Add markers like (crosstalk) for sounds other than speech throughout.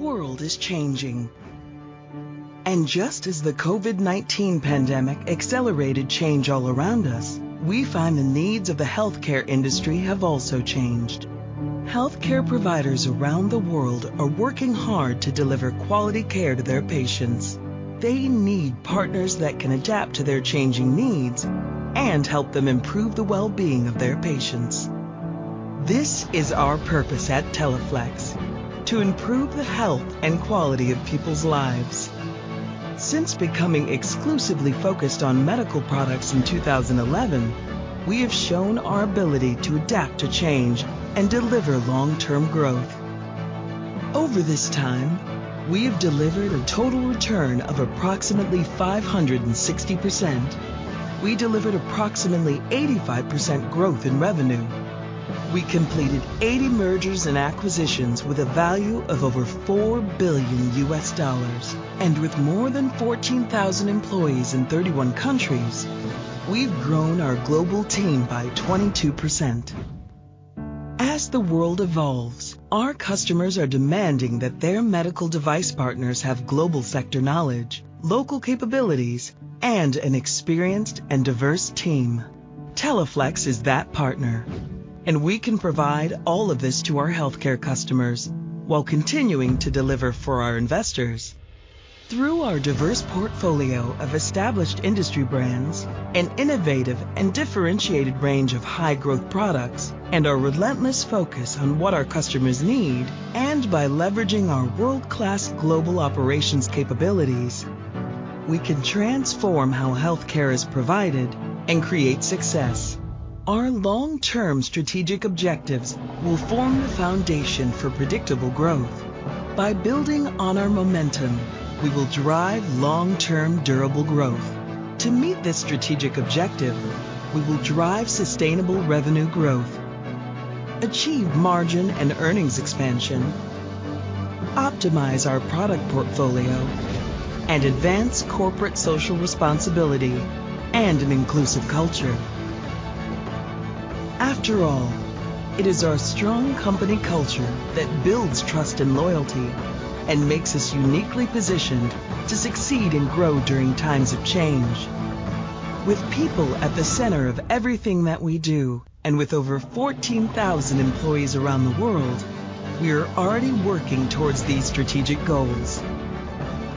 The world is changing. Just as the COVID-19 pandemic accelerated change all around us, we find the needs of the healthcare industry have also changed. Healthcare providers around the world are working hard to deliver quality care to their patients. They need partners that can adapt to their changing needs and help them improve the well-being of their patients. This is our purpose at Teleflex, to improve the health and quality of people's lives. Since becoming exclusively focused on medical products in 2011, we have shown our ability to adapt to change and deliver long-term growth. Over this time, we have delivered a total return of approximately 560%. We delivered approximately 85% growth in revenue. We completed 80 mergers and acquisitions with a value of over $4 billion. With more than 14,000 employees in 31 countries, we've grown our global team by 22%. As the world evolves, our customers are demanding that their medical device partners have global sector knowledge, local capabilities, and an experienced and diverse team. Teleflex is that partner, and we can provide all of this to our healthcare customers while continuing to deliver for our investors. Through our diverse portfolio of established industry brands and innovative and differentiated range of high-growth products, and our relentless focus on what our customers need, and by leveraging our world-class global operations capabilities, we can transform how healthcare is provided and create success. Our long-term strategic objectives will form the foundation for predictable growth. By building on our momentum, we will drive long-term durable growth. To meet this strategic objective, we will drive sustainable revenue growth, achieve margin and earnings expansion, optimize our product portfolio, and advance corporate social responsibility and an inclusive culture. After all, it is our strong company culture that builds trust and loyalty and makes us uniquely positioned to succeed and grow during times of change. With people at the center of everything that we do, and with over 14,000 employees around the world, we are already working towards these strategic goals.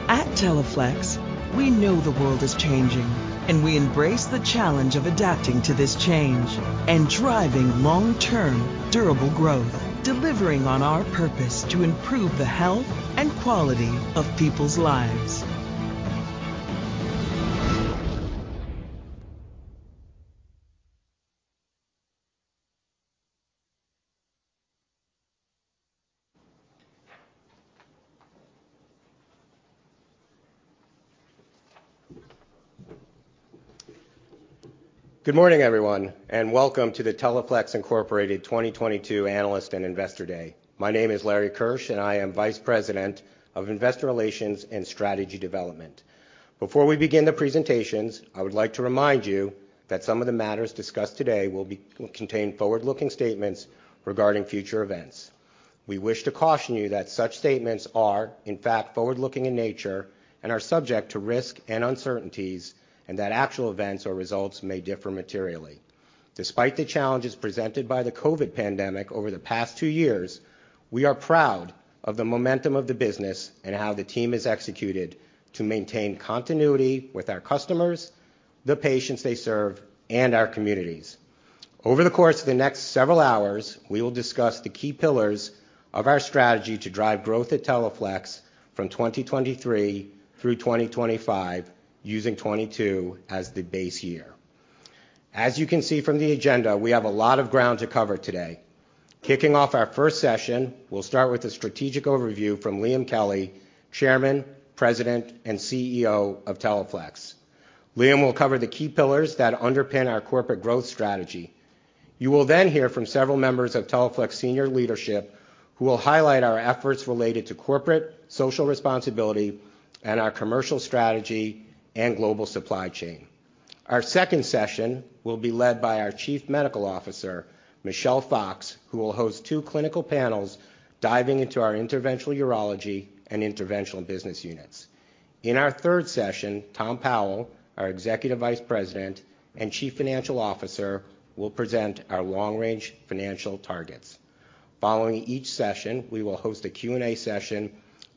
At Teleflex, we know the world is changing, and we embrace the challenge of adapting to this change and driving long-term durable growth, delivering on our purpose to improve the health and quality of people's lives. Good morning, everyone, and welcome to the Teleflex Incorporated 2022 Analyst and Investor Day. My name is Larry Keusch, and I am Vice President of Investor Relations and Strategy Development. Before we begin the presentations, I would like to remind you that some of the matters discussed today will contain forward-looking statements regarding future events. We wish to caution you that such statements are, in fact, forward-looking in nature and are subject to risk and uncertainties, and that actual events or results may differ materially. Despite the challenges presented by the COVID pandemic over the past two years, we are proud of the momentum of the business and how the team has executed to maintain continuity with our customers, the patients they serve, and our communities. Over the course of the next several hours, we will discuss the key pillars of our strategy to drive growth at Teleflex from 2023 through 2025, using 2022 as the base year. As you can see from the agenda, we have a lot of ground to cover today. Kicking off our first session, we'll start with a strategic overview from Liam Kelly, Chairman, President, and CEO of Teleflex. Liam will cover the key pillars that underpin our corporate growth strategy. You will then hear from several members of Teleflex senior leadership who will highlight our efforts related to corporate social responsibility and our commercial strategy and global supply chain. Our second session will be led by our Chief Medical Officer, Michelle Fox, who will host two clinical panels diving into our interventional urology and interventional business units. In our third session, Tom Powell, our Executive Vice President and Chief Financial Officer, will present our long-range financial targets. Following each session, we will host a Q&A session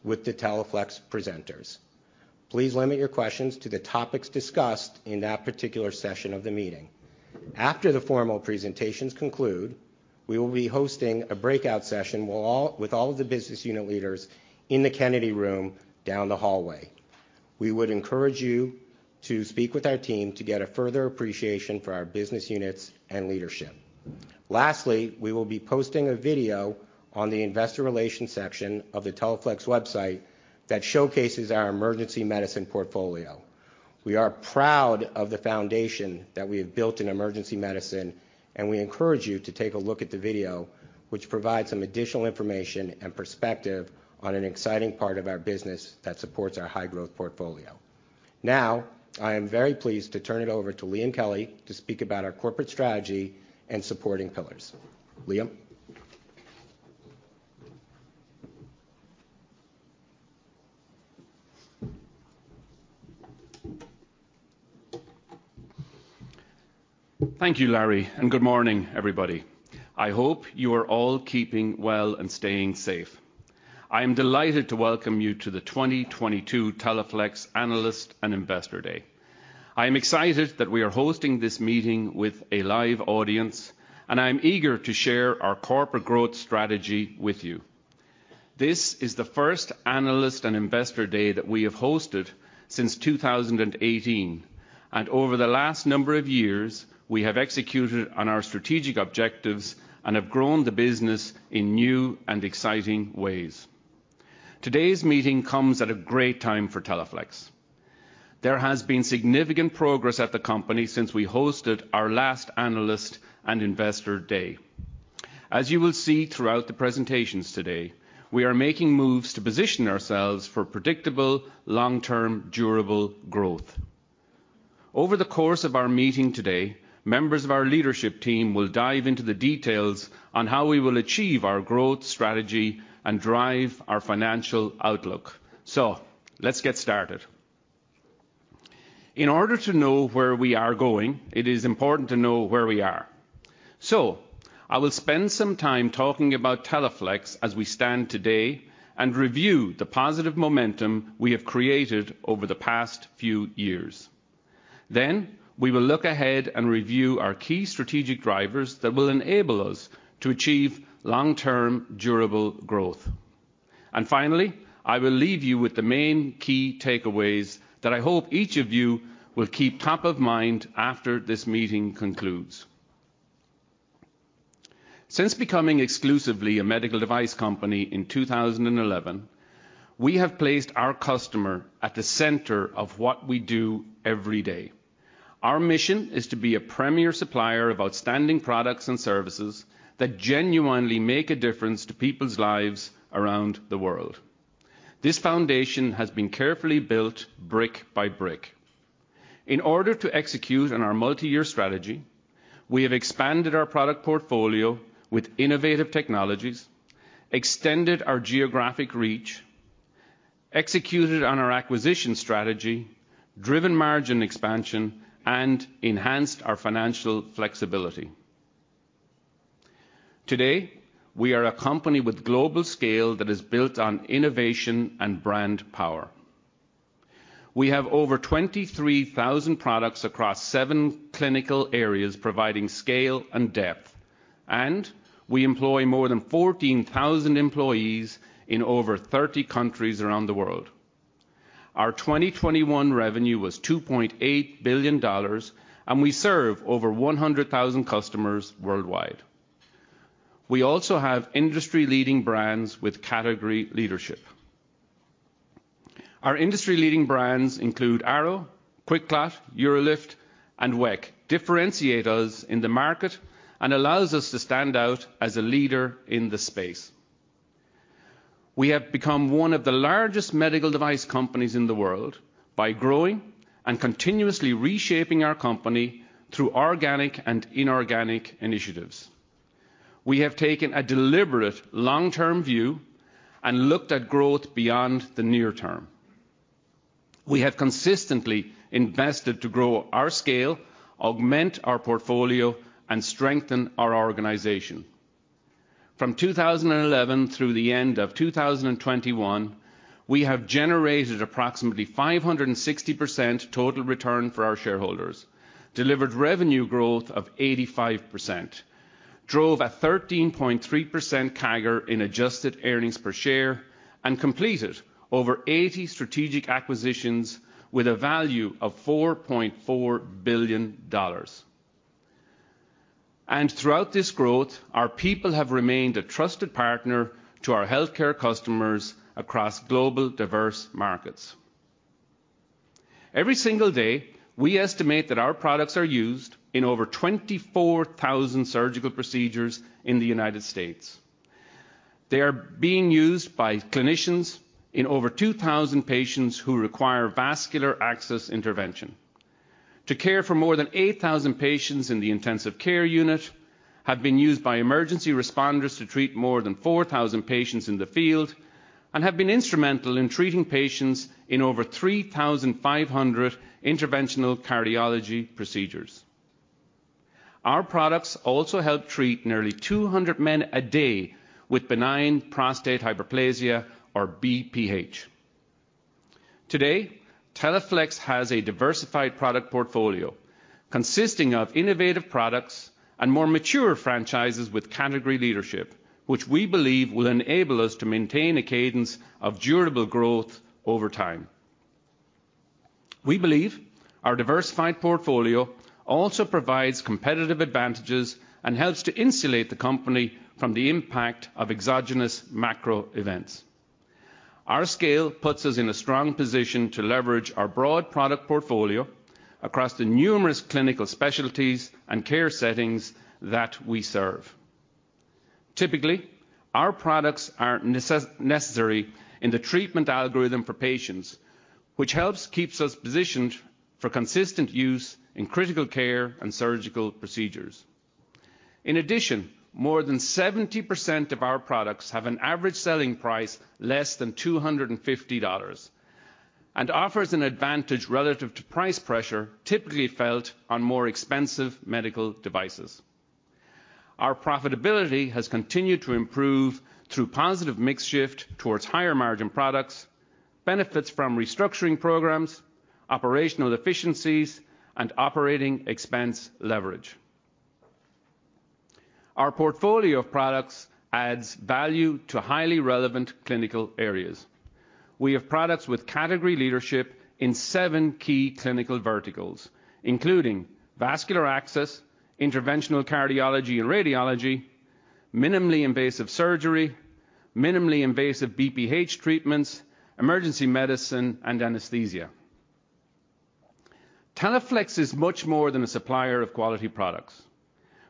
with the Teleflex presenters. Please limit your questions to the topics discussed in that particular session of the meeting. After the formal presentations conclude, we will be hosting a breakout session with all of the business unit leaders in the Kennedy Room down the hallway. We would encourage you to speak with our team to get a further appreciation for our business units and leadership. Lastly, we will be posting a video on the investor relations section of the Teleflex website that showcases our emergency medicine portfolio. We are proud of the foundation that we have built in emergency medicine, and we encourage you to take a look at the video, which provides some additional information and perspective on an exciting part of our business that supports our high-growth portfolio. Now, I am very pleased to turn it over to Liam Kelly to speak about our corporate strategy and supporting pillars. Liam. Thank you, Larry, and good morning, everybody. I hope you are all keeping well and staying safe. I am delighted to welcome you to the 2022 Teleflex Analyst and Investor Day. I am excited that we are hosting this meeting with a live audience, and I'm eager to share our corporate growth strategy with you. This is the first Analyst and Investor Day that we have hosted since 2018. Over the last number of years, we have executed on our strategic objectives and have grown the business in new and exciting ways. Today's meeting comes at a great time for Teleflex. There has been significant progress at the company since we hosted our last Analyst and Investor Day. As you will see throughout the presentations today, we are making moves to position ourselves for predictable, long-term, durable growth. Over the course of our meeting today, members of our leadership team will dive into the details on how we will achieve our growth strategy and drive our financial outlook. Let's get started. In order to know where we are going, it is important to know where we are. I will spend some time talking about Teleflex as we stand today and review the positive momentum we have created over the past few years. We will look ahead and review our key strategic drivers that will enable us to achieve long-term, durable growth. Finally, I will leave you with the main key takeaways that I hope each of you will keep top of mind after this meeting concludes. Since becoming exclusively a medical device company in 2011, we have placed our customer at the center of what we do every day. Our mission is to be a premier supplier of outstanding products and services that genuinely make a difference to people's lives around the world. This foundation has been carefully built brick by brick. In order to execute on our multi-year strategy, we have expanded our product portfolio with innovative technologies, extended our geographic reach, executed on our acquisition strategy, driven margin expansion, and enhanced our financial flexibility. Today, we are a company with global scale that is built on innovation and brand power. We have over 23,000 products across seven clinical areas providing scale and depth, and we employ more than 14,000 employees in over 30 countries around the world. Our 2021 revenue was $2.8 billion, and we serve over 100,000 customers worldwide. We also have industry-leading brands with category leadership. Our industry-leading brands include Arrow, QuikClot, UroLift, and Weck, differentiate us in the market and allows us to stand out as a leader in the space. We have become one of the largest medical device companies in the world by growing and continuously reshaping our company through organic and inorganic initiatives. We have taken a deliberate long-term view and looked at growth beyond the near term. We have consistently invested to grow our scale, augment our portfolio, and strengthen our organization. From 2011 through the end of 2021, we have generated approximately 560% total return for our shareholders, delivered revenue growth of 85%, drove a 13.3% CAGR in adjusted earnings per share, and completed over 80 strategic acquisitions with a value of $4.4 billion. Throughout this growth, our people have remained a trusted partner to our healthcare customers across global diverse markets. Every single day, we estimate that our products are used in over 24,000 surgical procedures in the United States. They are being used by clinicians in over 2,000 patients who require vascular access intervention. To care for more than 8,000 patients in the intensive care unit, have been used by emergency responders to treat more than 4,000 patients in the field, and have been instrumental in treating patients in over 3,500 interventional cardiology procedures. Our products also help treat nearly 200 men a day with benign prostatic hyperplasia or BPH. Today, Teleflex has a diversified product portfolio consisting of innovative products and more mature franchises with category leadership, which we believe will enable us to maintain a cadence of durable growth over time. We believe our diversified portfolio also provides competitive advantages and helps to insulate the company from the impact of exogenous macro events. Our scale puts us in a strong position to leverage our broad product portfolio across the numerous clinical specialties and care settings that we serve. Typically, our products are necessary in the treatment algorithm for patients, which helps keeps us positioned for consistent use in critical care and surgical procedures. In addition, more than 70% of our products have an average selling price less than $250 and offers an advantage relative to price pressure typically felt on more expensive medical devices. Our profitability has continued to improve through positive mix shift towards higher margin products, benefits from restructuring programs, operational efficiencies, and operating expense leverage. Our portfolio of products adds value to highly relevant clinical areas. We have products with category leadership in seven key clinical verticals, including vascular access, interventional cardiology and radiology, minimally invasive surgery, minimally invasive BPH treatments, emergency medicine, and anesthesia. Teleflex is much more than a supplier of quality products.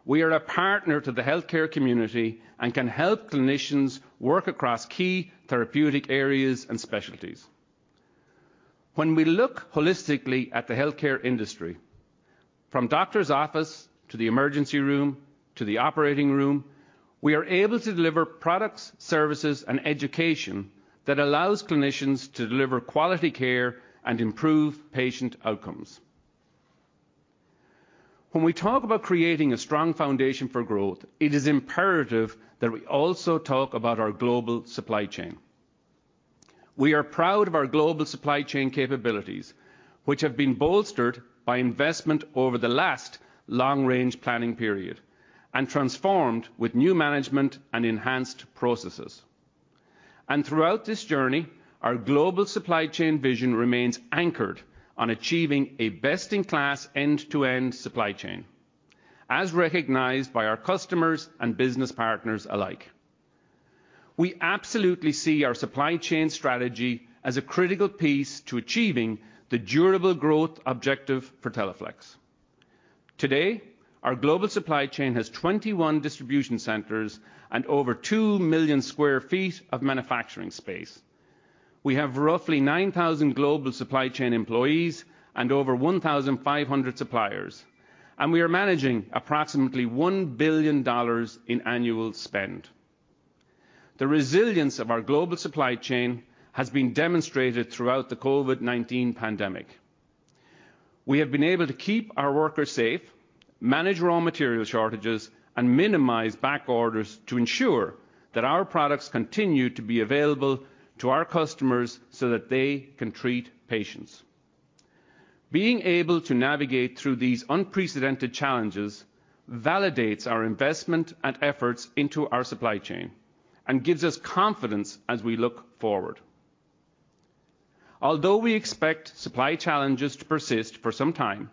We are a partner to the healthcare community and can help clinicians work across key therapeutic areas and specialties. When we look holistically at the healthcare industry, from doctor's office to the emergency room to the operating room, we are able to deliver products, services, and education that allows clinicians to deliver quality care and improve patient outcomes. When we talk about creating a strong foundation for growth, it is imperative that we also talk about our global supply chain. We are proud of our global supply chain capabilities, which have been bolstered by investment over the last long-range planning period and transformed with new management and enhanced processes. Throughout this journey, our global supply chain vision remains anchored on achieving a best-in-class end-to-end supply chain, as recognized by our customers and business partners alike. We absolutely see our supply chain strategy as a critical piece to achieving the durable growth objective for Teleflex. Today, our global supply chain has 21 distribution centers and over 2 million sq ft of manufacturing space. We have roughly 9,000 global supply chain employees and over 1,500 suppliers, and we are managing approximately $1 billion in annual spend. The resilience of our global supply chain has been demonstrated throughout the COVID-19 pandemic. We have been able to keep our workers safe, manage raw material shortages, and minimize back orders to ensure that our products continue to be available to our customers so that they can treat patients. Being able to navigate through these unprecedented challenges validates our investment and efforts into our supply chain and gives us confidence as we look forward. Although we expect supply challenges to persist for some time,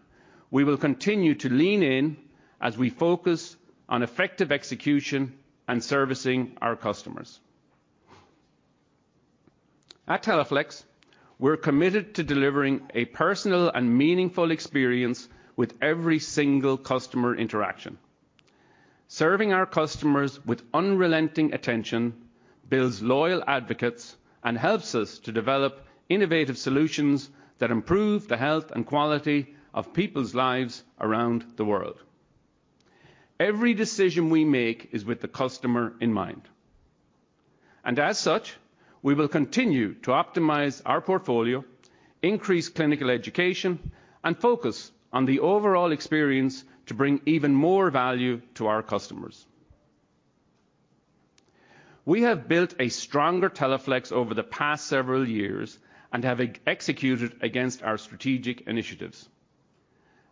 we will continue to lean in as we focus on effective execution and servicing our customers. At Teleflex, we're committed to delivering a personal and meaningful experience with every single customer interaction. Serving our customers with unrelenting attention builds loyal advocates and helps us to develop innovative solutions that improve the health and quality of people's lives around the world. Every decision we make is with the customer in mind, and as such, we will continue to optimize our portfolio, increase clinical education, and focus on the overall experience to bring even more value to our customers. We have built a stronger Teleflex over the past several years and have executed against our strategic initiatives.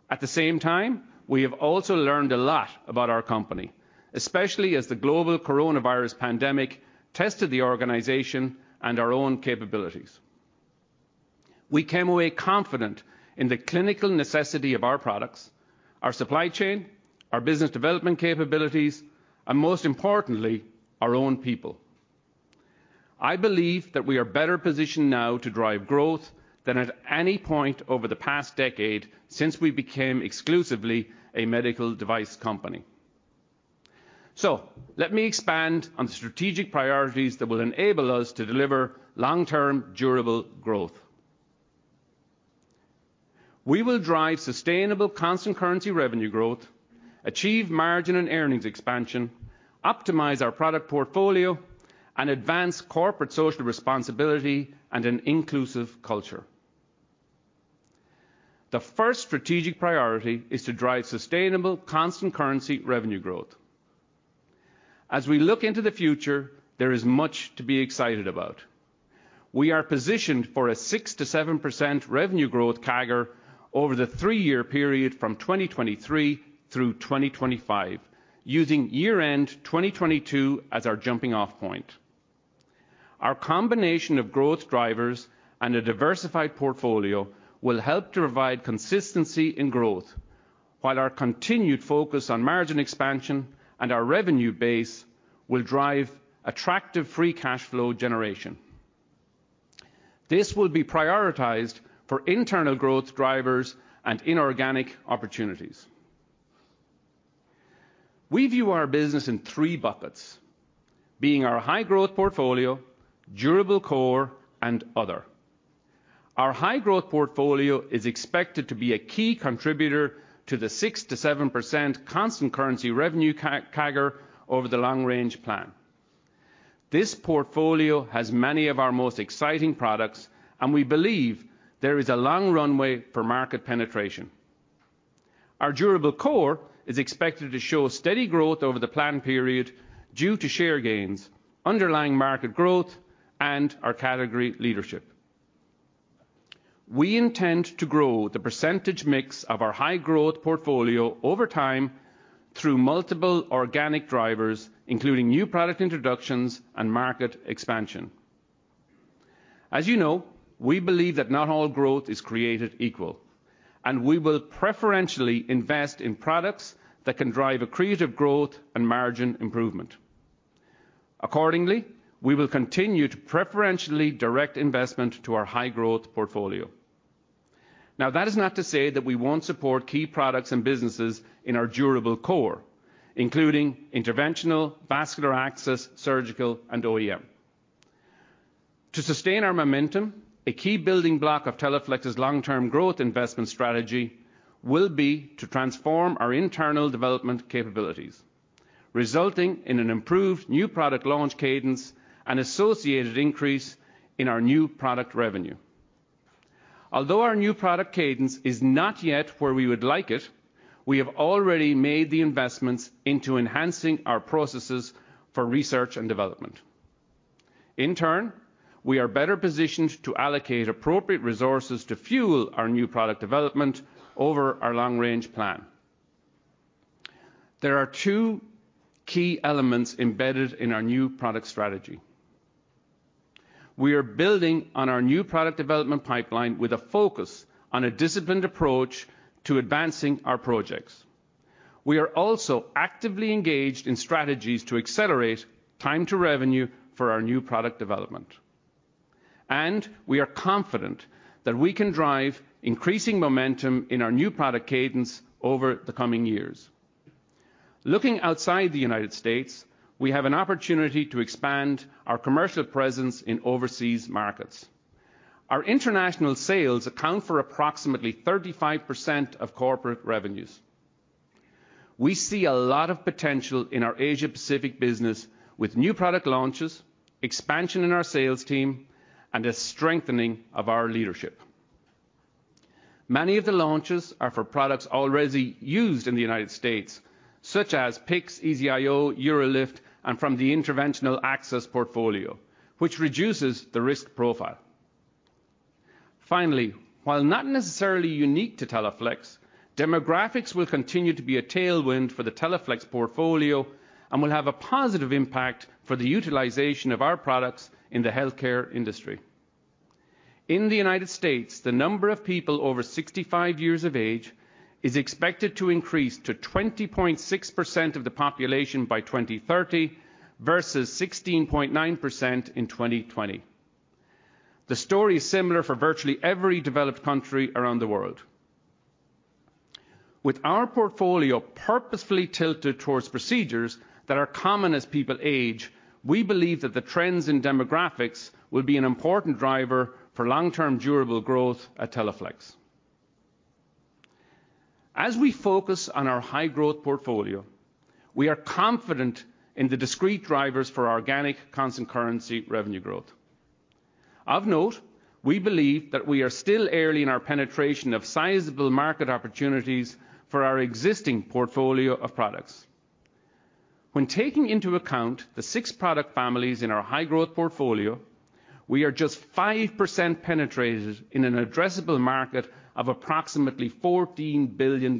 At the same time, we have also learned a lot about our company, especially as the global coronavirus pandemic tested the organization and our own capabilities. We came away confident in the clinical necessity of our products, our supply chain, our business development capabilities, and most importantly, our own people. I believe that we are better positioned now to drive growth than at any point over the past decade since we became exclusively a medical device company. Let me expand on the strategic priorities that will enable us to deliver long-term, durable growth. We will drive sustainable constant currency revenue growth, achieve margin and earnings expansion, optimize our product portfolio, and advance corporate social responsibility and an inclusive culture. The first strategic priority is to drive sustainable constant currency revenue growth. As we look into the future, there is much to be excited about. We are positioned for a 6% to 7% revenue growth CAGR over the three-year period from 2023 through 2025, using year-end 2022 as our jumping-off point. Our combination of growth drivers and a diversified portfolio will help to provide consistency in growth, while our continued focus on margin expansion and our revenue base will drive attractive free cash flow generation. This will be prioritized for internal growth drivers and inorganic opportunities. We view our business in three buckets being our high growth portfolio, durable core, and other. Our high growth portfolio is expected to be a key contributor to the 6% to 7% constant currency revenue CAGR over the long range plan. This portfolio has many of our most exciting products, and we believe there is a long runway for market penetration. Our durable core is expected to show steady growth over the plan period due to share gains, underlying market growth, and our category leadership. We intend to grow the percentage mix of our high growth portfolio over time through multiple organic drivers, including new product introductions and market expansion. As you know, we believe that not all growth is created equal, and we will preferentially invest in products that can drive accretive growth and margin improvement. Accordingly, we will continue to preferentially direct investment to our high growth portfolio. Now, that is not to say that we won't support key products and businesses in our durable core, including interventional, vascular access, surgical, and OEM. To sustain our momentum, a key building block of Teleflex's long-term growth investment strategy will be to transform our internal development capabilities, resulting in an improved new product launch cadence and associated increase in our new product revenue. Although our new product cadence is not yet where we would like it, we have already made the investments into enhancing our processes for research and development. In turn, we are better positioned to allocate appropriate resources to fuel our new product development over our long-range plan. There are two key elements embedded in our new product strategy. We are building on our new product development pipeline with a focus on a disciplined approach to advancing our projects. We are also actively engaged in strategies to accelerate time to revenue for our new product development. We are confident that we can drive increasing momentum in our new product cadence over the coming years. Looking outside the United States, we have an opportunity to expand our commercial presence in overseas markets. Our international sales account for approximately 35% of corporate revenues. We see a lot of potential in our Asia-Pacific business with new product launches, expansion in our sales team, and a strengthening of our leadership. Many of the launches are for products already used in the United States, such as PICC, EZ-IO, UroLift, and from the interventional access portfolio, which reduces the risk profile. Finally, while not necessarily unique to Teleflex, demographics will continue to be a tailwind for the Teleflex portfolio and will have a positive impact for the utilization of our products in the healthcare industry. In the United States, the number of people over 65 years of age is expected to increase to 20.6% of the population by 2030 versus 16.9% in 2020. The story is similar for virtually every developed country around the world. With our portfolio purposefully tilted towards procedures that are common as people age, we believe that the trends in demographics will be an important driver for long-term durable growth at Teleflex. As we focus on our high growth portfolio, we are confident in the discrete drivers for organic constant currency revenue growth. Of note, we believe that we are still early in our penetration of sizable market opportunities for our existing portfolio of products. When taking into account the six product families in our high growth portfolio, we are just 5% penetrated in an addressable market of approximately $14 billion.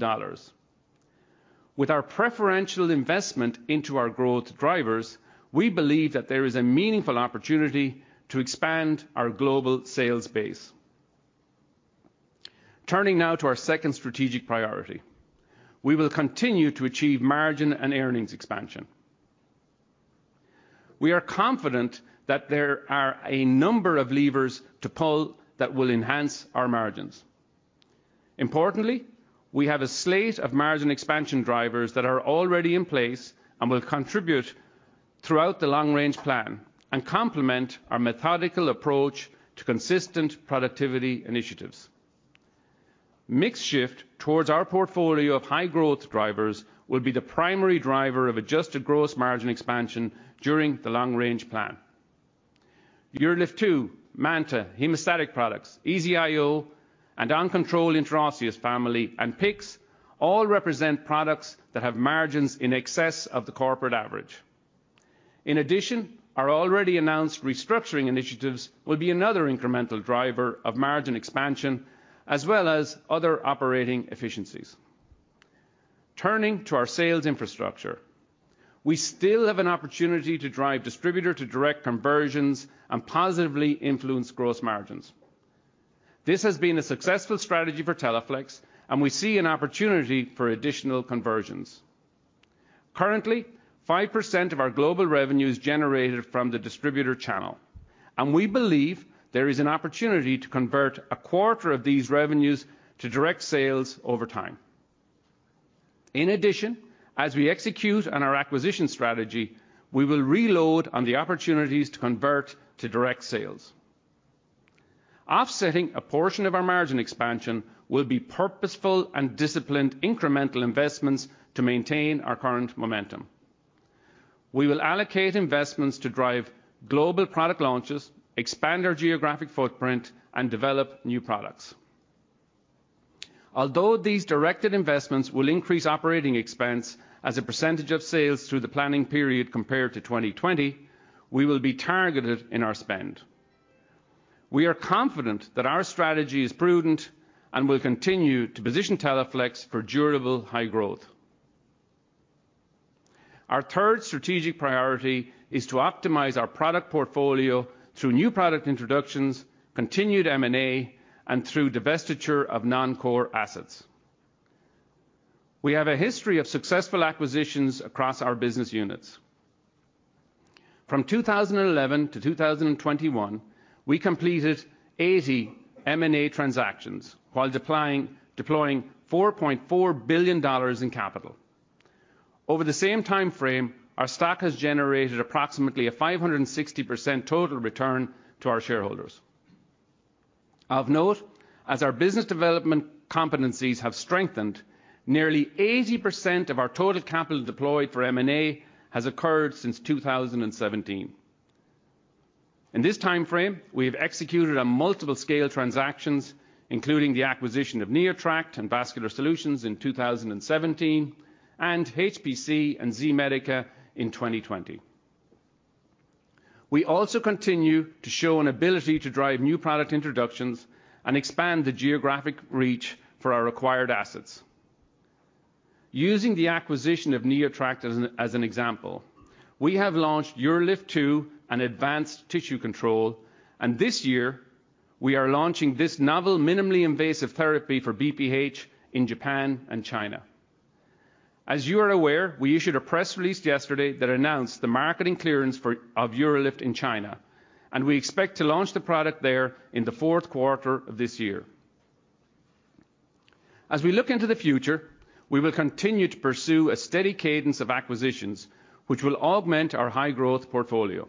With our preferential investment into our growth drivers, we believe that there is a meaningful opportunity to expand our global sales base. Turning now to our second strategic priority. We will continue to achieve margin and earnings expansion. We are confident that there are a number of levers to pull that will enhance our margins. Importantly, we have a slate of margin expansion drivers that are already in place and will contribute throughout the long-range plan and complement our methodical approach to consistent productivity initiatives. Mix shift towards our portfolio of high growth drivers will be the primary driver of adjusted gross margin expansion during the long-range plan. UroLift 2, MANTA, hemostatic products, EZ-IO, and OnControl Intraosseous Family, and PICC all represent products that have margins in excess of the corporate average. In addition, our already announced restructuring initiatives will be another incremental driver of margin expansion as well as other operating efficiencies. Turning to our sales infrastructure, we still have an opportunity to drive distributor-to-direct conversions and positively influence gross margins. This has been a successful strategy for Teleflex, and we see an opportunity for additional conversions. Currently, 5% of our global revenue is generated from the distributor channel, and we believe there is an opportunity to convert a quarter of these revenues to direct sales over time. In addition, as we execute on our acquisition strategy, we will reload on the opportunities to convert to direct sales. Offsetting a portion of our margin expansion will be purposeful and disciplined incremental investments to maintain our current momentum. We will allocate investments to drive global product launches, expand our geographic footprint, and develop new products. Although these directed investments will increase operating expense as a percentage of sales through the planning period compared to 2020, we will be targeted in our spend. We are confident that our strategy is prudent and will continue to position Teleflex for durable high growth. Our third strategic priority is to optimize our product portfolio through new product introductions, continued M&A, and through divestiture of non-core assets. We have a history of successful acquisitions across our business units. From 2011 to 2021, we completed 80 M&A transactions while deploying $4.4 billion in capital. Over the same timeframe, our stock has generated approximately a 560% total return to our shareholders. Of note, as our business development competencies have strengthened, nearly 80% of our total capital deployed for M&A has occurred since 2017. In this timeframe, we have executed on multiple scale transactions, including the acquisition of NeoTract and Vascular Solutions in 2017, and HPC and Z-Medica in 2020. We also continue to show an ability to drive new product introductions and expand the geographic reach for our acquired assets. Using the acquisition of NeoTract as an example, we have launched UroLift 2 and Advanced Tissue Control, and this year we are launching this novel minimally invasive therapy for BPH in Japan and China. As you are aware, we issued a press release yesterday that announced the marketing clearance of UroLift in China, and we expect to launch the product there in the fourth quarter of this year. As we look into the future, we will continue to pursue a steady cadence of acquisitions which will augment our high-growth portfolio.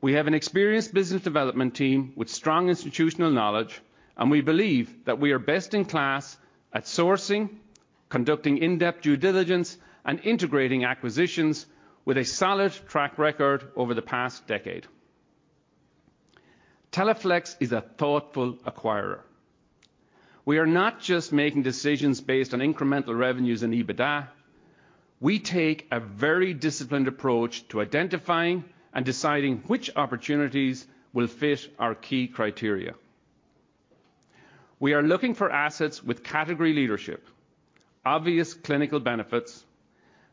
We have an experienced business development team with strong institutional knowledge, and we believe that we are best in class at sourcing, conducting in-depth due diligence, and integrating acquisitions with a solid track record over the past decade. Teleflex is a thoughtful acquirer. We are not just making decisions based on incremental revenues and EBITDA. We take a very disciplined approach to identifying and deciding which opportunities will fit our key criteria. We are looking for assets with category leadership, obvious clinical benefits,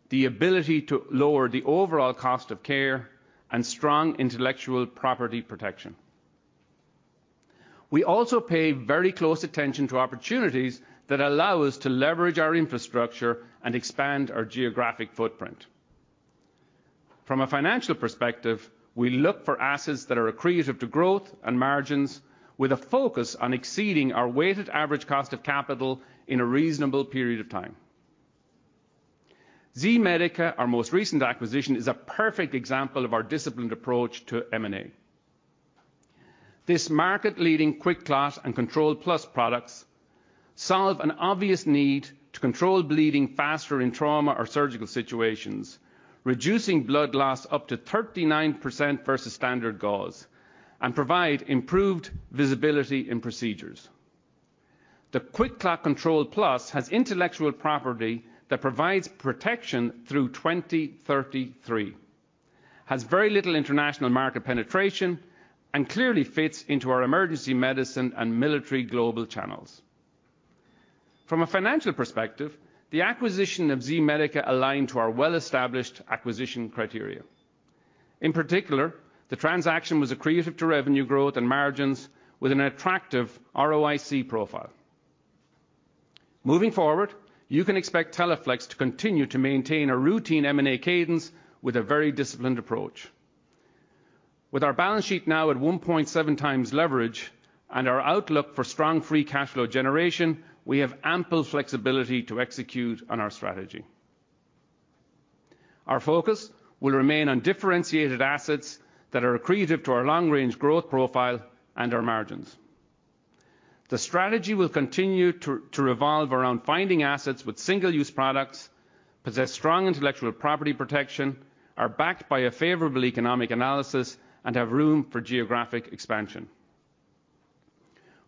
the ability to lower the overall cost of care, and strong intellectual property protection. We also pay very close attention to opportunities that allow us to leverage our infrastructure and expand our geographic footprint. From a financial perspective, we look for assets that are accretive to growth and margins with a focus on exceeding our weighted average cost of capital in a reasonable period of time. Z-Medica, our most recent acquisition, is a perfect example of our disciplined approach to M&A. This market-leading QuikClot and Control+ products solve an obvious need to control bleeding faster in trauma or surgical situations, reducing blood loss up to 39% versus standard gauze and provide improved visibility in procedures. The QuikClot Control+ has intellectual property that provides protection through 2033, has very little international market penetration, and clearly fits into our emergency medicine and military global channels. From a financial perspective, the acquisition of Z-Medica aligned to our well-established acquisition criteria. In particular, the transaction was accretive to revenue growth and margins with an attractive ROIC profile. Moving forward, you can expect Teleflex to continue to maintain a routine M&A cadence with a very disciplined approach. With our balance sheet now at 1.7x leverage and our outlook for strong free cash flow generation, we have ample flexibility to execute on our strategy. Our focus will remain on differentiated assets that are accretive to our long-range growth profile and our margins. The strategy will continue to revolve around finding assets with single-use products, possess strong intellectual property protection, are backed by a favorable economic analysis, and have room for geographic expansion.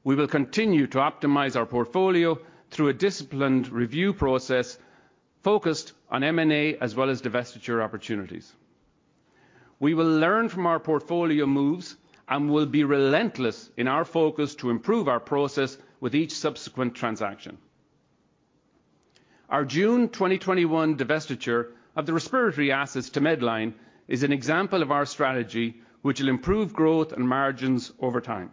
We will continue to optimize our portfolio through a disciplined review process focused on M&A as well as divestiture opportunities. We will learn from our portfolio moves and will be relentless in our focus to improve our process with each subsequent transaction. Our June 2021 divestiture of the respiratory assets to Medline is an example of our strategy which will improve growth and margins over time.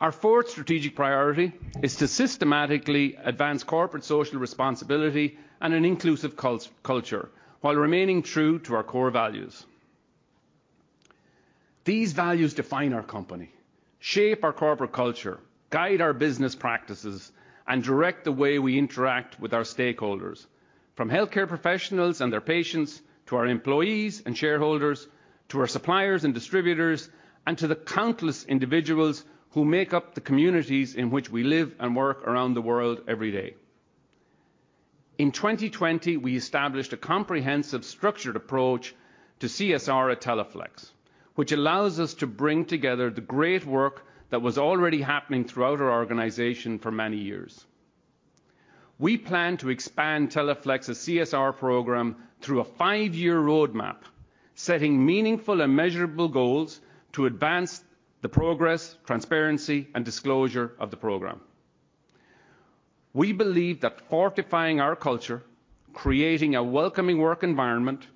Our fourth strategic priority is to systematically advance corporate social responsibility and an inclusive culture while remaining true to our core values. These values define our company, shape our corporate culture, guide our business practices, and direct the way we interact with our stakeholders, from healthcare professionals and their patients to our employees and shareholders, to our suppliers and distributors, and to the countless individuals who make up the communities in which we live and work around the world every day. In 2020, we established a comprehensive structured approach to CSR at Teleflex, which allows us to bring together the great work that was already happening throughout our organization for many years. We plan to expand Teleflex's CSR program through a five-year roadmap, setting meaningful and measurable goals to advance the progress, transparency, and disclosure of the program. We believe that fortifying our culture, creating a welcoming work environment,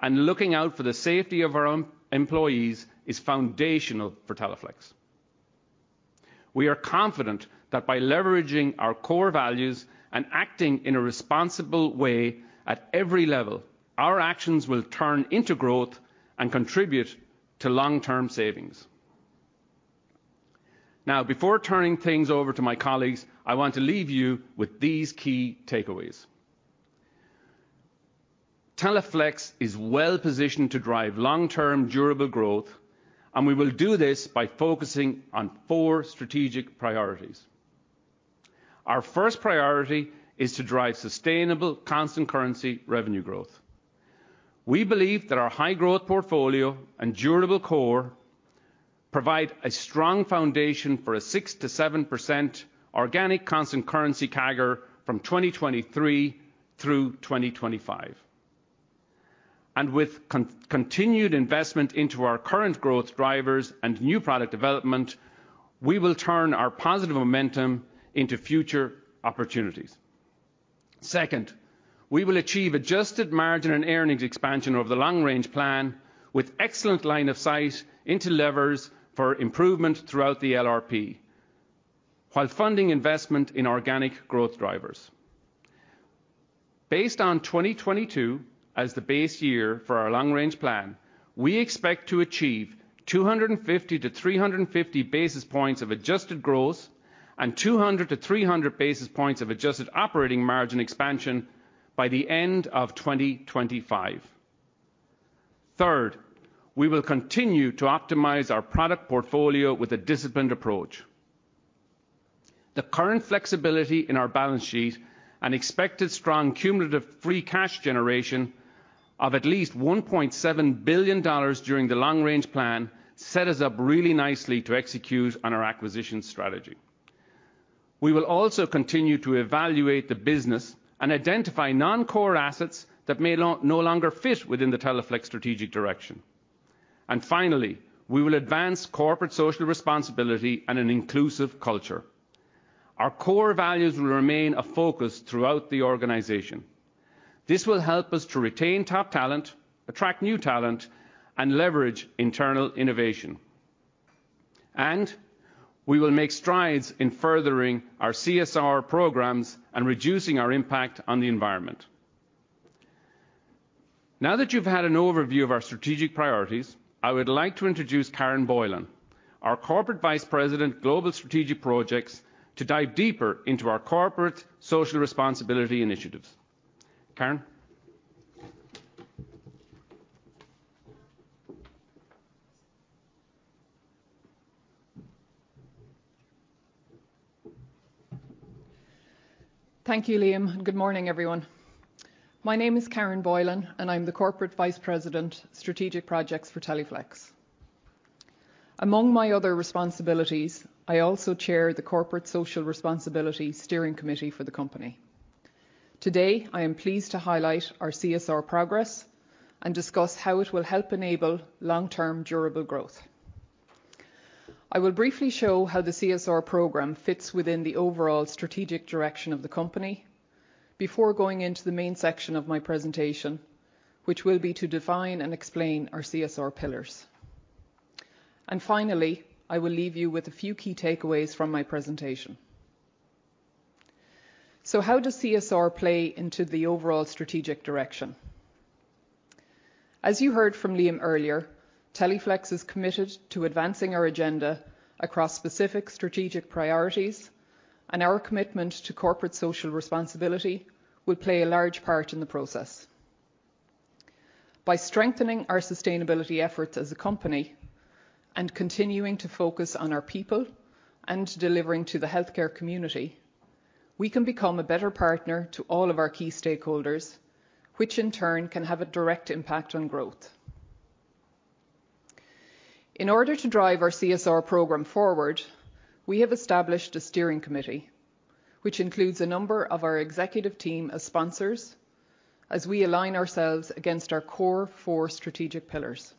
and looking out for the safety of our own employees is foundational for Teleflex. We are confident that by leveraging our core values and acting in a responsible way at every level, our actions will turn into growth and contribute to long-term savings. Now, before turning things over to my colleagues, I want to leave you with these key takeaways. Teleflex is well-positioned to drive long-term durable growth, and we will do this by focusing on four strategic priorities. Our first priority is to drive sustainable constant currency revenue growth. We believe that our high-growth portfolio and durable core provide a strong foundation for a 6% to 7% organic constant currency CAGR from 2023 through 2025. With continued investment into our current growth drivers and new product development, we will turn our positive momentum into future opportunities. Second, we will achieve adjusted margin and earnings expansion over the long-range plan with excellent line of sight into levers for improvement throughout the LRP, while funding investment in organic growth drivers. Based on 2022 as the base year for our long-range plan, we expect to achieve 250 to 350-basis points of adjusted growth and 200 to 300-basis points of adjusted operating margin expansion by the end of 2025. Third, we will continue to optimize our product portfolio with a disciplined approach. The current flexibility in our balance sheet and expected strong cumulative free cash generation of at least $1.7 billion during the long-range plan set us up really nicely to execute on our acquisition strategy. We will also continue to evaluate the business and identify non-core assets that may no longer fit within the Teleflex strategic direction. Finally, we will advance corporate social responsibility and an inclusive culture. Our core values will remain a focus throughout the organization. This will help us to retain top talent, attract new talent, and leverage internal innovation. We will make strides in furthering our CSR programs and reducing our impact on the environment. Now that you've had an overview of our strategic priorities, I would like to introduce Karen Boylan, our Corporate Vice President Global Strategic Projects, to dive deeper into our corporate social responsibility initiatives. Karen? Thank you, Liam. Good morning, everyone. My name is Karen Boylan, and I'm the Corporate Vice President Strategic Projects for Teleflex. Among my other responsibilities, I also chair the Corporate Social Responsibility Steering Committee for the company. Today, I am pleased to highlight our CSR progress and discuss how it will help enable long-term durable growth. I will briefly show how the CSR program fits within the overall strategic direction of the company before going into the main section of my presentation, which will be to define and explain our CSR pillars. Finally, I will leave you with a few key takeaways from my presentation. How does CSR play into the overall strategic direction? As you heard from Liam earlier, Teleflex is committed to advancing our agenda across specific strategic priorities, and our commitment to corporate social responsibility will play a large part in the process. By strengthening our sustainability efforts as a company and continuing to focus on our people and delivering to the healthcare community, we can become a better partner to all of our key stakeholders, which in turn can have a direct impact on growth. In order to drive our CSR program forward, we have established a steering committee which includes a number of our executive team as sponsors as we align ourselves against our core four strategic pillars.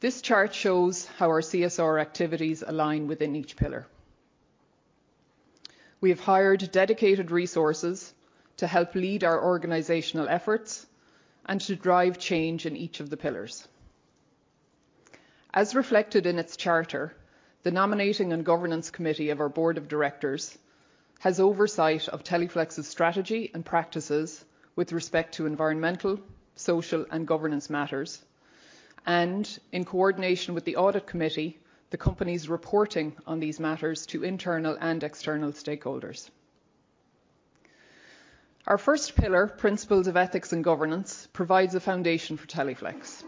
This chart shows how our CSR activities align within each pillar. We have hired dedicated resources to help lead our organizational efforts and to drive change in each of the pillars. As reflected in its charter, the Nominating and Governance Committee of our Board of Directors has oversight of Teleflex's strategy and practices with respect to environmental, social, and governance matters, and in coordination with the Audit Committee, the companies reporting on these matters to internal and external stakeholders. Our first pillar, principles of ethics and governance, provides a foundation for Teleflex.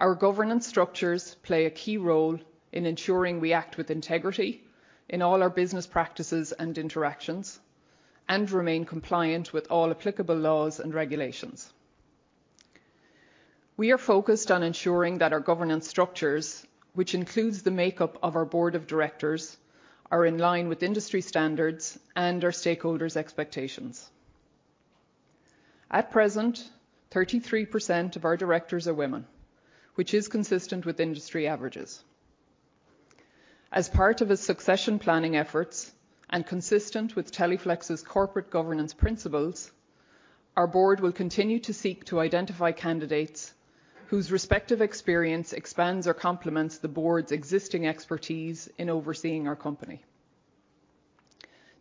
Our governance structures play a key role in ensuring we act with integrity in all our business practices and interactions and remain compliant with all applicable laws and regulations. We are focused on ensuring that our governance structures, which includes the makeup of our board of directors, are in line with industry standards and our stakeholders' expectations. At present, 33% of our directors are women, which is consistent with industry averages. As part of its succession planning efforts and consistent with Teleflex's corporate governance principles, our board will continue to seek to identify candidates whose respective experience expands or complements the board's existing expertise in overseeing our company.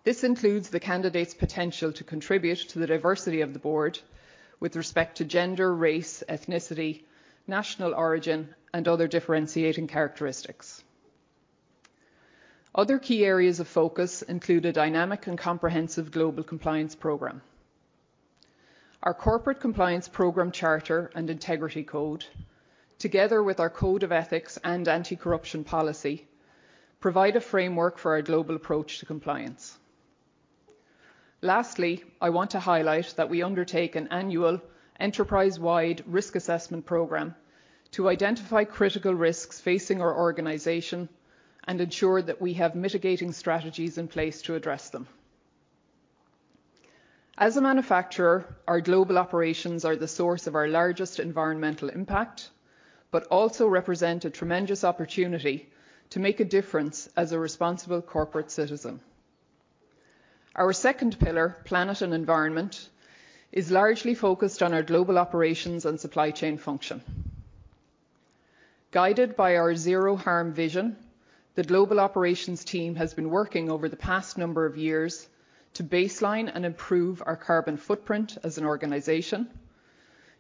This includes the candidate's potential to contribute to the diversity of the board with respect to gender, race, ethnicity, national origin, and other differentiating characteristics. Other key areas of focus include a dynamic and comprehensive global compliance program. Our corporate compliance program charter and integrity code, together with our code of ethics and anti-corruption policy, provide a framework for our global approach to compliance. Lastly, I want to highlight that we undertake an annual enterprise-wide risk assessment program to identify critical risks facing our organization and ensure that we have mitigating strategies in place to address them. As a manufacturer, our global operations are the source of our largest environmental impact, but also represent a tremendous opportunity to make a difference as a responsible corporate citizen. Our second pillar, planet and environment, is largely focused on our global operations and supply chain function. Guided by our zero harm vision, the global operations team has been working over the past number of years to baseline and improve our carbon footprint as an organization,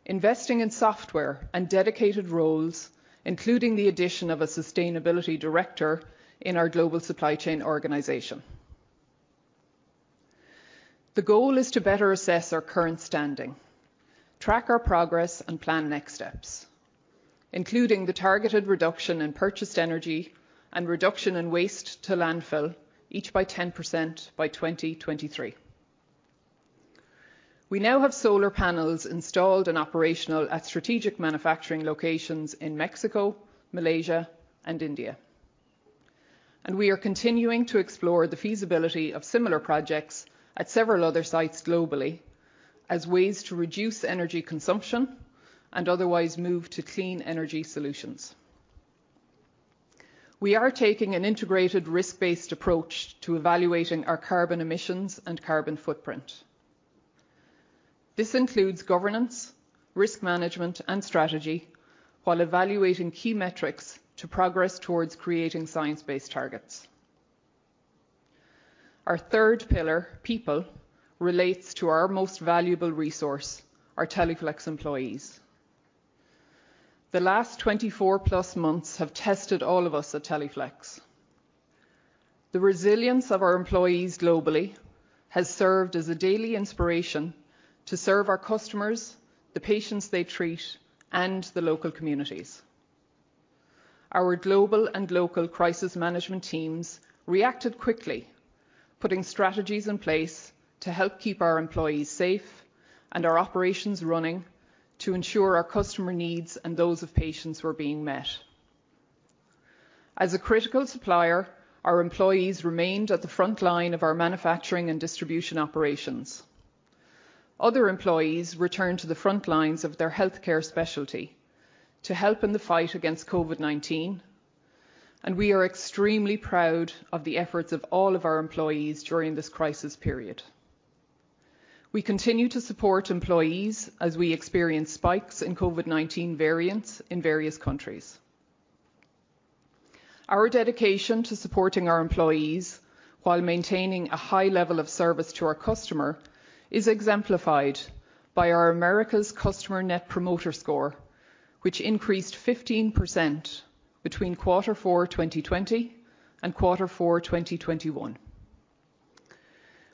investing in software and dedicated roles, including the addition of a sustainability director in our global supply chain organization. The goal is to better assess our current standing, track our progress, and plan next steps, including the targeted reduction in purchased energy and reduction in waste to landfill, each by 10% by 2023. We now have solar panels installed and operational at strategic manufacturing locations in Mexico, Malaysia, and India, and we are continuing to explore the feasibility of similar projects at several other sites globally as ways to reduce energy consumption and otherwise move to clean energy solutions. We are taking an integrated risk-based approach to evaluating our carbon emissions and carbon footprint. This includes governance, risk management, and strategy while evaluating key metrics to progress towards creating science-based targets. Our third pillar, people, relates to our most valuable resource, our Teleflex employees. The last 24+ months have tested all of us at Teleflex. The resilience of our employees globally has served as a daily inspiration to serve our customers, the patients they treat, and the local communities. Our global and local crisis management teams reacted quickly, putting strategies in place to help keep our employees safe and our operations running to ensure our customer needs and those of patients were being met. As a critical supplier, our employees remained at the front line of our manufacturing and distribution operations. Other employees returned to the front lines of their healthcare specialty to help in the fight against COVID-19, and we are extremely proud of the efforts of all of our employees during this crisis period. We continue to support employees as we experience spikes in COVID-19 variants in various countries. Our dedication to supporting our employees while maintaining a high level of service to our customer is exemplified by our Americas customer Net Promoter Score, which increased 15% between quarter four 2020 and quarter four 2021.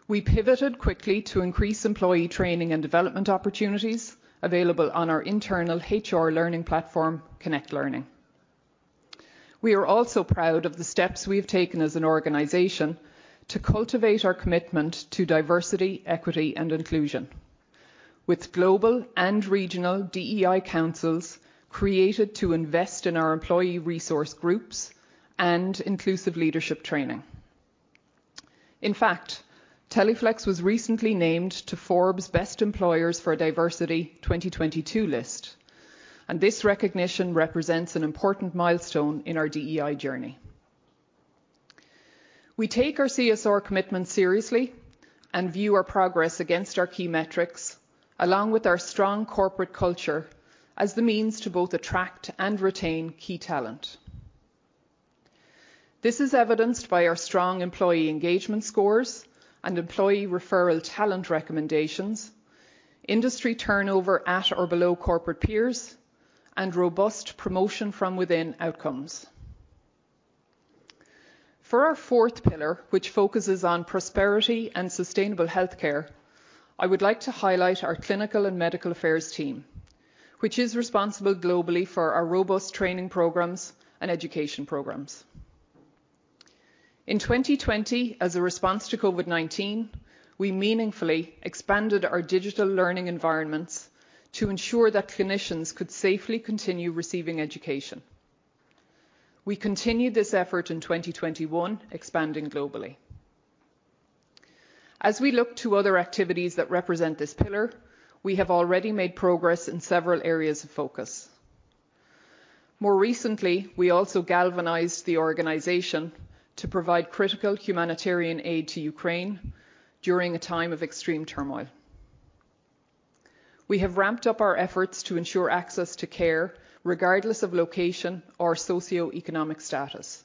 We pivoted quickly to increase employee training and development opportunities available on our internal HR learning platform, Connect Learning. We are also proud of the steps we have taken as an organization to cultivate our commitment to diversity, equity, and inclusion. With global and regional DEI councils created to invest in our employee resource groups and inclusive leadership training. In fact, Teleflex was recently named to Forbes Best Employers for Diversity 2022 list, and this recognition represents an important milestone in our DEI journey. We take our CSR commitment seriously and view our progress against our key metrics, along with our strong corporate culture, as the means to both attract and retain key talent. This is evidenced by our strong employee engagement scores and employee referral talent recommendations, industry turnover at or below corporate peers, and robust promotion from within outcomes. For our fourth pillar, which focuses on prosperity and sustainable healthcare, I would like to highlight our clinical and medical affairs team, which is responsible globally for our robust training programs and education programs. In 2020, as a response to COVID-19, we meaningfully expanded our digital learning environments to ensure that clinicians could safely continue receiving education. We continued this effort in 2021, expanding globally. As we look to other activities that represent this pillar, we have already made progress in several areas of focus. More recently, we also galvanized the organization to provide critical humanitarian aid to Ukraine during a time of extreme turmoil. We have ramped up our efforts to ensure access to care, regardless of location or socioeconomic status,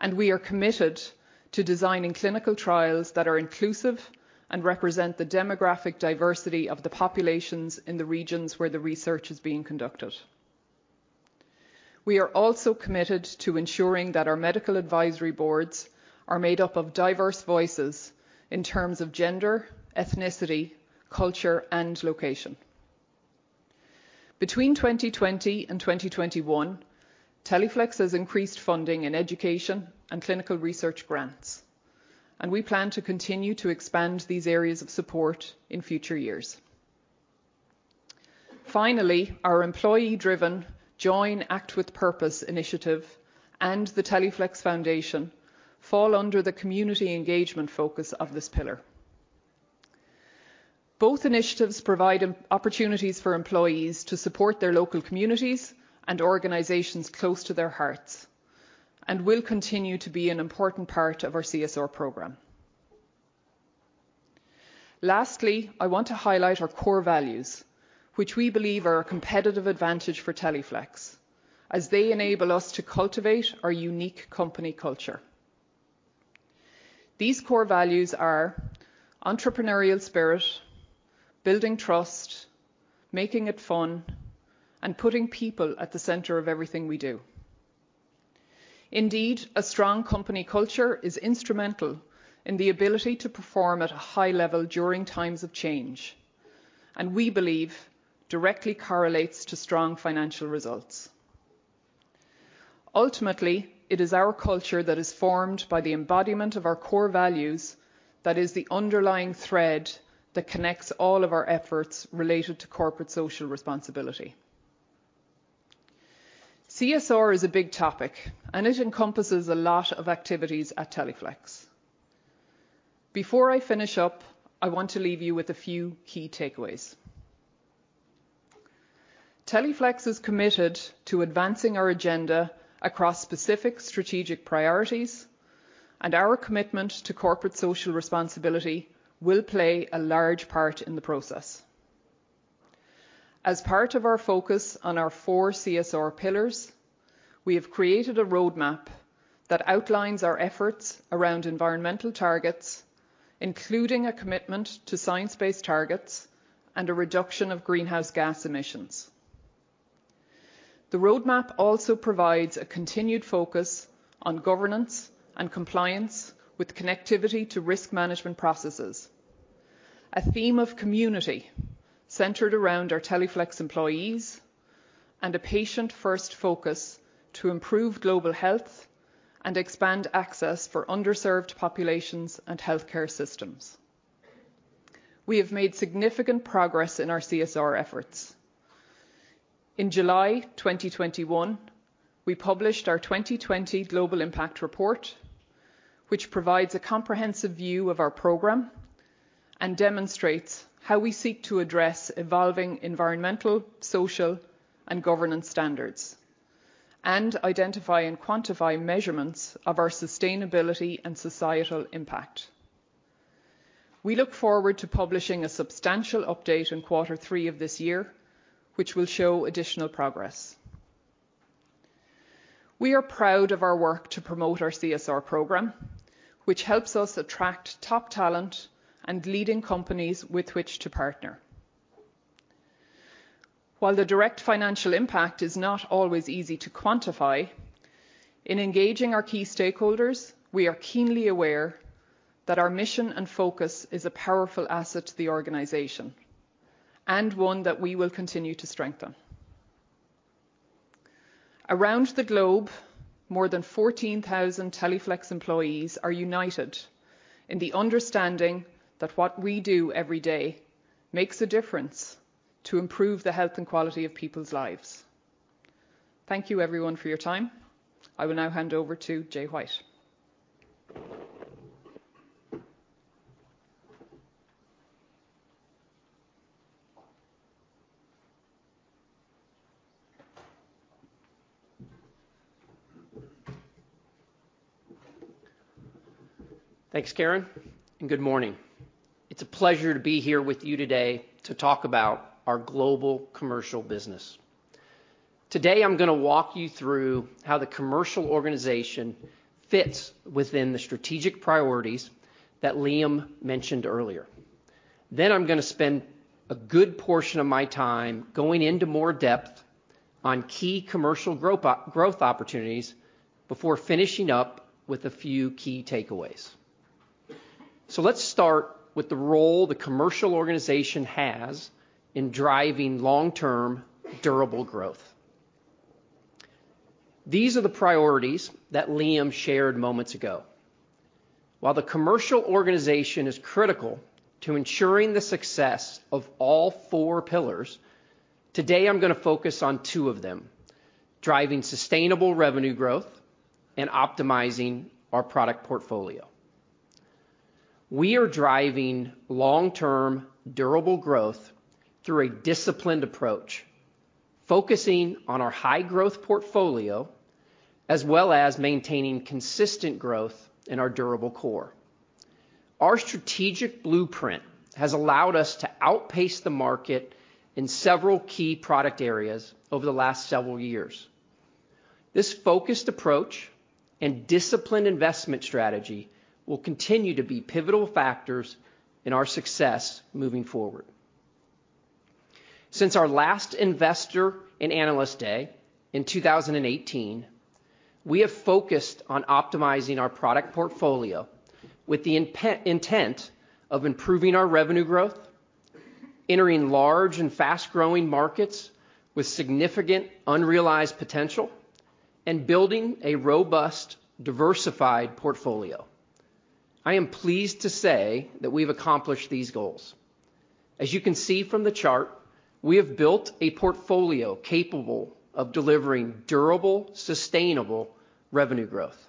and we are committed to designing clinical trials that are inclusive and represent the demographic diversity of the populations in the regions where the research is being conducted. We are also committed to ensuring that our medical advisory boards are made up of diverse voices in terms of gender, ethnicity, culture, and location. Between 2020 and 2021, Teleflex has increased funding in education and clinical research grants, and we plan to continue to expand these areas of support in future years. Finally, our employee-driven JOIN Act with Purpose initiative and the Teleflex Foundation fall under the community engagement focus of this pillar. Both initiatives provide opportunities for employees to support their local communities and organizations close to their hearts and will continue to be an important part of our CSR program. Lastly, I want to highlight our core values, which we believe are a competitive advantage for Teleflex, as they enable us to cultivate our unique company culture. These core values are entrepreneurial spirit, building trust, making it fun, and putting people at the center of everything we do. Indeed, a strong company culture is instrumental in the ability to perform at a high level during times of change, and we believe directly correlates to strong financial results. Ultimately, it is our culture that is formed by the embodiment of our core values that is the underlying thread that connects all of our efforts related to corporate social responsibility. CSR is a big topic, and it encompasses a lot of activities at Teleflex. Before I finish up, I want to leave you with a few key takeaways. Teleflex is committed to advancing our agenda across specific strategic priorities, and our commitment to corporate social responsibility will play a large part in the process. As part of our focus on our four CSR pillars, we have created a roadmap that outlines our efforts around environmental targets, including a commitment to science-based targets and a reduction of greenhouse gas emissions. The roadmap also provides a continued focus on governance and compliance with connectivity to risk management processes, a theme of community centered around our Teleflex employees, and a patient-first focus to improve global health and expand access for underserved populations and healthcare systems. We have made significant progress in our CSR efforts. In July 2021, we published our 2020 Global Impact Report, which provides a comprehensive view of our program and demonstrates how we seek to address evolving environmental, social, and governance standards, and identify and quantify measurements of our sustainability and societal impact. We look forward to publishing a substantial update in quarter three of this year, which will show additional progress. We are proud of our work to promote our CSR program, which helps us attract top talent and leading companies with which to partner. While the direct financial impact is not always easy to quantify, in engaging our key stakeholders, we are keenly aware that our mission and focus is a powerful asset to the organization, and one that we will continue to strengthen. Around the globe, more than 14,000 Teleflex employees are united in the understanding that what we do every day makes a difference to improve the health and quality of people's lives. Thank you, everyone, for your time. I will now hand over to Jay White. Thanks, Karen, and good morning. It's a pleasure to be here with you today to talk about our global commercial business. Today I'm gonna walk you through how the commercial organization fits within the strategic priorities that Liam mentioned earlier. Then I'm gonna spend a good portion of my time going into more depth on key commercial growth opportunities before finishing up with a few key takeaways. Let's start with the role the commercial organization has in driving long-term, durable growth. These are the priorities that Liam shared moments ago. While the commercial organization is critical to ensuring the success of all four pillars, today I'm gonna focus on two of them, driving sustainable revenue growth and optimizing our product portfolio. We are driving long-term, durable growth through a disciplined approach, focusing on our high-growth portfolio, as well as maintaining consistent growth in our durable core. Our strategic blueprint has allowed us to outpace the market in several key product areas over the last several years. This focused approach and disciplined investment strategy will continue to be pivotal factors in our success moving forward. Since our last Investor and Analyst Day in 2018, we have focused on optimizing our product portfolio with the intent of improving our revenue growth, entering large and fast-growing markets with significant unrealized potential, and building a robust, diversified portfolio. I am pleased to say that we've accomplished these goals. As you can see from the chart, we have built a portfolio capable of delivering durable, sustainable revenue growth.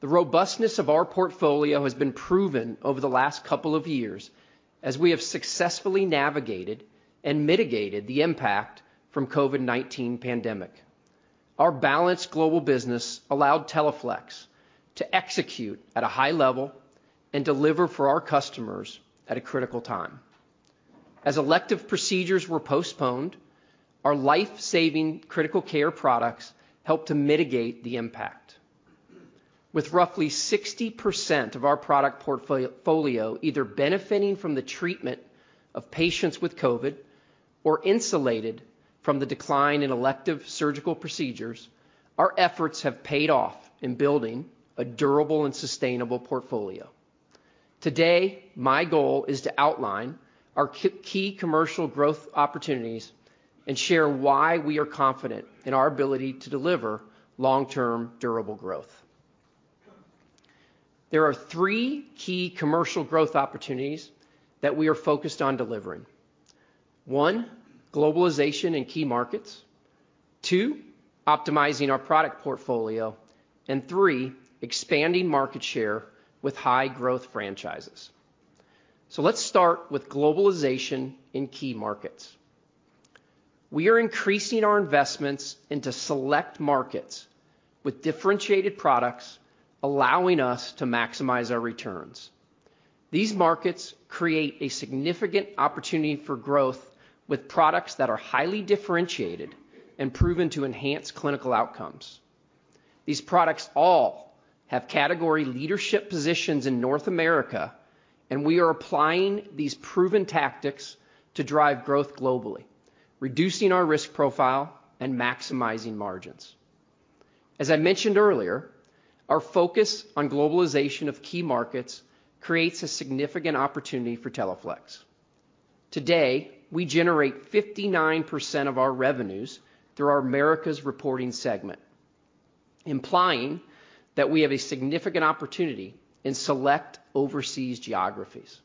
The robustness of our portfolio has been proven over the last couple of years as we have successfully navigated and mitigated the impact from the COVID-19 pandemic. Our balanced global business allowed Teleflex to execute at a high level and deliver for our customers at a critical time. As elective procedures were postponed, our life-saving critical care products helped to mitigate the impact. With roughly 60% of our product portfolio either benefiting from the treatment of patients with COVID or insulated from the decline in elective surgical procedures, our efforts have paid off in building a durable and sustainable portfolio. Today, my goal is to outline our key commercial growth opportunities and share why we are confident in our ability to deliver long-term, durable growth. There are three key commercial growth opportunities that we are focused on delivering. One, globalization in key markets. Two, optimizing our product portfolio. And three, expanding market share with high-growth franchises. Let's start with globalization in key markets. We are increasing our investments into select markets with differentiated products, allowing us to maximize our returns. These markets create a significant opportunity for growth with products that are highly differentiated and proven to enhance clinical outcomes. These products all have category leadership positions in North America, and we are applying these proven tactics to drive growth globally, reducing our risk profile and maximizing margins. As I mentioned earlier, our focus on globalization of key markets creates a significant opportunity for Teleflex. Today, we generate 59% of our revenues through our Americas reporting segment, implying that we have a significant opportunity in select overseas geographies.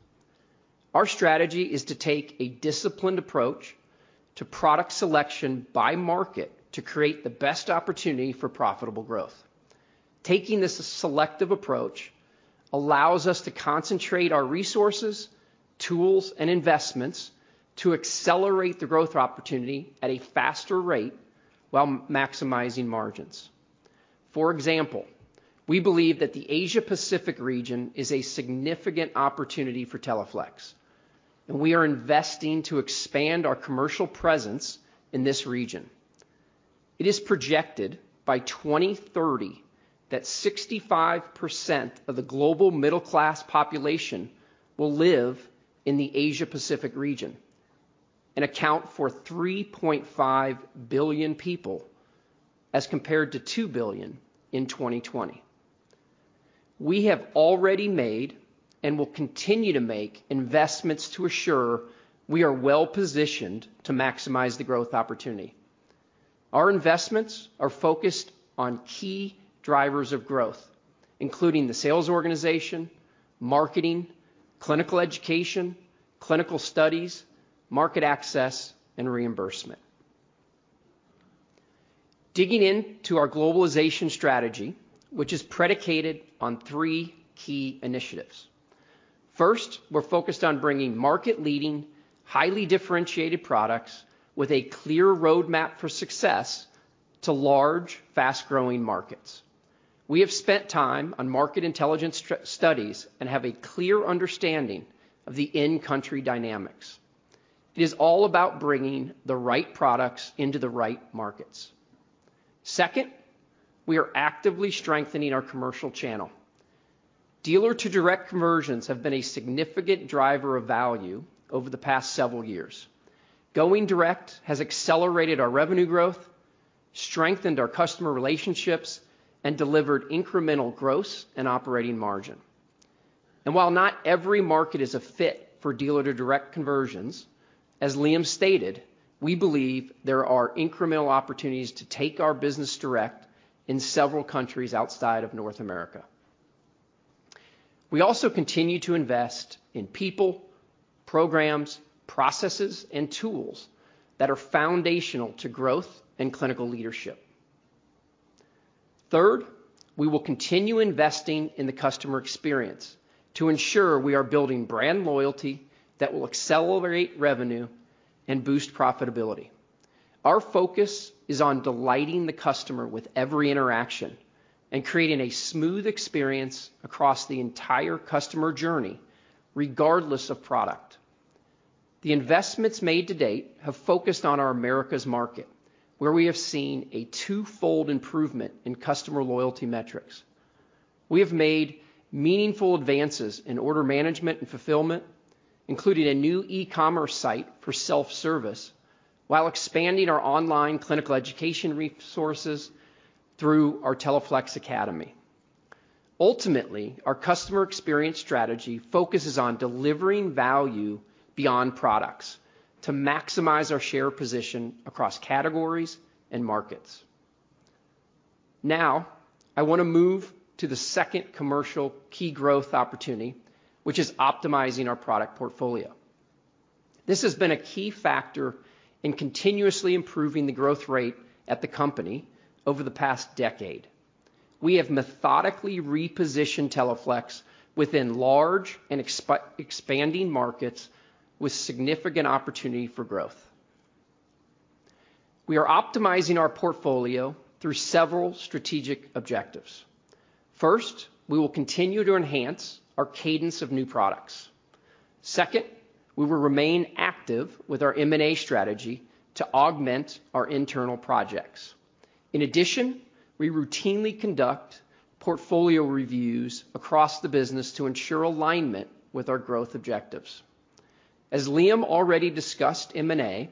Our strategy is to take a disciplined approach to product selection by market to create the best opportunity for profitable growth. Taking this selective approach allows us to concentrate our resources, tools, and investments to accelerate the growth opportunity at a faster rate while maximizing margins. For example, we believe that the Asia-Pacific region is a significant opportunity for Teleflex, and we are investing to expand our commercial presence in this region. It is projected by 2030 that 65% of the global middle-class population will live in the Asia-Pacific region and account for 3.5 billion people as compared to 2 billion in 2020. We have already made and will continue to make investments to assure we are well-positioned to maximize the growth opportunity. Our investments are focused on key drivers of growth, including the sales organization, marketing, clinical education, clinical studies, market access, and reimbursement. Digging into our globalization strategy, which is predicated on three key initiatives. First, we're focused on bringing market-leading, highly differentiated products with a clear roadmap for success to large, fast-growing markets. We have spent time on market intelligence studies and have a clear understanding of the in-country dynamics. It is all about bringing the right products into the right markets. Second, we are actively strengthening our commercial channel. Dealer-to-direct conversions have been a significant driver of value over the past several years. Going direct has accelerated our revenue growth, strengthened our customer relationships, and delivered incremental gross and operating margin. While not every market is a fit for dealer-to-direct conversions, as Liam stated, we believe there are incremental opportunities to take our business direct in several countries outside of North America. We also continue to invest in people, programs, processes, and tools that are foundational to growth and clinical leadership. Third, we will continue investing in the customer experience to ensure we are building brand loyalty that will accelerate revenue and boost profitability. Our focus is on delighting the customer with every interaction and creating a smooth experience across the entire customer journey, regardless of product. The investments made to date have focused on our Americas market, where we have seen a twofold improvement in customer loyalty metrics. We have made meaningful advances in order management and fulfillment, including a new e-commerce site for self-service, while expanding our online clinical education resources through our Teleflex Academy. Ultimately, our customer experience strategy focuses on delivering value beyond products to maximize our share position across categories and markets. Now I want to move to the second commercial key growth opportunity, which is optimizing our product portfolio. This has been a key factor in continuously improving the growth rate at the company over the past decade. We have methodically repositioned Teleflex within large and expanding markets with significant opportunity for growth. We are optimizing our portfolio through several strategic objectives. First, we will continue to enhance our cadence of new products. Second, we will remain active with our M&A strategy to augment our internal projects. In addition, we routinely conduct portfolio reviews across the business to ensure alignment with our growth objectives. As Liam already discussed M&A,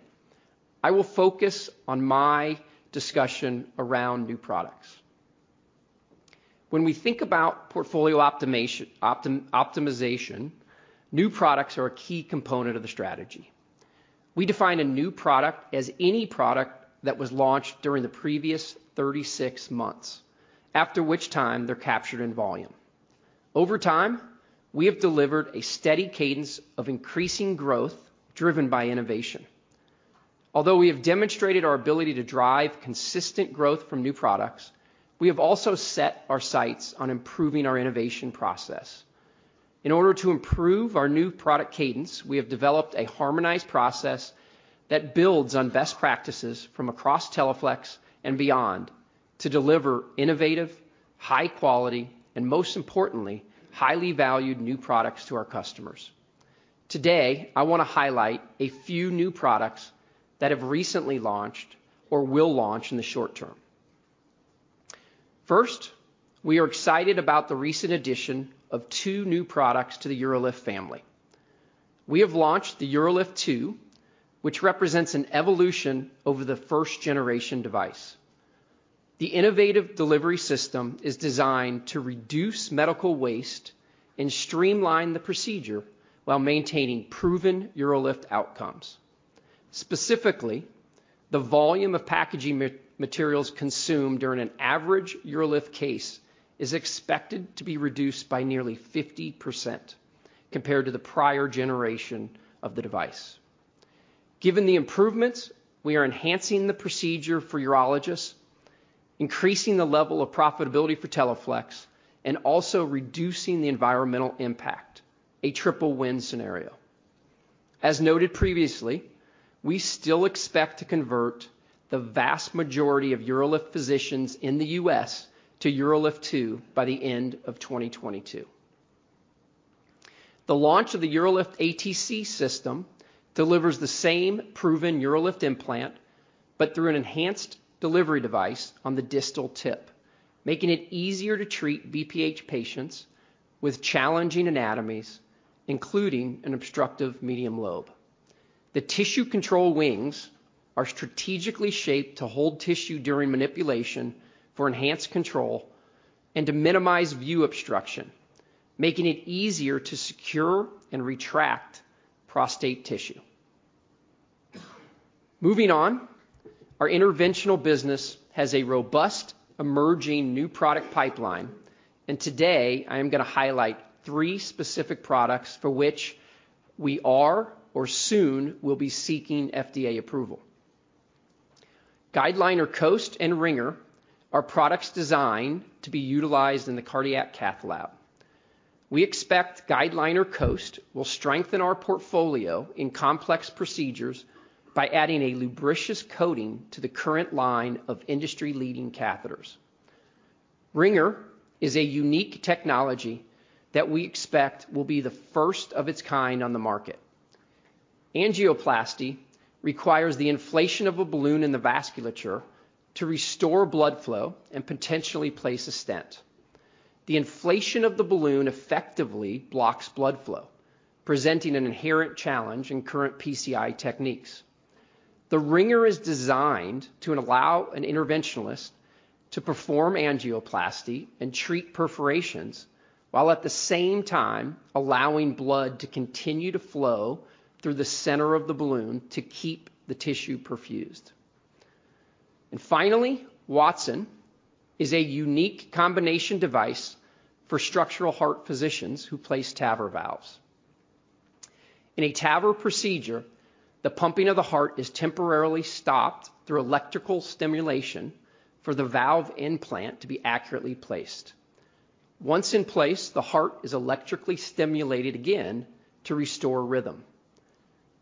I will focus on my discussion around new products. When we think about portfolio optimization, new products are a key component of the strategy. We define a new product as any product that was launched during the previous 36 months, after which time they're captured in volume. Over time, we have delivered a steady cadence of increasing growth driven by innovation. Although we have demonstrated our ability to drive consistent growth from new products, we have also set our sights on improving our innovation process. In order to improve our new product cadence, we have developed a harmonized process that builds on best practices from across Teleflex and beyond to deliver innovative, high quality, and most importantly, highly valued new products to our customers. Today, I want to highlight a few new products that have recently launched or will launch in the short term. First, we are excited about the recent addition of two new products to the UroLift family. We have launched the UroLift 2, which represents an evolution over the first generation device. The innovative delivery system is designed to reduce medical waste and streamline the procedure while maintaining proven UroLift outcomes. Specifically, the volume of packaging materials consumed during an average UroLift case is expected to be reduced by nearly 50% compared to the prior generation of the device. Given the improvements, we are enhancing the procedure for urologists, increasing the level of profitability for Teleflex, and also reducing the environmental impact, a triple win scenario. As noted previously, we still expect to convert the vast majority of UroLift physicians in the US to UroLift II by the end of 2022. The launch of the UroLift ATC system delivers the same proven UroLift implant, but through an enhanced delivery device on the distal tip, making it easier to treat BPH patients with challenging anatomies, including an obstructive medium lobe. The tissue control wings are strategically shaped to hold tissue during manipulation for enhanced control and to minimize view obstruction, making it easier to secure and retract prostate tissue. Moving on, our interventional business has a robust emerging new product pipeline, and today I am going to highlight three specific products for which we are or soon will be seeking FDA approval. GuideLiner Coast and Ringer are products designed to be utilized in the cardiac cath lab. We expect GuideLiner Coast will strengthen our portfolio in complex procedures by adding a lubricious coating to the current line of industry-leading catheters. Ringer is a unique technology that we expect will be the first of its kind on the market. Angioplasty requires the inflation of a balloon in the vasculature to restore blood flow and potentially place a stent. The inflation of the balloon effectively blocks blood flow, presenting an inherent challenge in current PCI techniques. The Ringer is designed to allow an interventionalist to perform angioplasty and treat perforations while at the same time allowing blood to continue to flow through the center of the balloon to keep the tissue perfused. Finally, Wattson is a unique combination device for structural heart physicians who place TAVR valves. In a TAVR procedure, the pumping of the heart is temporarily stopped through electrical stimulation for the valve implant to be accurately placed. Once in place, the heart is electrically stimulated again to restore rhythm.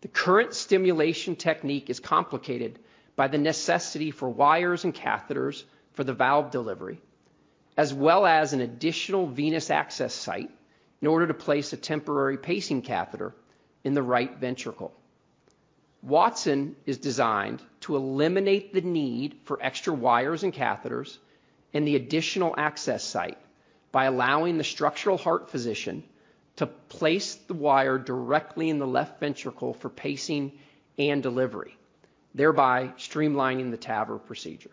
The current stimulation technique is complicated by the necessity for wires and catheters for the valve delivery, as well as an additional venous access site in order to place a temporary pacing catheter in the right ventricle. Wattson is designed to eliminate the need for extra wires and catheters and the additional access site by allowing the structural heart physician to place the wire directly in the left ventricle for pacing and delivery, thereby streamlining the TAVR procedure.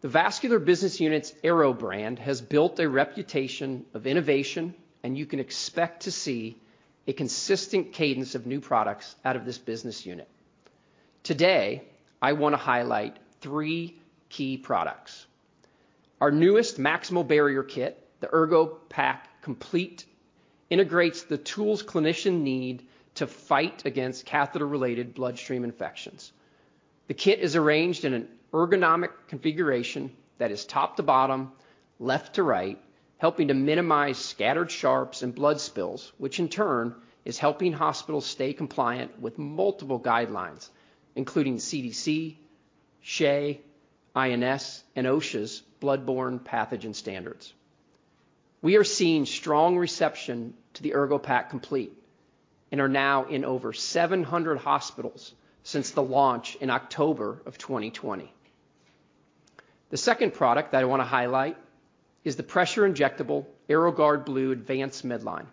The vascular business unit's Arrow brand has built a reputation of innovation, and you can expect to see a consistent cadence of new products out of this business unit. Today, I want to highlight three key products. Our newest maximal barrier kit, the ErgoPack Complete, integrates the tools clinicians need to fight against catheter-related bloodstream infections. The kit is arranged in an ergonomic configuration that is top to bottom, left to right, helping to minimize scattered sharps and blood spills, which in turn is helping hospitals stay compliant with multiple guidelines, including CDC, SHEA, INS, and OSHA's bloodborne pathogen standards. We are seeing strong reception to the ErgoPack Complete and are now in over 700 hospitals since the launch in October of 2020. The second product that I want to highlight is the pressure-injectable Arrowg+ard Blue Advance Midline.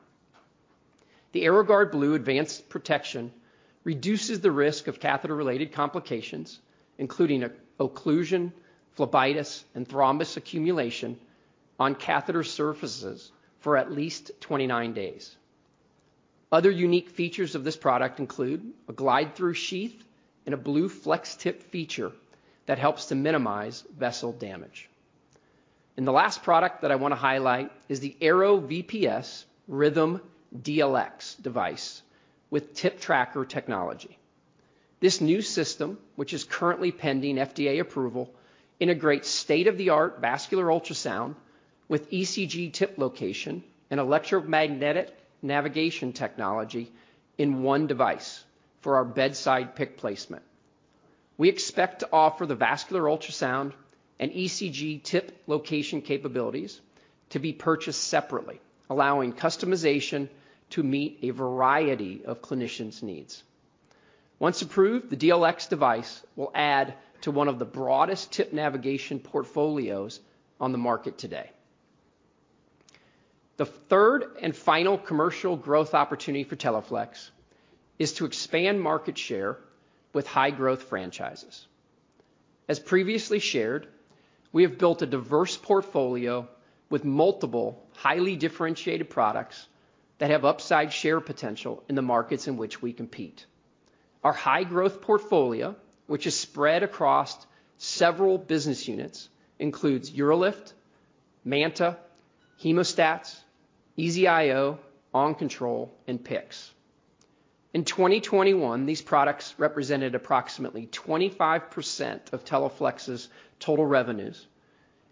The Arrowg+ard Blue Advance Protection reduces the risk of catheter-related complications, including occlusion, phlebitis, and thrombus accumulation on catheter surfaces for at least 29 days. Other unique features of this product include a glide-through sheath and a blue flex tip feature that helps to minimize vessel damage. The last product that I want to highlight is the Arrow VPS Rhythm DLX device with tip tracker technology. This new system, which is currently pending FDA approval, integrates state-of-the-art vascular ultrasound with ECG tip location and electromagnetic navigation technology in one device for our bedside PICC placement. We expect to offer the vascular ultrasound and ECG tip location capabilities to be purchased separately, allowing customization to meet a variety of clinicians' needs. Once approved, the DLX device will add to one of the broadest tip navigation portfolios on the market today. The third and final commercial growth opportunity for Teleflex is to expand market share with high-growth franchises. As previously shared, we have built a diverse portfolio with multiple highly differentiated products that have upside share potential in the markets in which we compete. Our high-growth portfolio, which is spread across several business units, includes UroLift, MANTA, Hemostats, EZ-IO, OnControl, and PICCs. In 2021, these products represented approximately 25% of Teleflex's total revenues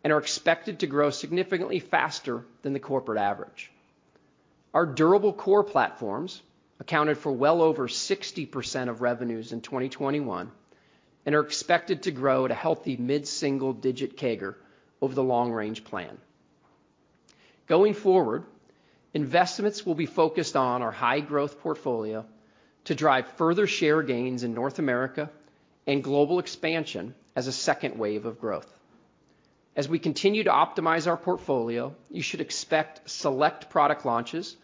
and are expected to grow significantly faster than the corporate average. Our durable core platforms accounted for well over 60% of revenues in 2021 and are expected to grow at a healthy mid-single digit CAGR over the long-range plan. Going forward, investments will be focused on our high-growth portfolio to drive further share gains in North America and global expansion as a second wave of growth. As we continue to optimize our portfolio, you should expect select product launches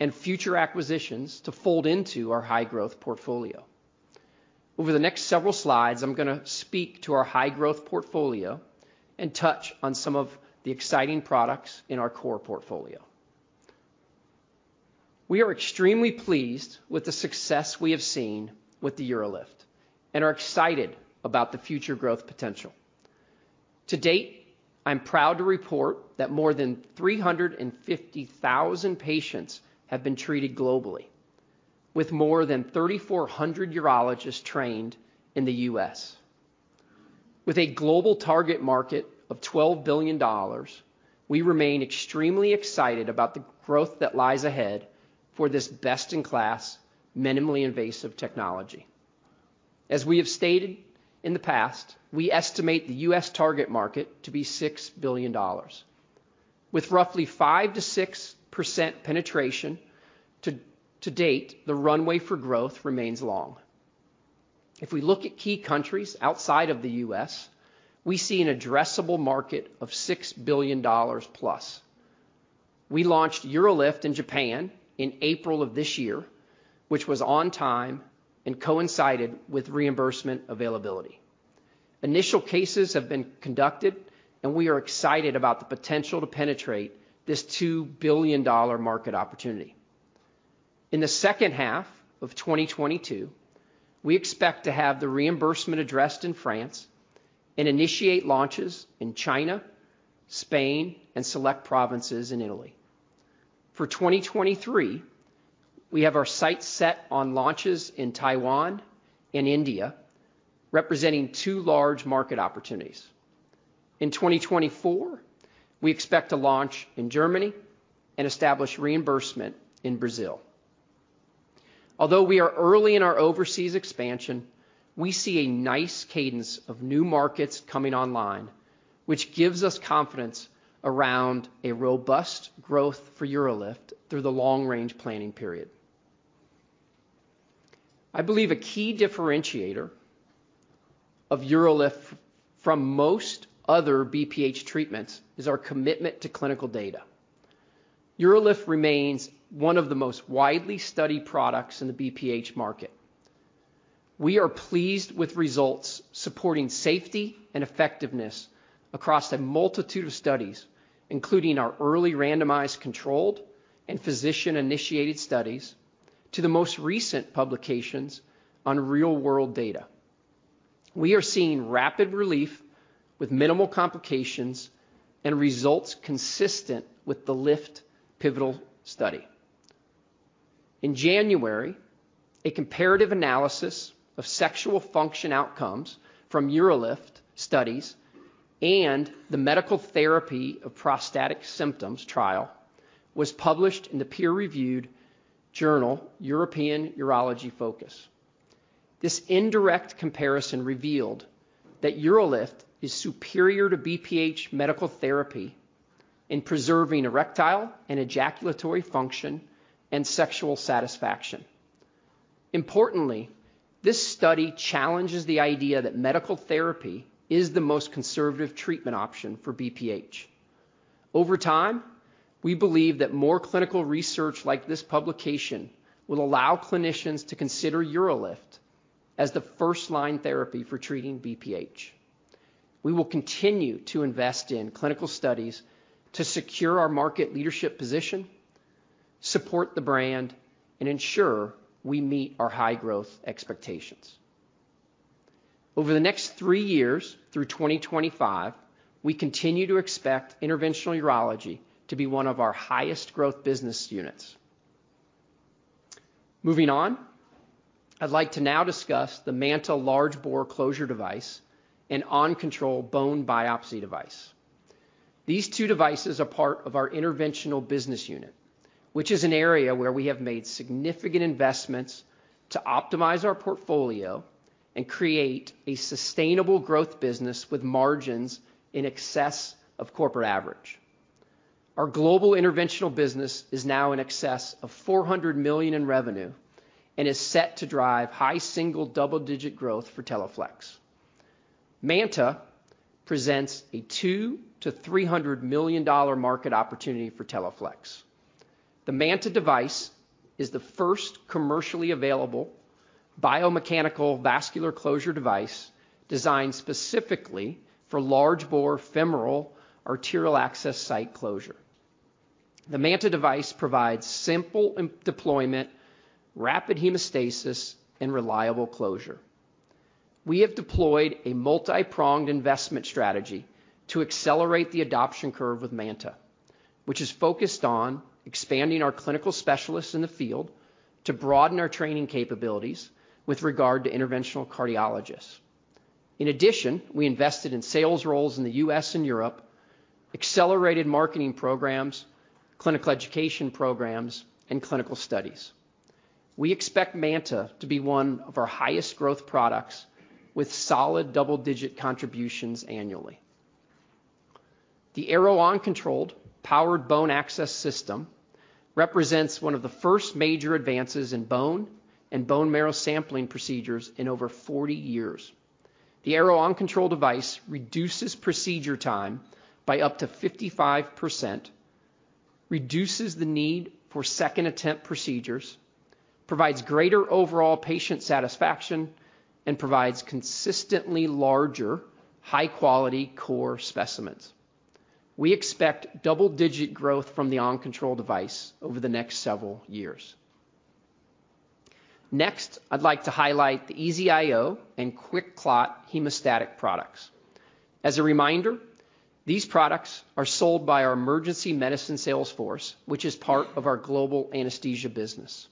and future acquisitions to fold into our high-growth portfolio. Over the next several slides, I'm gonna speak to our high-growth portfolio and touch on some of the exciting products in our core portfolio. We are extremely pleased with the success we have seen with the UroLift, and are excited about the future growth potential. To date, I'm proud to report that more than 350,000 patients have been treated globally with more than 3,400 urologists trained in the US. With a global target market of $12 billion, we remain extremely excited about the growth that lies ahead for this best-in-class, minimally invasive technology. As we have stated in the past, we estimate the US target market to be $6 billion. With roughly 5% to 6% penetration to date, the runway for growth remains long. If we look at key countries outside of the US, we see an addressable market of $6 billion plus. We launched UroLift in Japan in April of this year, which was on time and coincided with reimbursement availability. Initial cases have been conducted, and we are excited about the potential to penetrate this $2 billion market opportunity. In the second half of 2022, we expect to have the reimbursement addressed in France and initiate launches in China, Spain, and select provinces in Italy. For 2023, we have our sights set on launches in Taiwan and India, representing two large market opportunities. In 2024, we expect to launch in Germany and establish reimbursement in Brazil. Although we are early in our overseas expansion, we see a nice cadence of new markets coming online, which gives us confidence around a robust growth for UroLift through the long-range planning period. I believe a key differentiator of UroLift from most other BPH treatments is our commitment to clinical data. UroLift remains one of the most widely studied products in the BPH market. We are pleased with results supporting safety and effectiveness across a multitude of studies, including our early randomized controlled and physician-initiated studies to the most recent publications on real-world data. We are seeing rapid relief with minimal complications and results consistent with the LIFT pivotal study. In January, a comparative analysis of sexual function outcomes from UroLift studies and the medical therapy of prostatic symptoms trial was published in the peer-reviewed journal European Urology Focus. This indirect comparison revealed that UroLift is superior to BPH medical therapy in preserving erectile and ejaculatory function and sexual satisfaction. Importantly, this study challenges the idea that medical therapy is the most conservative treatment option for BPH. Over time, we believe that more clinical research like this publication will allow clinicians to consider UroLift as the first-line therapy for treating BPH. We will continue to invest in clinical studies to secure our market leadership position, support the brand, and ensure we meet our high growth expectations. Over the next three years through 2025, we continue to expect interventional urology to be one of our highest growth business units. Moving on, I'd like to now discuss the MANTA Large Bore Closure device and OnControl Bone Biopsy device. These two devices are part of our interventional business unit, which is an area where we have made significant investments to optimize our portfolio and create a sustainable growth business with margins in excess of corporate average. Our global interventional business is now in excess of $400 million in revenue and is set to drive high single- to double-digit growth for Teleflex. MANTA presents a $200 to 300 million market opportunity for Teleflex. The Manta device is the first commercially available biomechanical vascular closure device designed specifically for large bore femoral arterial access site closure. The Manta device provides simple deployment, rapid hemostasis, and reliable closure. We have deployed a multi-pronged investment strategy to accelerate the adoption curve with Manta, which is focused on expanding our clinical specialists in the field to broaden our training capabilities with regard to interventional cardiologists. In addition, we invested in sales roles in the US and Europe, accelerated marketing programs, clinical education programs, and clinical studies. We expect Manta to be one of our highest growth products with solid double-digit contributions annually. The Arrow OnControl Powered Bone Access System represents one of the first major advances in bone and bone marrow sampling procedures in over 40 years. The Arrow OnControl device reduces procedure time by up to 55%, reduces the need for second attempt procedures, provides greater overall patient satisfaction, and provides consistently larger, high-quality core specimens. We expect double-digit growth from the OnControl device over the next several years. Next, I'd like to highlight the EZ-IO and QuikClot hemostatic products. As a reminder, these products are sold by our emergency medicine sales force, which is part of our global anesthesia business.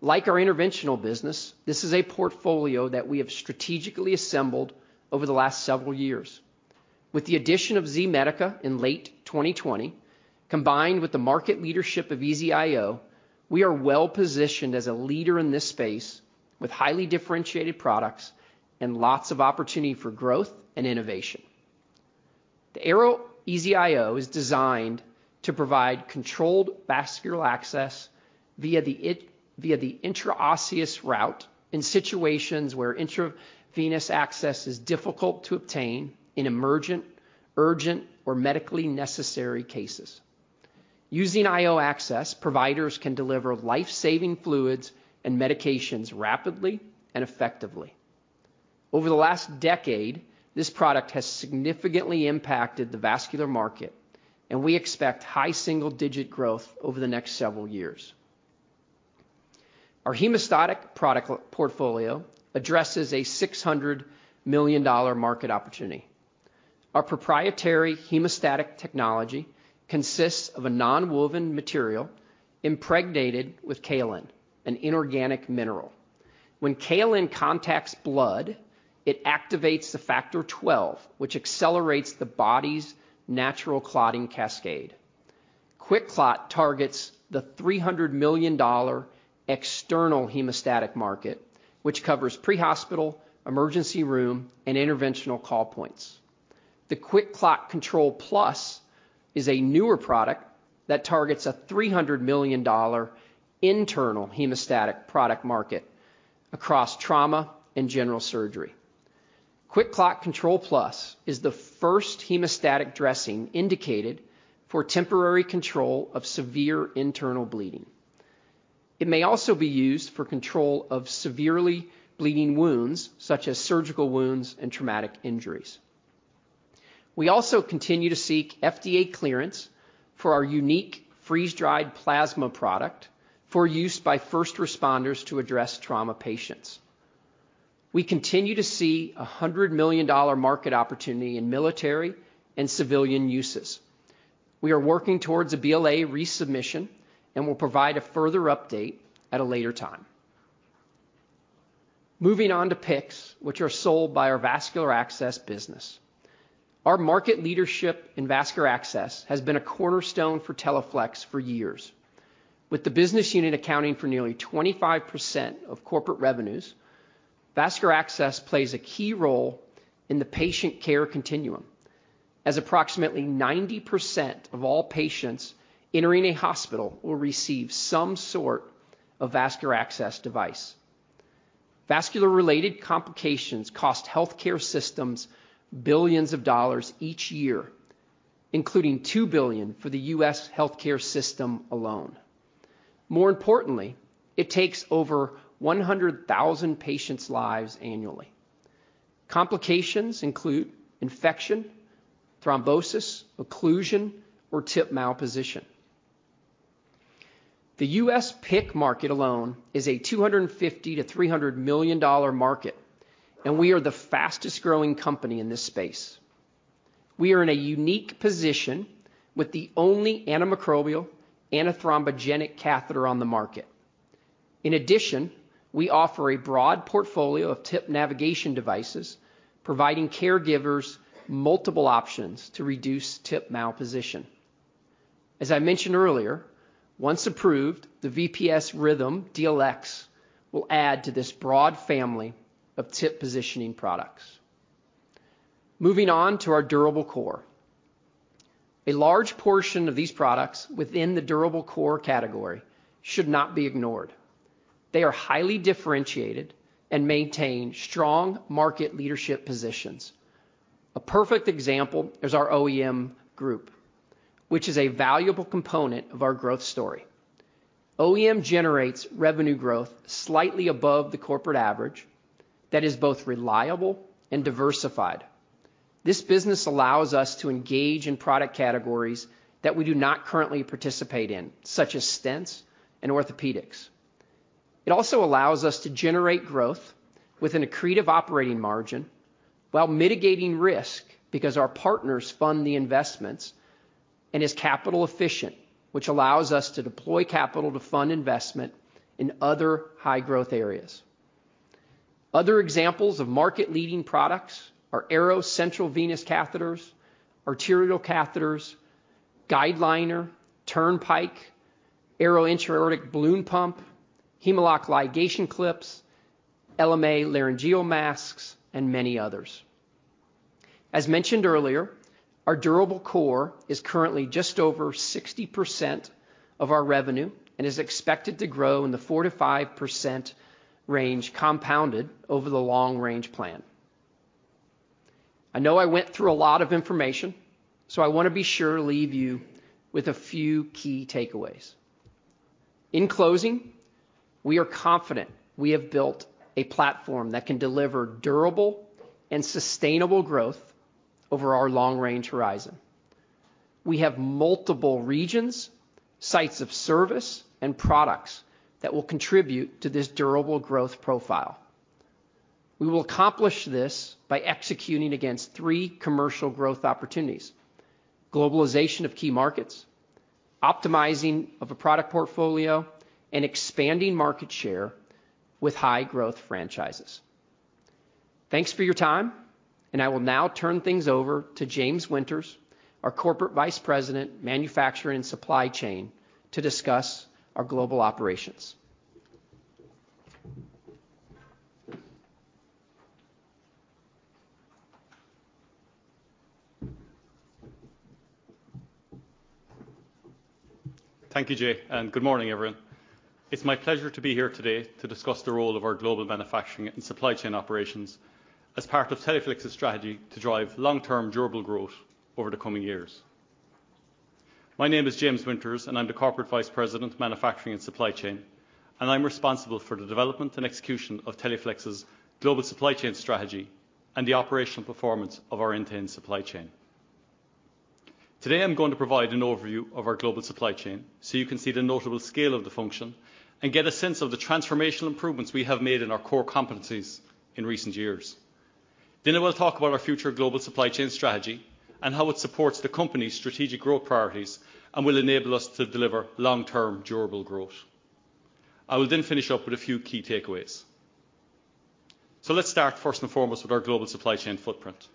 Like our interventional business, this is a portfolio that we have strategically assembled over the last several years. With the addition of Z-Medica in late 2020, combined with the market leadership of EZ-IO, we are well-positioned as a leader in this space with highly differentiated products and lots of opportunity for growth and innovation. The Arrow EZ-IO is designed to provide controlled vascular access via the intraosseous route in situations where intravenous access is difficult to obtain in emergent, urgent, or medically necessary cases. Using IO access, providers can deliver life-saving fluids and medications rapidly and effectively. Over the last decade, this product has significantly impacted the vascular market, and we expect high single-digit growth over the next several years. Our hemostatic product portfolio addresses a $600 million market opportunity. Our proprietary hemostatic technology consists of a nonwoven material impregnated with kaolin, an inorganic mineral. When kaolin contacts blood, it activates the Factor XII, which accelerates the body's natural clotting cascade. QuikClot targets the $300 million external hemostatic market, which covers pre-hospital, emergency room, and interventional call points. The QuikClot Control+ is a newer product that targets a $300 million internal hemostatic product market across trauma and general surgery. QuikClot Control+ is the first hemostatic dressing indicated for temporary control of severe internal bleeding. It may also be used for control of severely bleeding wounds, such as surgical wounds and traumatic injuries. We also continue to seek FDA clearance for our unique freeze-dried plasma product for use by first responders to address trauma patients. We continue to see a $100 million market opportunity in military and civilian uses. We are working towards a BLA resubmission and will provide a further update at a later time. Moving on to PICCs, which are sold by our vascular access business. Our market leadership in vascular access has been a cornerstone for Teleflex for years. With the business unit accounting for nearly 25% of corporate revenues, vascular access plays a key role in the patient care continuum, as approximately 90% of all patients entering a hospital will receive some sort of vascular access device. Vascular-related complications cost healthcare systems billions of dollars each year, including $2 billion for the US healthcare system alone. More importantly, it takes over 100,000 patients' lives annually. Complications include infection, thrombosis, occlusion, or tip malposition. The US PICC market alone is a $250 to 300 million market, and we are the fastest-growing company in this space. We are in a unique position with the only antimicrobial, antithrombogenic catheter on the market. In addition, we offer a broad portfolio of tip navigation devices, providing caregivers multiple options to reduce tip malposition. As I mentioned earlier, once approved, the VPS Rhythm DLX will add to this broad family of tip positioning products. Moving on to our durable core. A large portion of these products within the durable core category should not be ignored. They are highly differentiated and maintain strong market leadership positions. A perfect example is our OEM group, which is a valuable component of our growth story. OEM generates revenue growth slightly above the corporate average that is both reliable and diversified. This business allows us to engage in product categories that we do not currently participate in, such as stents and orthopedics. It also allows us to generate growth with an accretive operating margin while mitigating risk because our partners fund the investments and is capital efficient, which allows us to deploy capital to fund investment in other high-growth areas. Other examples of market-leading products are Arrow central venous catheters, arterial catheters, GuideLiner, Turnpike, Arrow intra-aortic balloon pump, Hem-o-lok ligation clips, LMA laryngeal masks, and many others. As mentioned earlier, our durable core is currently just over 60% of our revenue and is expected to grow in the 4% to 5% range compounded over the long-range plan. I know I went through a lot of information, so I want to be sure to leave you with a few key takeaways. In closing, we are confident we have built a platform that can deliver durable and sustainable growth over our long-range horizon. We have multiple regions, sites of service, and products that will contribute to this durable growth profile. We will accomplish this by executing against three commercial growth opportunities, globalization of key markets, optimizing of a product portfolio, and expanding market share with high-growth franchises. Thanks for your time, and I will now turn things over to James Winters, our Corporate Vice President, Manufacturing and Supply Chain, to discuss our global operations. Thank you, Jay, and good morning, everyone. It's my pleasure to be here today to discuss the role of our global manufacturing and supply chain operations as part of Teleflex's strategy to drive long-term durable growth over the coming years. My name is James Winters, and I'm the Corporate Vice President of Manufacturing and Supply Chain, and I'm responsible for the development and execution of Teleflex's global supply chain strategy and the operational performance of our end-to-end supply chain. Today, I'm going to provide an overview of our global supply chain, so you can see the notable scale of the function and get a sense of the transformational improvements we have made in our core competencies in recent years. I will talk about our future global supply chain strategy and how it supports the company's strategic growth priorities and will enable us to deliver long-term durable growth. I will then finish up with a few key takeaways. Let's start first and foremost with our global supply chain footprint.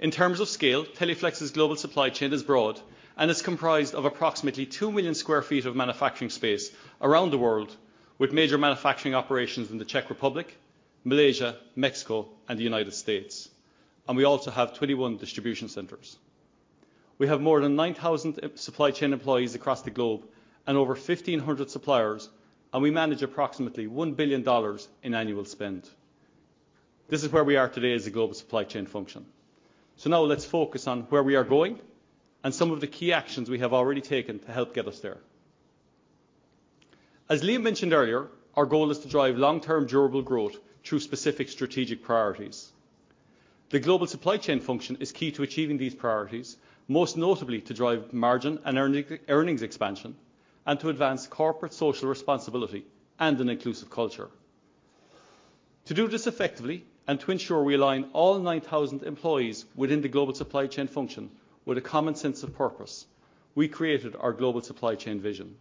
In terms of scale, Teleflex's global supply chain is broad and is comprised of approximately 2 million sq ft of manufacturing space around the world with major manufacturing operations in the Czech Republic, Malaysia, Mexico, and the United States, and we also have 21 distribution centers. We have more than 9,000 supply chain employees across the globe and over 1,500 suppliers, and we manage approximately $1 billion in annual spend. This is where we are today as a global supply chain function. Now let's focus on where we are going and some of the key actions we have already taken to help get us there. As Liam mentioned earlier, our goal is to drive long-term durable growth through specific strategic priorities. The global supply chain function is key to achieving these priorities, most notably to drive margin and earnings expansion and to advance corporate social responsibility and an inclusive culture. To do this effectively and to ensure we align all 9,000 employees within the global supply chain function with a common sense of purpose, we created our global supply chain vision.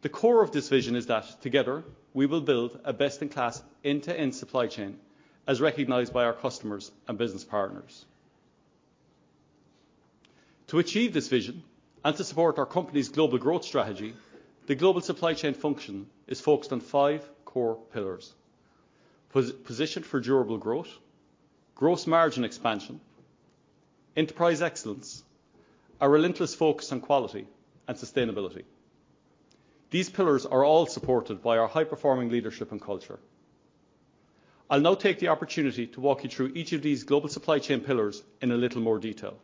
The core of this vision is that together, we will build a best-in-class end-to-end supply chain as recognized by our customers and business partners. To achieve this vision and to support our company's global growth strategy, the global supply chain function is focused on five core pillars, position for durable growth, gross margin expansion, enterprise excellence, a relentless focus on quality, and sustainability. These pillars are all supported by our high-performing leadership and culture. I'll now take the opportunity to walk you through each of these global supply chain pillars in a little more detail.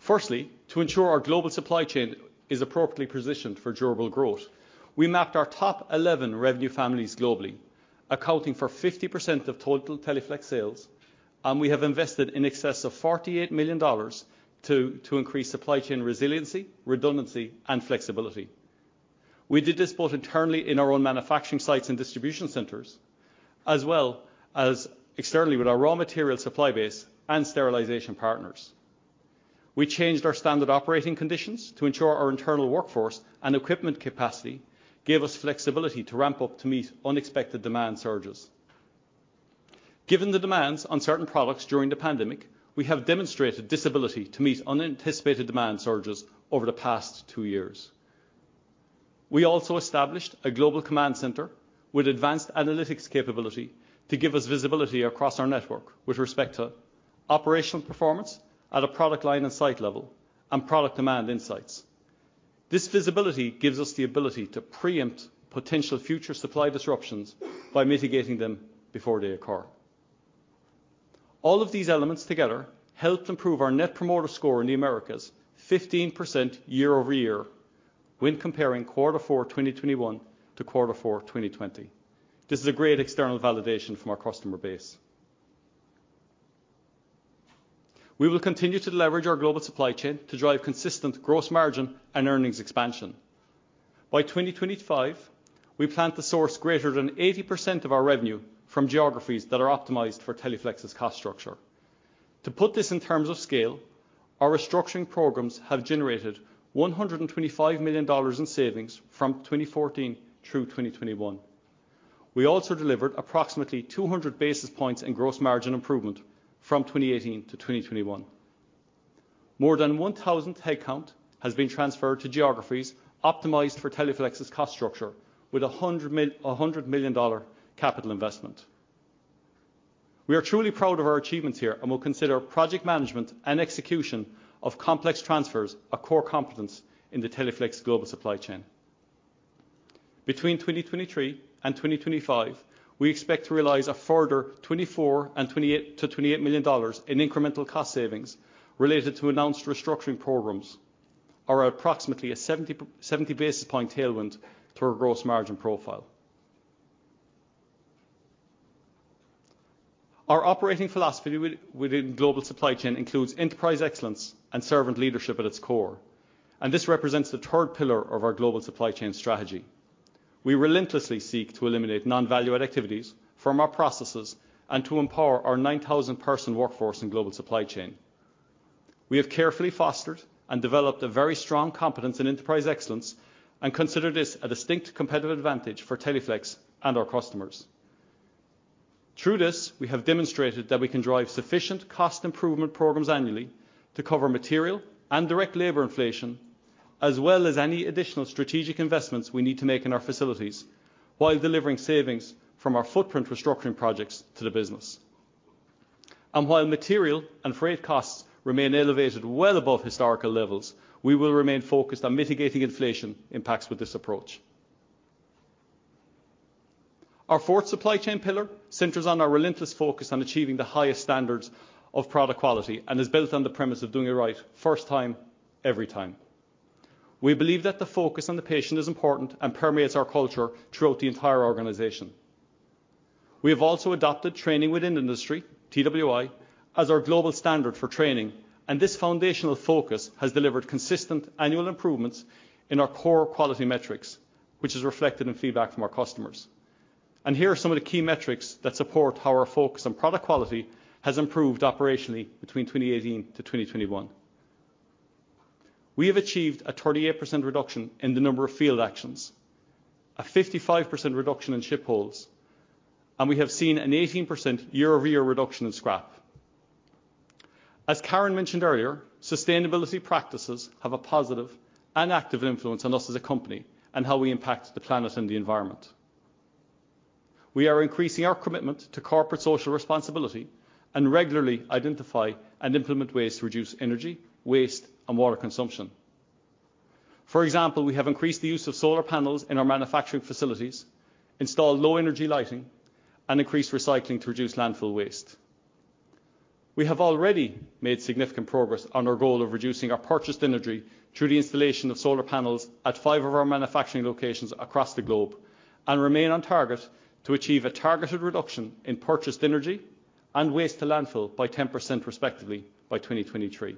Firstly, to ensure our global supply chain is appropriately positioned for durable growth, we mapped our top 11 revenue families globally, accounting for 50% of total Teleflex sales, and we have invested in excess of $48 million to increase supply chain resiliency, redundancy, and flexibility. We did this both internally in our own manufacturing sites and distribution centers, as well as externally with our raw material supply base and sterilization partners. We changed our standard operating conditions to ensure our internal workforce and equipment capacity gave us flexibility to ramp up to meet unexpected demand surges. Given the demands on certain products during the pandemic, we have demonstrated this ability to meet unanticipated demand surges over the past two years. We also established a global command center with advanced analytics capability to give us visibility across our network with respect to operational performance at a product line and site level and product demand insights. This visibility gives us the ability to preempt potential future supply disruptions by mitigating them before they occur. All of these elements together helped improve our Net Promoter Score in the Americas 15% year-over-year when comparing quarter four 2021 to quarter four 2020. This is a great external validation from our customer base. We will continue to leverage our global supply chain to drive consistent gross margin and earnings expansion. By 2025, we plan to source greater than 80% of our revenue from geographies that are optimized for Teleflex's cost structure. To put this in terms of scale, our restructuring programs have generated $125 million in savings from 2014 through 2021. We also delivered approximately 200-basis points in gross margin improvement from 2018 to 2021. More than 1,000 headcount has been transferred to geographies optimized for Teleflex's cost structure with a $100 million capital investment. We are truly proud of our achievements here, and we'll consider project management and execution of complex transfers a core competence in the Teleflex global supply chain. Between 2023 and 2025, we expect to realize a further $24 to 28 million in incremental cost savings related to announced restructuring programs, are approximately a 70-basis point tailwind to our gross margin profile. Our operating philosophy within global supply chain includes enterprise excellence and servant leadership at its core, and this represents the third pillar of our global supply chain strategy. We relentlessly seek to eliminate non-value-add activities from our processes and to empower our 9,000-person workforce in global supply chain. We have carefully fostered and developed a very strong competence in enterprise excellence and consider this a distinct competitive advantage for Teleflex and our customers. Through this, we have demonstrated that we can drive sufficient cost improvement programs annually to cover material and direct labor inflation, as well as any additional strategic investments we need to make in our facilities while delivering savings from our footprint restructuring projects to the business. While material and freight costs remain elevated well above historical levels, we will remain focused on mitigating inflation impacts with this approach. Our fourth supply chain pillar centers on our relentless focus on achieving the highest standards of product quality and is built on the premise of doing it right first time, every time. We believe that the focus on the patient is important and permeates our culture throughout the entire organization. We have also adopted training within industry, TWI, as our global standard for training, and this foundational focus has delivered consistent annual improvements in our core quality metrics, which is reflected in feedback from our customers. Here are some of the key metrics that support how our focus on product quality has improved operationally between 2018 to 2021. We have achieved a 38% reduction in the number of field actions, a 55% reduction in ship holes, and we have seen an 18% year-over-year reduction in scrap. As Karen mentioned earlier, sustainability practices have a positive and active influence on us as a company and how we impact the planet and the environment. We are increasing our commitment to corporate social responsibility and regularly identify and implement ways to reduce energy, waste, and water consumption. For example, we have increased the use of solar panels in our manufacturing facilities, installed low-energy lighting, and increased recycling to reduce landfill waste. We have already made significant progress on our goal of reducing our purchased energy through the installation of solar panels at five of our manufacturing locations across the globe and remain on target to achieve a targeted reduction in purchased energy and waste to landfill by 10% respectively by 2023.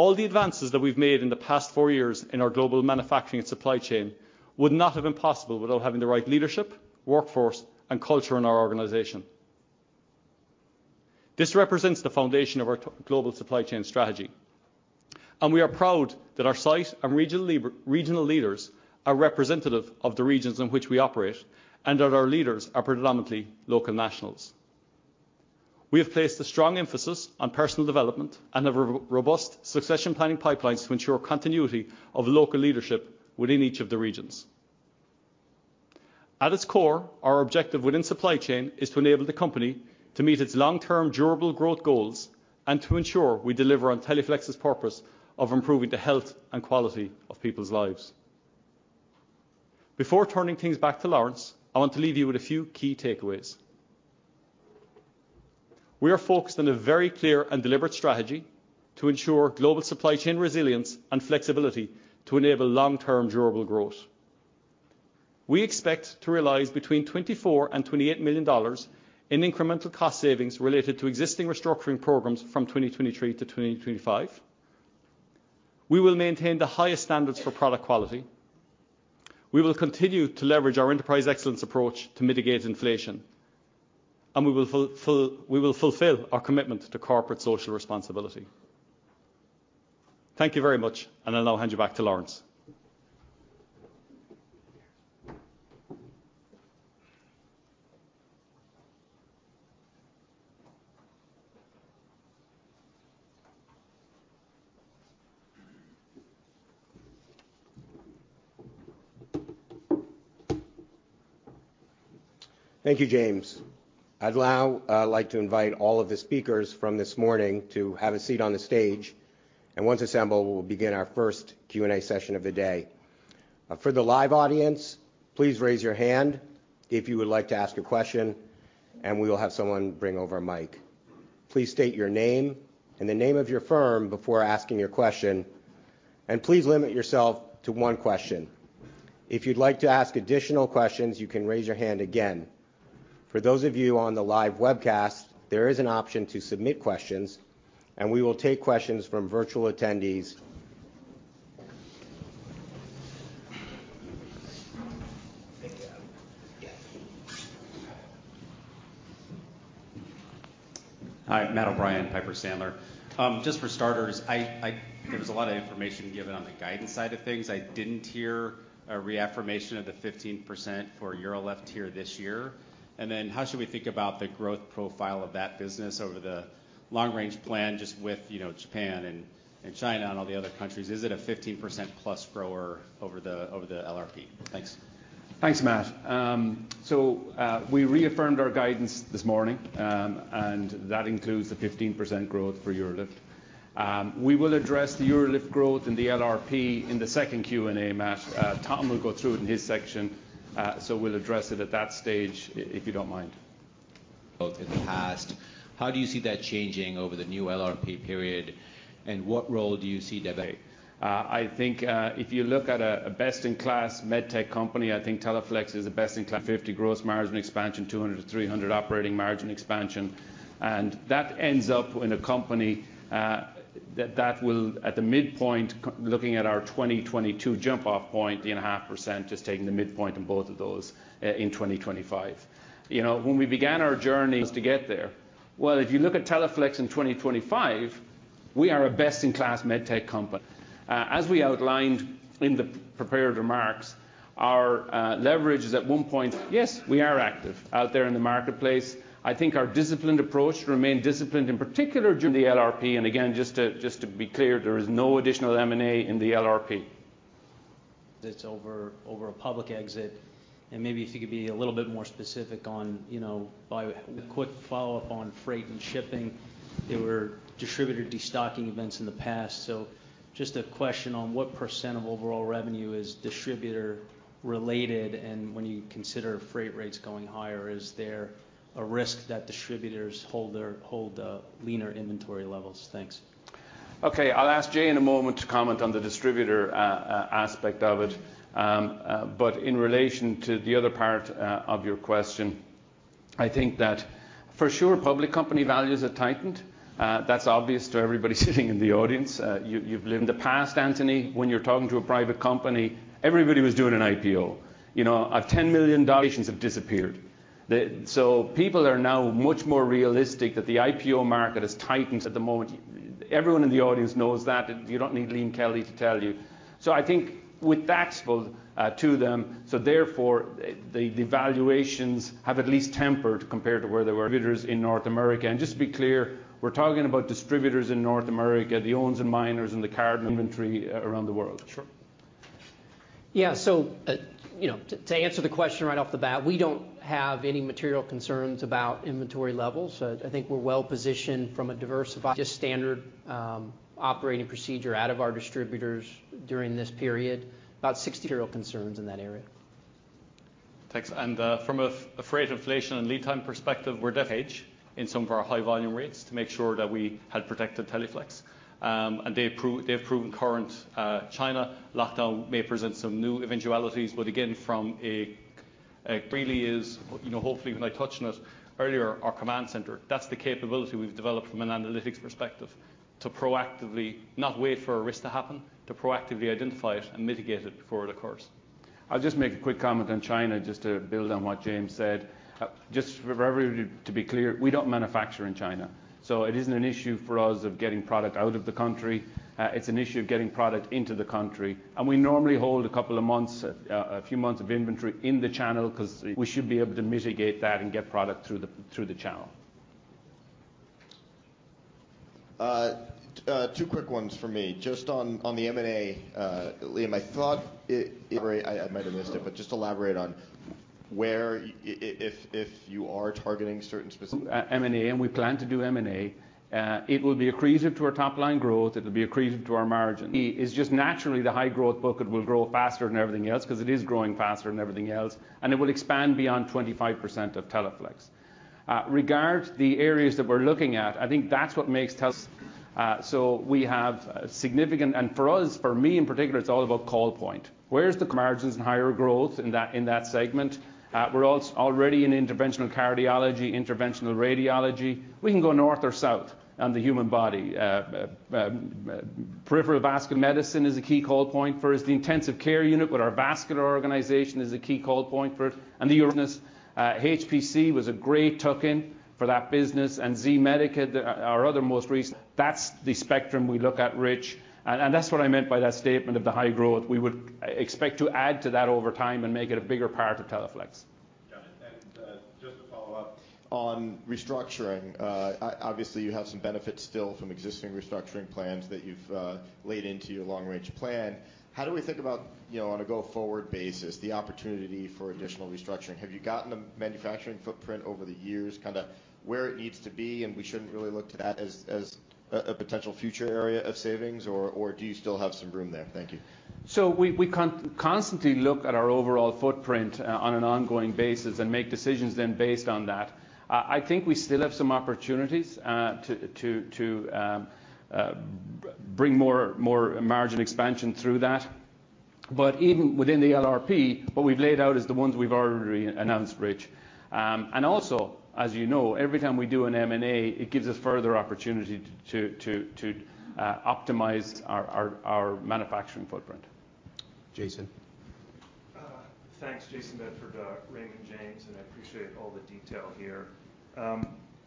All the advances that we've made in the past four years in our global manufacturing and supply chain would not have been possible without having the right leadership, workforce, and culture in our organization. This represents the foundation of our global supply chain strategy, and we are proud that our site and regional leaders are representative of the regions in which we operate and that our leaders are predominantly local nationals. We have placed a strong emphasis on personal development and have a robust succession planning pipelines to ensure continuity of local leadership within each of the regions. At its core, our objective within supply chain is to enable the company to meet its long-term durable growth goals and to ensure we deliver on Teleflex's purpose of improving the health and quality of people's lives. Before turning things back to Lawrence, I want to leave you with a few key takeaways. We are focused on a very clear and deliberate strategy to ensure global supply chain resilience and flexibility to enable long-term durable growth. We expect to realize between $24 million and $28 million in incremental cost savings related to existing restructuring programs from 2023 to 2025. We will maintain the highest standards for product quality. We will continue to leverage our enterprise excellence approach to mitigate inflation, and we will fulfill our commitment to corporate social responsibility. Thank you very much, and I'll now hand you back to Lawrence. Thank you, James. I'd now like to invite all of the speakers from this morning to have a seat on the stage. Once assembled, we will begin our first Q&A session of the day. For the live audience, please raise your hand if you would like to ask a question, and we will have someone bring over a mic. Please state your name and the name of your firm before asking your question, and please limit yourself to one question. If you'd like to ask additional questions, you can raise your hand again. For those of you on the live webcast, there is an option to submit questions, and we will take questions from virtual attendees. Thank you. Hi, Matt O'Brien, Piper Sandler. Just for starters, I—there was a lot of information given on the guidance side of things. I didn't hear a reaffirmation of the 15% for UroLift here this year. Then how should we think about the growth profile of that business over the long-range plan just with, you know, Japan and China and all the other countries? Is it a 15%+ grower over the LRP? Thanks. Thanks, Matt. We reaffirmed our guidance this morning, and that includes the 15% growth for UroLift. We will address the UroLift growth in the LRP in the second Q&A, Matt. Tom will go through it in his section. We'll address it at that stage if you don't mind. Both in the past. How do you see that changing over the new LRP period, and what role do you see Dev... (crosstalk) I think if you look at a best-in-class med tech company, I think Teleflex is the best-in-class 50 gross margin expansion, 200 to 300 operating margin expansion. That ends up in a company that will at the midpoint looking at our 2022 jump off point, 1.5%, just taking the midpoint on both of those in 2025. You know, when we began our journey us to get there. Well, if you look at Teleflex in 2025, we are a best-in-class med tech company. As we outlined in the prepared remarks, our leverage is at 1.0x. Yes, we are active out there in the marketplace. I think our disciplined approach remain disciplined, in particular during the LRP. Just to be clear, there is no additional M&A in the LRP.That's over a public exit, and maybe if you could be a little bit more specific on, you know. A quick follow-up on freight and shipping. There were distributor destocking events in the past. Just a question on what percent of overall revenue is distributor-related, and when you consider freight rates going higher, is there a risk that distributors hold their leaner inventory levels? Thanks. Okay. I'll ask Jay in a moment to comment on the distributor aspect of it. In relation to the other part of your question, I think that for sure public company valuations are tightened. That's obvious to everybody sitting in the audience. In the past, Anthony, when you're talking to a private company, everybody was doing an IPO. You know, patience has disappeared. People are now much more realistic that the IPO market has tightened at the moment. Everyone in the audience knows that. You don't need Liam Kelly to tell you. I think with that built into them, so therefore the valuations have at least tempered compared to where they were. Distributors in North America. Just to be clear, we're talking about distributors in North America, the Owens & Minor and the Cardinal Health around the world. Sure. To answer the question right off the bat, we don't have any material concerns about inventory levels. I think we're well-positioned from a diversified. Just standard operating procedure out of our distributors during this period. About 60 material concerns in that area. Thanks. From a freight inflation and lead time perspective, we're hedging some of our high volume rates to make sure that we had protected Teleflex. They have proven current. China lockdown may present some new eventualities, but again, from a resiliency perspective, you know, hopefully when I touched on it earlier, our command center. That's the capability we've developed from an analytics perspective to proactively not wait for a risk to happen, to proactively identify it and mitigate it before it occurs. I'll just make a quick comment on China just to build on what James said. Just for everybody to be clear, we don't manufacture in China, so it isn't an issue for us of getting product out of the country. It's an issue of getting product into the country. We normally hold a couple of months, a few months of inventory in the channel cause we should be able to mitigate that and get product through the channel. Two quick ones for me. Just on the M&A, Liam, I thought I might have missed it, but just elaborate on where if you are targeting certain specific... (crosstalk) M&A. We plan to do M&A. It will be accretive to our top line growth. It'll be accretive to our margin. It is just naturally the high growth bucket will grow faster than everything else because it is growing faster than everything else, and it will expand beyond 25% of Teleflex. Regarding the areas that we're looking at, I think that's what makes Teleflex. We have significant. For us, for me in particular, it's all about call point. Where's the margins and higher growth in that segment? We're already in interventional cardiology, interventional radiology. We can go north or south on the human body. Peripheral vascular medicine is a key call point for us. The intensive care unit with our vascular organization is a key call point for it. HPC was a great token for that business. Z-Medica, our other most recent. That's the spectrum we look at, Rich. That's what I meant by that statement of the high growth. We would expect to add to that over time and make it a bigger part of Teleflex. Got it. Just to follow up. On restructuring, obviously, you have some benefits still from existing restructuring plans that you've laid into your long-range plan. How do we think about, you know, on a go-forward basis, the opportunity for additional restructuring? Have you gotten the manufacturing footprint over the years kind of where it needs to be, and we shouldn't really look to that as a potential future area of savings, or do you still have some room there? Thank you. We constantly look at our overall footprint on an ongoing basis and make decisions then based on that. I think we still have some opportunities to bring more margin expansion through that. Even within the LRP, what we've laid out is the ones we've already announced, Rich. Also, as you know, every time we do an M&A, it gives us further opportunity to optimize our manufacturing footprint. Jayson. Thanks, Jayson Bedford, Raymond James, and I appreciate all the detail here.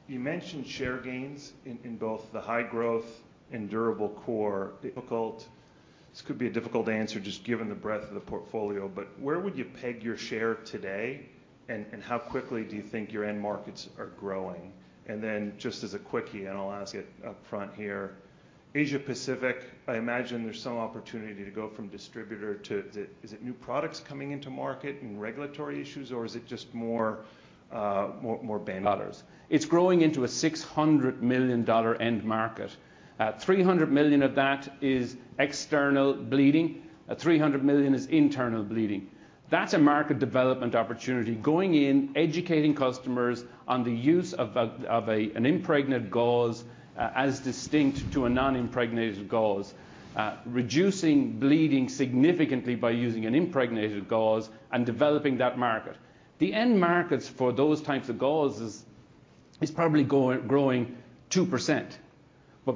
You mentioned share gains in both the high growth and durable core. This could be a difficult answer just given the breadth of the portfolio, but where would you peg your share today and how quickly do you think your end markets are growing? Then just as a quickie, and I'll ask it upfront here, Asia Pacific, I imagine there's some opportunity to go from distributor to... (crosstalk) Is it new products coming into market and regulatory issues, or is it just more bandwidth? It's growing into a $600 million end market. $300 million of that is external bleeding, $300 million is internal bleeding. That's a market development opportunity going in, educating customers on the use of an impregnated gauze as distinct from a non-impregnated gauze, reducing bleeding significantly by using an impregnated gauze and developing that market. The end markets for those types of gauzes is probably growing 2%.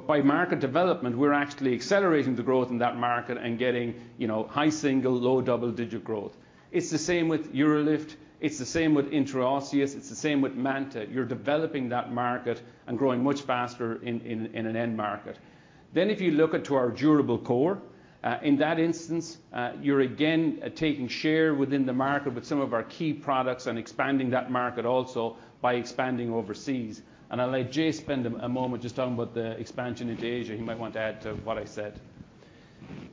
By market development, we're actually accelerating the growth in that market and getting, you know, high single, low double-digit growth. It's the same with UroLift. It's the same with intraosseous. It's the same with MANTA. You're developing that market and growing much faster in an end market. If you look into our durable core, in that instance, you're again taking share within the market with some of our key products and expanding that market also by expanding overseas. I'll let Jay spend a moment just talking about the expansion into Asia. He might want to add to what I said.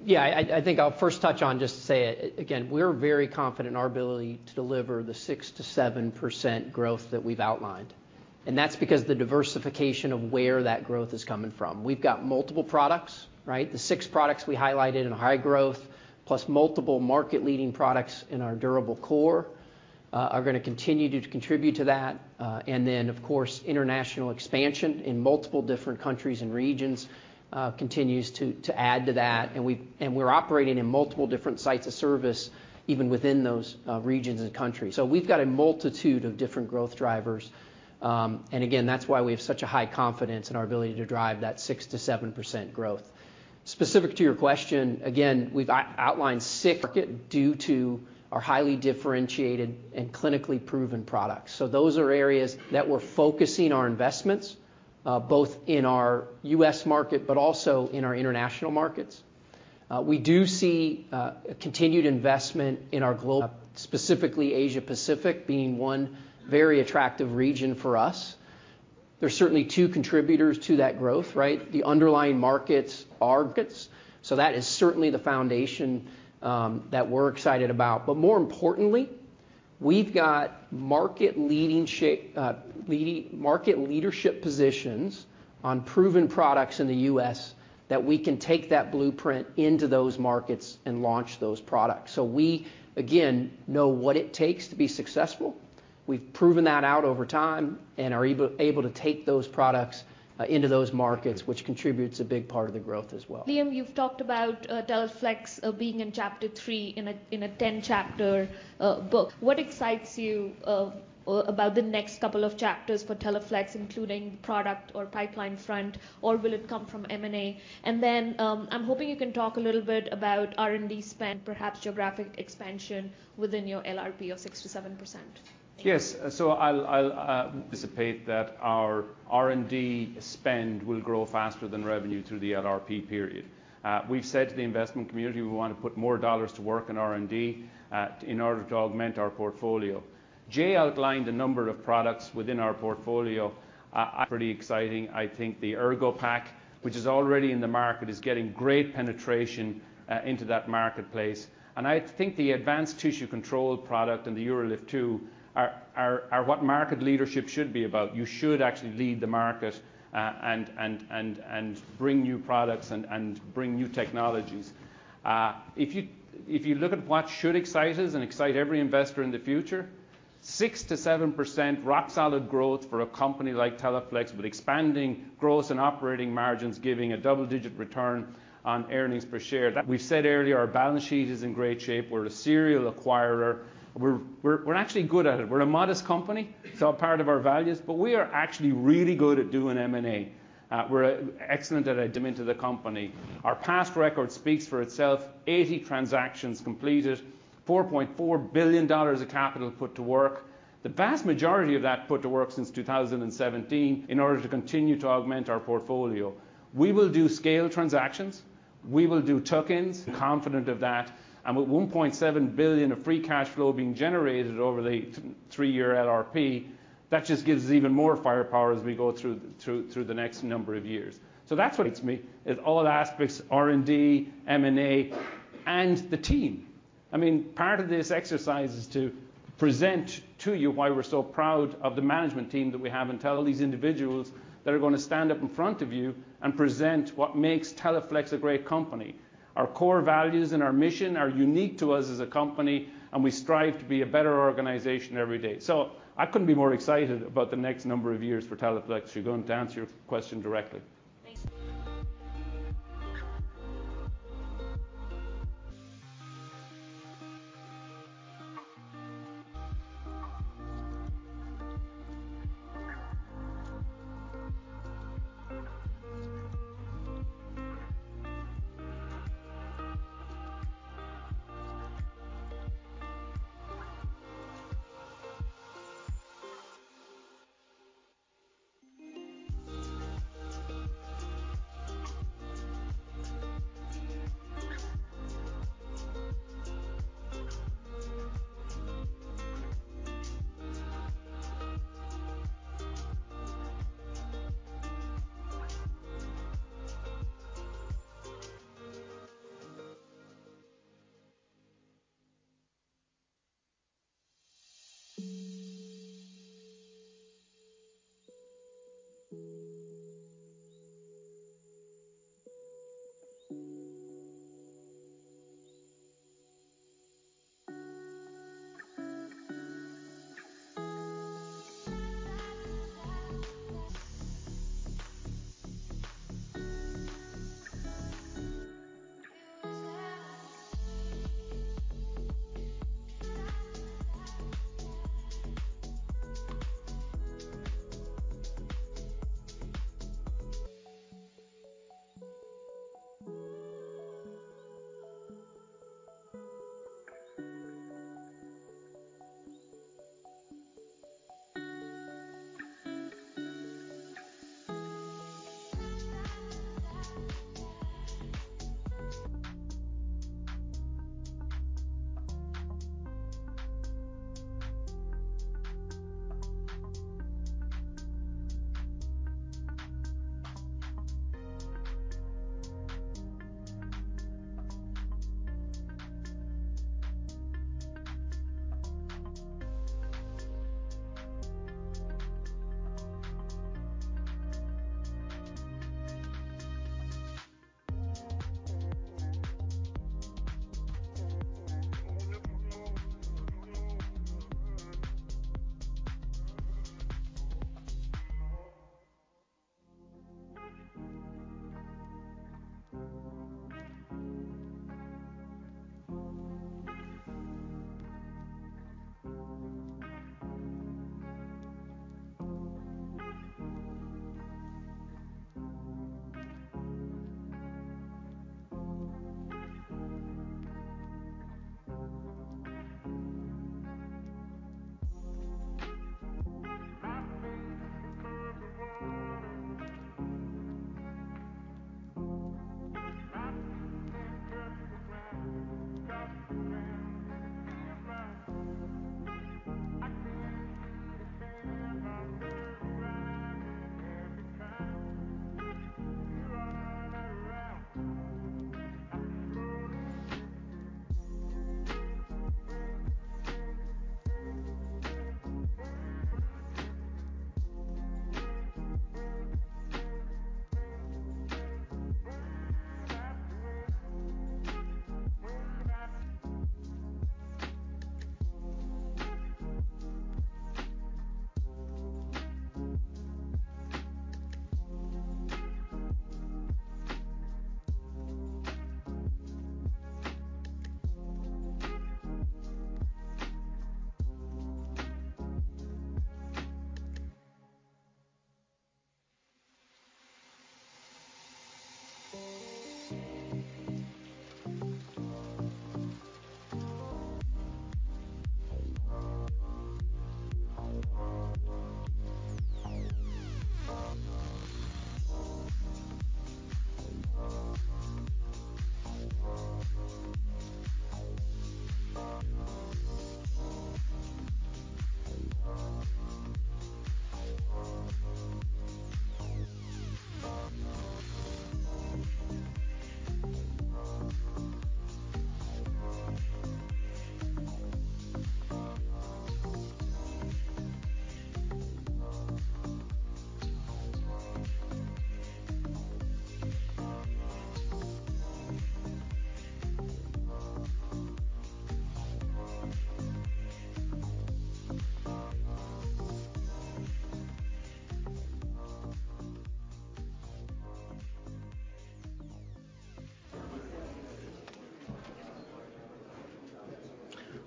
Yeah, I think I'll first touch on just to say it. We're very confident in our ability to deliver the 6% to 7% growth that we've outlined, and that's because the diversification of where that growth is coming from. We've got multiple products, right? The six products we highlighted in high growth, plus multiple market-leading products in our durable core, are gonna continue to contribute to that. And then, of course, international expansion in multiple different countries and regions continues to add to that. We're operating in multiple different sites of service even within those regions and countries. We've got a multitude of different growth drivers. And again, that's why we have such a high confidence in our ability to drive that 6% to 7% growth. Specific to your question, again, we've outlined six market due to our highly differentiated and clinically proven products. Those are areas that we're focusing our investments, both in our US market, but also in our international markets. We do see continued investment in our global, specifically Asia Pacific being one very attractive region for us. There's certainly two contributors to that growth, right? The underlying markets are markets. That is certainly the foundation that we're excited about. More importantly, we've got market leading market leadership positions on proven products in the US that we can take that blueprint into those markets and launch those products. We, again, know what it takes to be successful. We've proven that out over time and are able to take those products into those markets, which contributes a big part of the growth as well. Liam, you've talked about Teleflex being in chapter three in a 10-chapter book. What excites you about the next couple of chapters for Teleflex, including product or pipeline front, or will it come from M&A? I'm hoping you can talk a little bit about R&D spend, perhaps geographic expansion within your LRP of 6% to 7%. Yes. I'll anticipate that our R&D spend will grow faster than revenue through the LRP period. We've said to the investment community we want to put more dollars to work in R&D in order to augment our portfolio. Jay outlined a number of products within our portfolio. Pretty exciting. I think the ErgoPack, which is already in the market, is getting great penetration into that marketplace. I think the Advanced Tissue Control product and the UroLift 2 are what market leadership should be about. You should actually lead the market and bring new products and bring new technologies. If you look at what should excite us and excite every investor in the future, 6% to 7% rock-solid growth for a company like Teleflex with expanding gross and operating margins giving a double-digit return on earnings per share. We've said earlier our balance sheet is in great shape. We're a serial acquirer. We're actually good at it. We're a modest company. It's all part of our values. We are actually really good at doing M&A. We're excellent at adding to the company. Our past record speaks for itself. 80 transactions completed, $4.4 billion of capital put to work. The vast majority of that put to work since 2017 in order to continue to augment our portfolio. We will do scale transactions. We will do tuck-ins. Confident of that. With $1.7 billion of free cash flow being generated over the three-year LRP, that just gives us even more firepower as we go through the next number of years. That's what excites me, is all aspects, R&D, M&A, and the team. I mean, part of this exercise is to present to you why we're so proud of the management team that we have and tell all these individuals that are gonna stand up in front of you and present what makes Teleflex a great company. Our core values and our mission are unique to us as a company, and we strive to be a better organization every day. I couldn't be more excited about the next number of years for Teleflex. You're going to answer your question directly.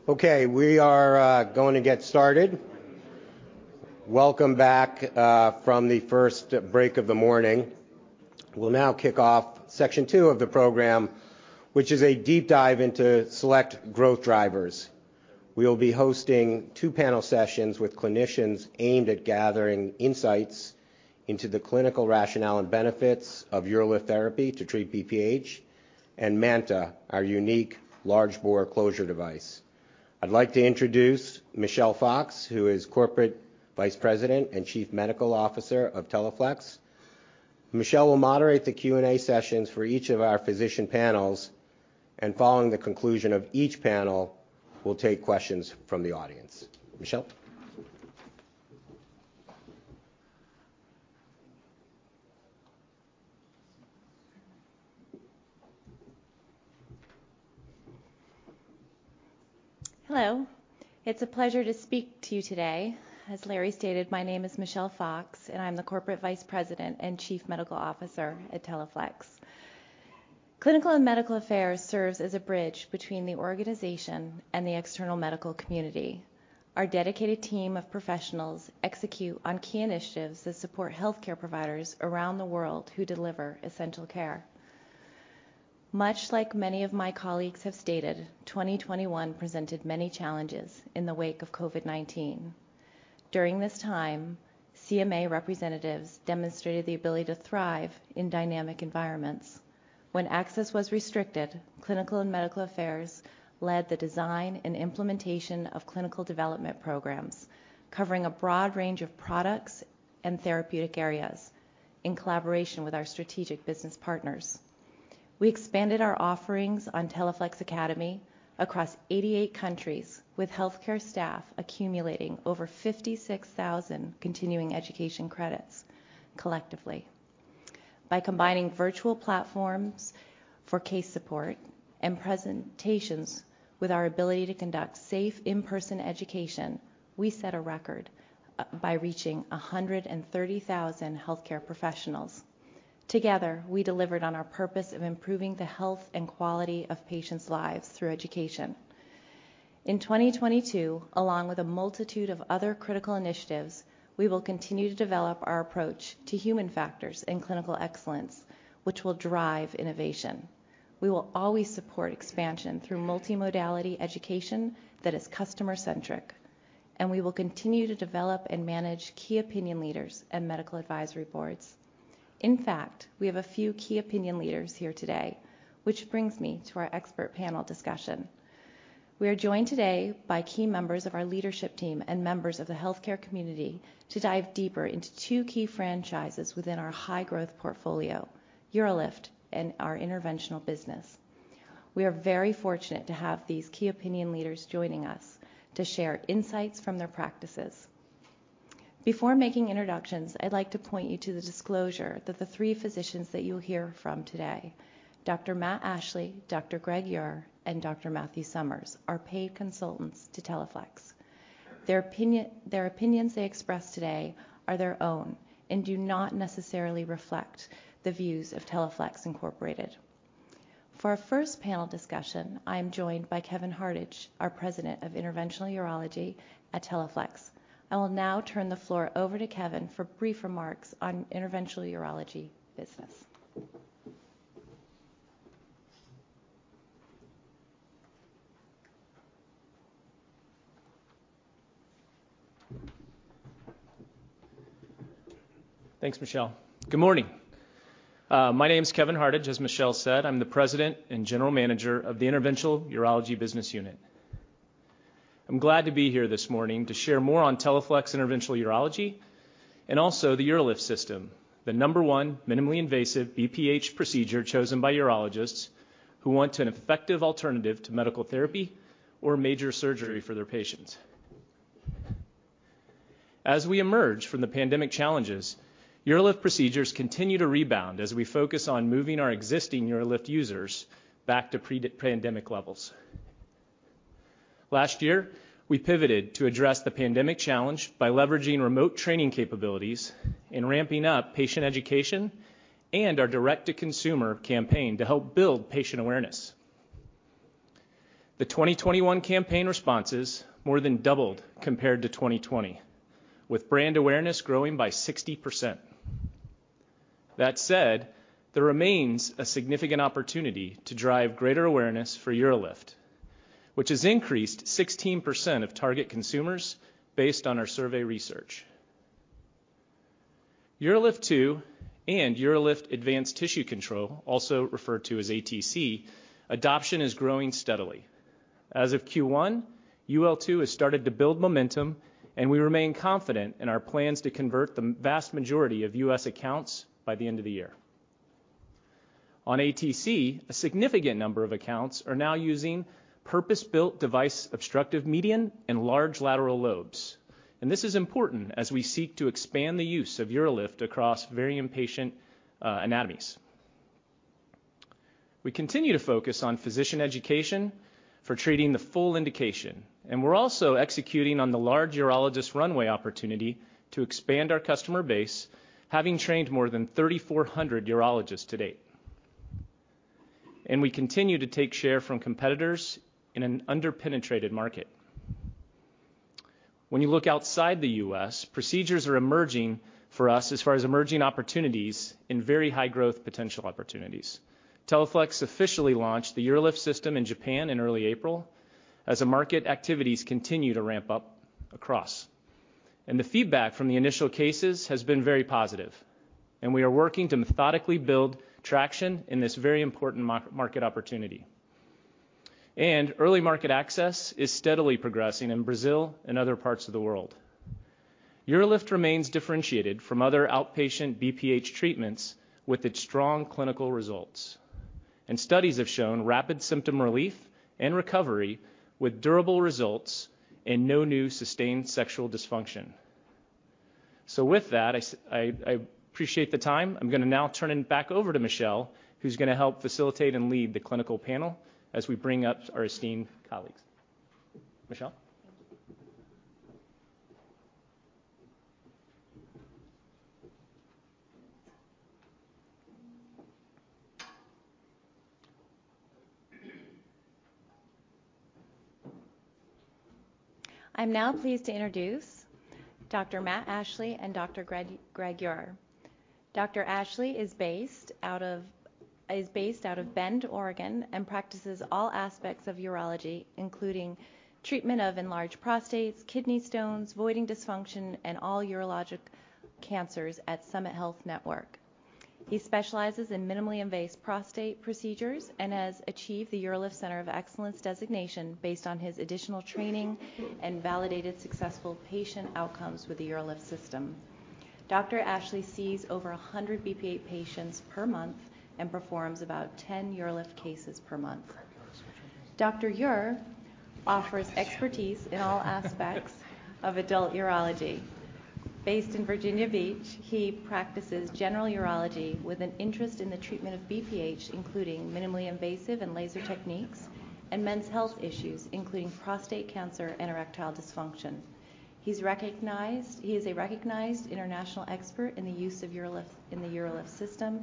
Thank you. Okay, we are going to get started. Welcome back from the first break of the morning. We'll now kick off section two of the program, which is a deep dive into select growth drivers. We'll be hosting two panel sessions with clinicians aimed at gathering insights into the clinical rationale and benefits of UroLift therapy to treat BPH and MANTA, our unique large bore closure device. I'd like to introduce Michelle Fox, who is Corporate Vice President and Chief Medical Officer of Teleflex. Michelle will moderate the Q&A sessions for each of our physician panels, and following the conclusion of each panel, we'll take questions from the audience. Michelle. Hello. It's a pleasure to speak to you today. As Larry stated, my name is Michelle Fox, and I'm the Corporate Vice President and Chief Medical Officer at Teleflex. Clinical and Medical Affairs serves as a bridge between the organization and the external medical community. Our dedicated team of professionals execute on key initiatives that support healthcare providers around the world who deliver essential care. Much like many of my colleagues have stated, 2021 presented many challenges in the wake of COVID-19. During this time, CMA representatives demonstrated the ability to thrive in dynamic environments. When access was restricted, clinical and medical affairs led the design and implementation of clinical development programs, covering a broad range of products and therapeutic areas in collaboration with our strategic business partners. We expanded our offerings on Teleflex Academy across 88 countries, with healthcare staff accumulating over 56,000 continuing education credits collectively. By combining virtual platforms for case support and presentations with our ability to conduct safe in-person education, we set a record by reaching 130,000 healthcare professionals. Together, we delivered on our purpose of improving the health and quality of patients' lives through education. In 2022, along with a multitude of other critical initiatives, we will continue to develop our approach to human factors and clinical excellence, which will drive innovation. We will always support expansion through multimodality education that is customer-centric, and we will continue to develop and manage key opinion leaders and medical advisory boards. In fact, we have a few key opinion leaders here today, which brings me to our expert panel discussion. We are joined today by key members of our leadership team and members of the healthcare community to dive deeper into two key franchises within our high-growth portfolio: UroLift and our interventional business. We are very fortunate to have these key opinion leaders joining us to share insights from their practices. Before making introductions, I'd like to point you to the disclosure that the three physicians that you'll hear from today, Dr. Matt Ashley, Dr. Greg Eure, and Dr. Matthew Summers, are paid consultants to Teleflex. Their opinions they express today are their own and do not necessarily reflect the views of Teleflex Incorporated. For our first panel discussion, I am joined by Kevin Hardage, our President of Interventional Urology at Teleflex. I will now turn the floor over to Kevin for brief remarks on interventional urology business. Thanks, Michelle. Good morning. My name's Kevin Hardage. As Michelle said, I'm the president and general manager of the Interventional Urology business unit. I'm glad to be here this morning to share more on Teleflex Interventional Urology and also the UroLift system, the number one minimally invasive BPH procedure chosen by urologists who want an effective alternative to medical therapy or major surgery for their patients. As we emerge from the pandemic challenges, UroLift procedures continue to rebound as we focus on moving our existing UroLift users back to pre-pandemic levels. Last year, we pivoted to address the pandemic challenge by leveraging remote training capabilities and ramping up patient education and our direct-to-consumer campaign to help build patient awareness. The 2021 campaign responses more than doubled compared to 2020, with brand awareness growing by 60%. That said, there remains a significant opportunity to drive greater awareness for UroLift, which has increased 16% of target consumers based on our survey research. UroLift 2 and UroLift Advanced Tissue Control, also referred to as ATC, adoption is growing steadily. As of first quarter, UL2 has started to build momentum, and we remain confident in our plans to convert the vast majority of US accounts by the end of the year. On ATC, a significant number of accounts are now using purpose-built devices for obstructive median and large lateral lobes, and this is important as we seek to expand the use of UroLift across various patient anatomies. We continue to focus on physician education for treating the full indication, and we're also executing on the large urologist runway opportunity to expand our customer base, having trained more than 3,400 urologists to date. We continue to take share from competitors in an under-penetrated market. When you look outside the US, procedures are emerging for us as far as emerging opportunities and very high-growth potential opportunities. Teleflex officially launched the UroLift system in Japan in early April as the market activities continue to ramp up across. The feedback from the initial cases has been very positive, and we are working to methodically build traction in this very important market opportunity. Early market access is steadily progressing in Brazil and other parts of the world. UroLift remains differentiated from other outpatient BPH treatments with its strong clinical results. Studies have shown rapid symptom relief and recovery with durable results and no new sustained sexual dysfunction. With that, I appreciate the time. I'm gonna now turn it back over to Michelle, who's gonna help facilitate and lead the clinical panel as we bring up our esteemed colleagues. Michelle? Thank you. I'm now pleased to introduce Dr. Matt Ashley and Dr. Greg Eure. Dr. Ashley is based out of Bend, Oregon, and practices all aspects of urology, including treatment of enlarged prostates, kidney stones, voiding dysfunction, and all urologic cancers at Summit Urology Medical Group. He specializes in minimally invasive prostate procedures and has achieved the UroLift Center of Excellence designation based on his additional training and validated successful patient outcomes with the UroLift system. Dr. Ashley sees over 100 BPH patients per month and performs about 10 UroLift cases per month. Great. Let's switch over. Dr. Greg Eure offers expertise in all aspects of adult urology. Based in Virginia Beach, he practices general urology with an interest in the treatment of BPH, including minimally invasive and laser techniques, and men's health issues, including prostate cancer and erectile dysfunction. He is a recognized international expert in the use of UroLift, in the UroLift system,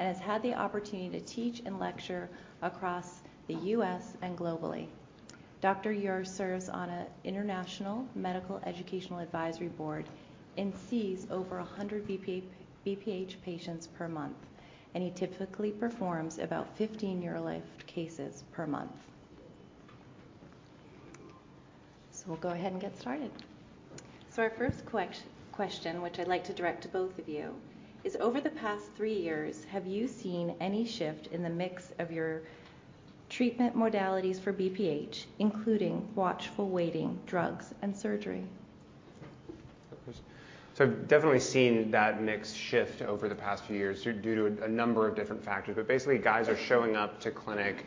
and has had the opportunity to teach and lecture across the US and globally. Dr. Greg Eure serves on an international medical educational advisory board and sees over 100 BPH patients per month, and he typically performs about 15 UroLift cases per month. We'll go ahead and get started. Our first question, which I'd like to direct to both of you, is over the past three years, have you seen any shift in the mix of your treatment modalities for BPH, including watchful waiting, drugs, and surgery? Good question. I've definitely seen that mix shift over the past few years due to a number of different factors. Basically, guys are showing up to clinic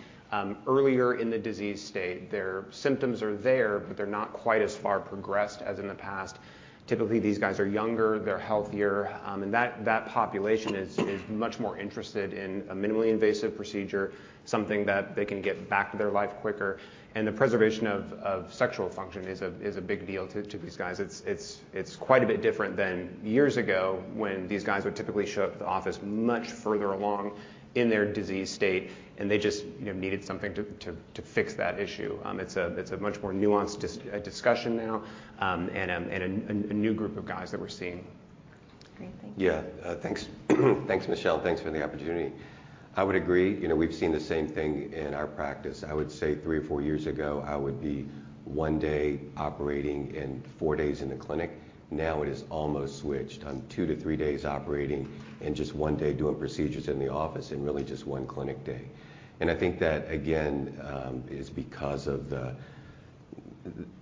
earlier in the disease state. Their symptoms are there, but they're not quite as far progressed as in the past. Typically, these guys are younger, they're healthier, and that population is much more interested in a minimally invasive procedure, something that they can get back to their life quicker. The preservation of sexual function is a big deal to these guys. It's quite a bit different than years ago when these guys would typically show up at the office much further along in their disease state, and they just, you know, needed something to fix that issue. It's a much more nuanced discussion now, and a new group of guys that we're seeing. Great. Thank you. Yeah. Thanks, Michelle, and thanks for the opportunity. I would agree. You know, we've seen the same thing in our practice. I would say three or four years ago, I would be one day operating and four days in the clinic. Now it is almost switched. I'm two to three days operating and just one day doing procedures in the office and really just one clinic day. I think that, again, is because of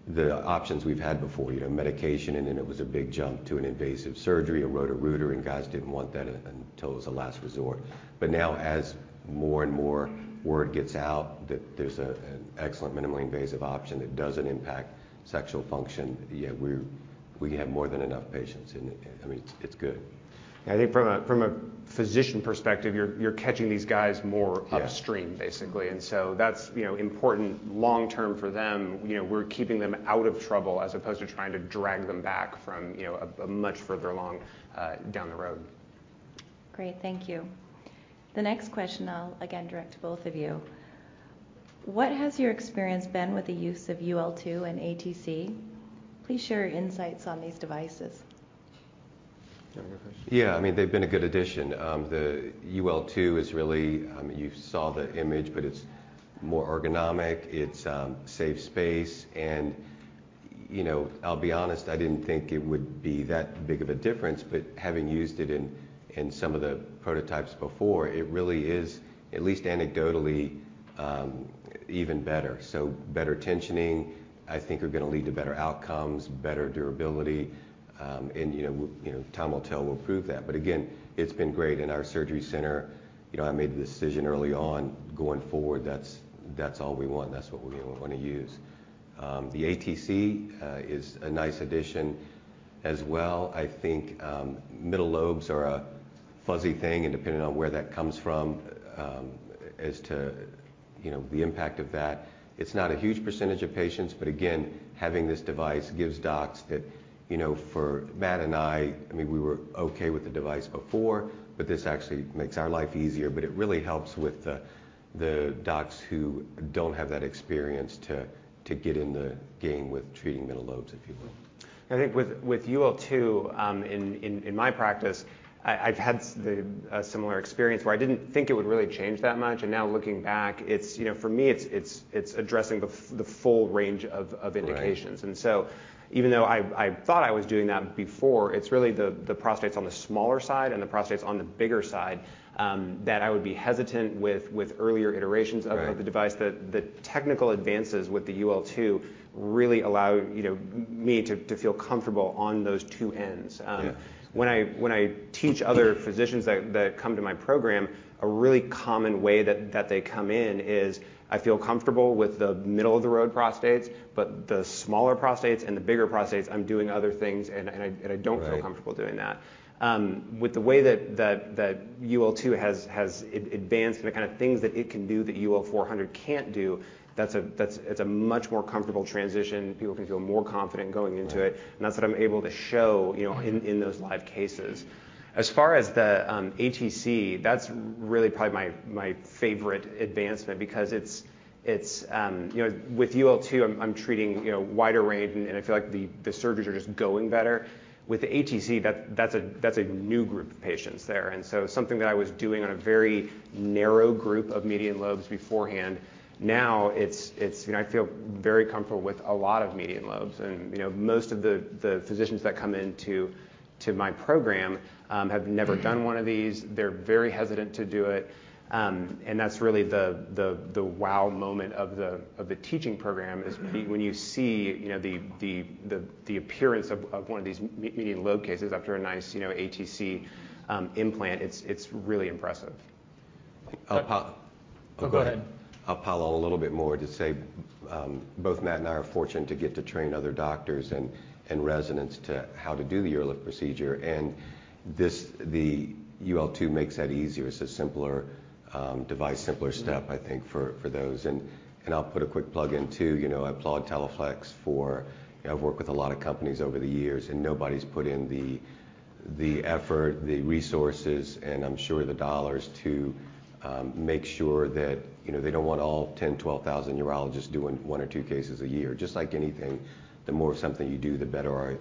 the options we've had before. You know, medication, and then it was a big jump to an invasive surgery. A roto-rooter, and guys didn't want that until it was a last resort. But now as more and more word gets out that there's an excellent minimally invasive option that doesn't impact sexual function, yeah, we have more than enough patients. I mean, it's good. I think from a physician perspective, you're catching these guys more... (crosstalk) Yeah. Upstream, basically. That's, you know, important long term for them. You know, we're keeping them out of trouble as opposed to trying to drag them back from, you know, a much further along down the road. Great. Thank you. The next question I'll again direct to both of you. What has your experience been with the use of UroLift 2 and ATC? Please share your insights on these devices. Do you want me to go first? Yeah. I mean, they've been a good addition. The UL2 is really, I mean, you saw the image, but it's more ergonomic. It saves space. You know, I'll be honest, I didn't think it would be that big of a difference, but having used it in some of the prototypes before, it really is, at least anecdotally, even better. Better tensioning, I think are gonna lead to better outcomes, better durability. You know, time will tell. We'll prove that. Again, it's been great. In our surgery center, you know, I made the decision early on, going forward, that's all we want. That's what we want to use. The ATC is a nice addition as well. I think middle lobes are a fuzzy thing and depending on where that comes from, as to, you know, the impact of that. It's not a huge percentage of patients, but again, having this device gives docs that, you know, for Matt and I mean, we were okay with the device before, but this actually makes our life easier. It really helps with the docs who don't have that experience to get in the game with treating middle lobes, if you will. I think with UL2 in my practice, I've had a similar experience where I didn't think it would really change that much, and now looking back, it's for me, it's addressing the full range of indications. Right. Even though I thought I was doing that before, it's really the prostates on the smaller side and the prostates on the bigger side that I would be hesitant with earlier iterations of... (crosstalk) Right. The device. The technical advances with the UL2 really allow, you know, me to feel comfortable on those two ends. Yeah. when I teach other physicians that come to my program, a really common way that they come in is, "I feel comfortable with the middle-of-the-road prostates, but the smaller prostates and the bigger prostates, I'm doing other things, and... Right. I don't feel comfortable doing that. With the way that UL2 has advanced and the kind of things that it can do that UL400 can't do, that's a much more comfortable transition. People can feel more confident going into it. Right. That's what I'm able to show, you know, in those live cases. As far as the ATC, that's really probably my favorite advancement because it's, you know, with UL2, I'm treating, you know, a wider range, and I feel like the surgeries are just going better. With the ATC, that's a new group of patients there. Something that I was doing on a very narrow group of median lobes beforehand, now it's, you know, I feel very comfortable with a lot of median lobes. You know, most of the physicians that come into my program have never done one of these. They're very hesitant to do it. That's really the wow moment of the teaching program is when you see, you know, the appearance of one of these median lobe cases after a nice, you know, ATC implant. It's really impressive. I'll pa... (crosstalk) Go ahead. I'll follow a little bit more to say, both Matt and I are fortunate to get to train other doctors and residents to how to do the UroLift procedure, and this, the UL2 makes that easier. It's a simpler device, simpler step, I think, for those. I'll put a quick plug in too. You know, I applaud Teleflex for. You know, I've worked with a lot of companies over the years, and nobody's put in the effort, the resources, and I'm sure the dollars to make sure that. You know, they don't want all 10,000 to 12,000 urologists doing one or two cases a year. Just like anything, the more of something you do, the better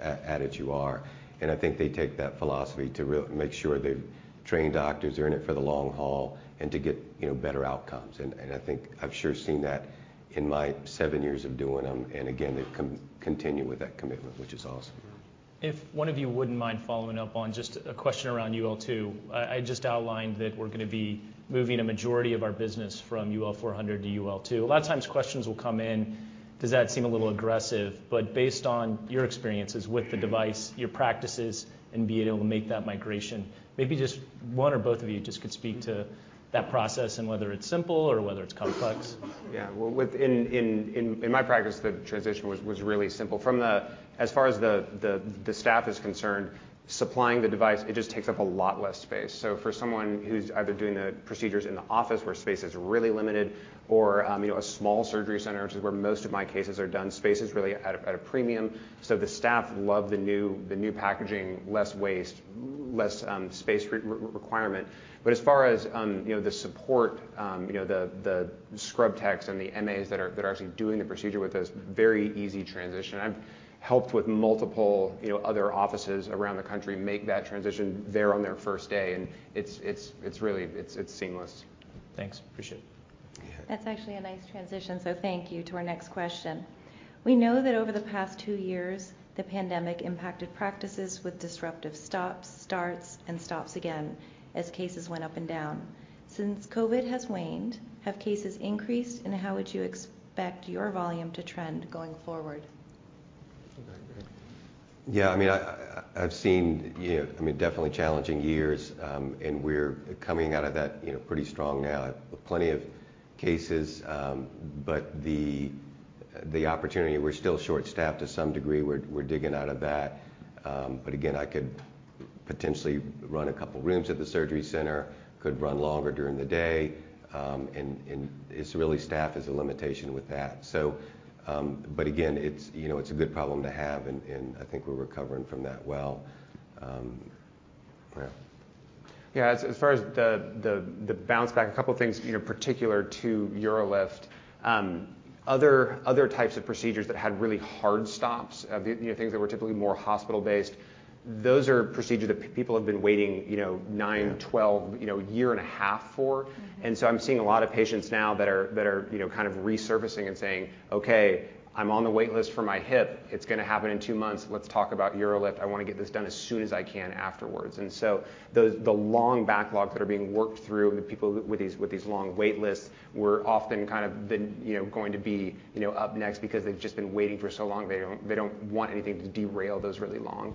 at it you are. I think they take that philosophy to make sure they've trained doctors, they're in it for the long haul and to get, you know, better outcomes. I think I've surely seen that in my seven years of doing them. They continue with that commitment, which is awesome. If one of you wouldn't mind following up on just a question around UL2. I just outlined that we're gonna be moving a majority of our business from UL400 to UL2. A lot of times, questions will come in, "Does that seem a little aggressive?" Based on your experiences with the device, your practices, and being able to make that migration, maybe just one or both of you just could speak to that process and whether it's simple or whether it's complex? Yeah. Well, in my practice, the transition was really simple. As far as the staff is concerned, supplying the device, it just takes up a lot less space. For someone who's either doing the procedures in the office where space is really limited or you know, a small surgery center, which is where most of my cases are done, space is really at a premium. The staff love the new packaging. Less waste, less space requirement. As far as you know, the support, you know, the scrub techs and the MAs that are actually doing the procedure with us, very easy transition. I've helped with multiple, you know, other offices around the country make that transition there on their first day, and it's really seamless. Thanks. Appreciate it. Yeah. That's actually a nice transition, so thank you, to our next question. We know that over the past two years, the pandemic impacted practices with disruptive stops, starts, and stops again as cases went up and down. Since COVID has waned, have cases increased, and how would you expect your volume to trend going forward? Okay. Yeah, I mean, I've seen, you know, I mean, definitely challenging years. We're coming out of that, you know, pretty strong now. Plenty of cases, but the opportunity, we're still short-staffed to some degree. We're digging out of that. I could potentially run a couple rooms at the surgery center, could run longer during the day. It's really staff is a limitation with that. Again, it's, you know, it's a good problem to have and I think we're recovering from that well. Yeah. Yeah, as far as the bounce back, a couple things, you know, particular to UroLift. Other types of procedures that had really hard stops, you know, things that were typically more hospital-based, those are procedures that people have been waiting, you know. Yeah. 9, 12, you know, a year and a half for. Mm-hmm. I'm seeing a lot of patients now that are, you know, kind of resurfacing and saying, "Okay, I'm on the wait list for my hip. It's gonna happen in two months. Let's talk about UroLift. I want to get this done as soon as I can afterwards." The long backlogs that are being worked through, the people with these long wait lists were often kind of, you know, going to be up next because they've just been waiting for so long. They don't want anything to derail those really long,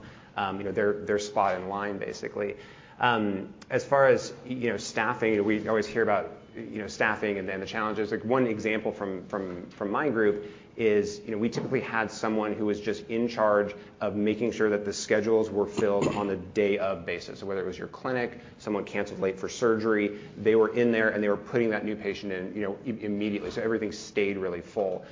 you know, their spot in line, basically. As far as, you know, staffing, we always hear about, you know, staffing and then the challenges. Like, one example from my group is, you know, we typically had someone who was just in charge of making sure that the schedules were filled on a day-of basis. So whether it was your clinic, someone canceled late for surgery, they were in there, and they were putting that new patient in, you know, immediately. So everything stayed really full.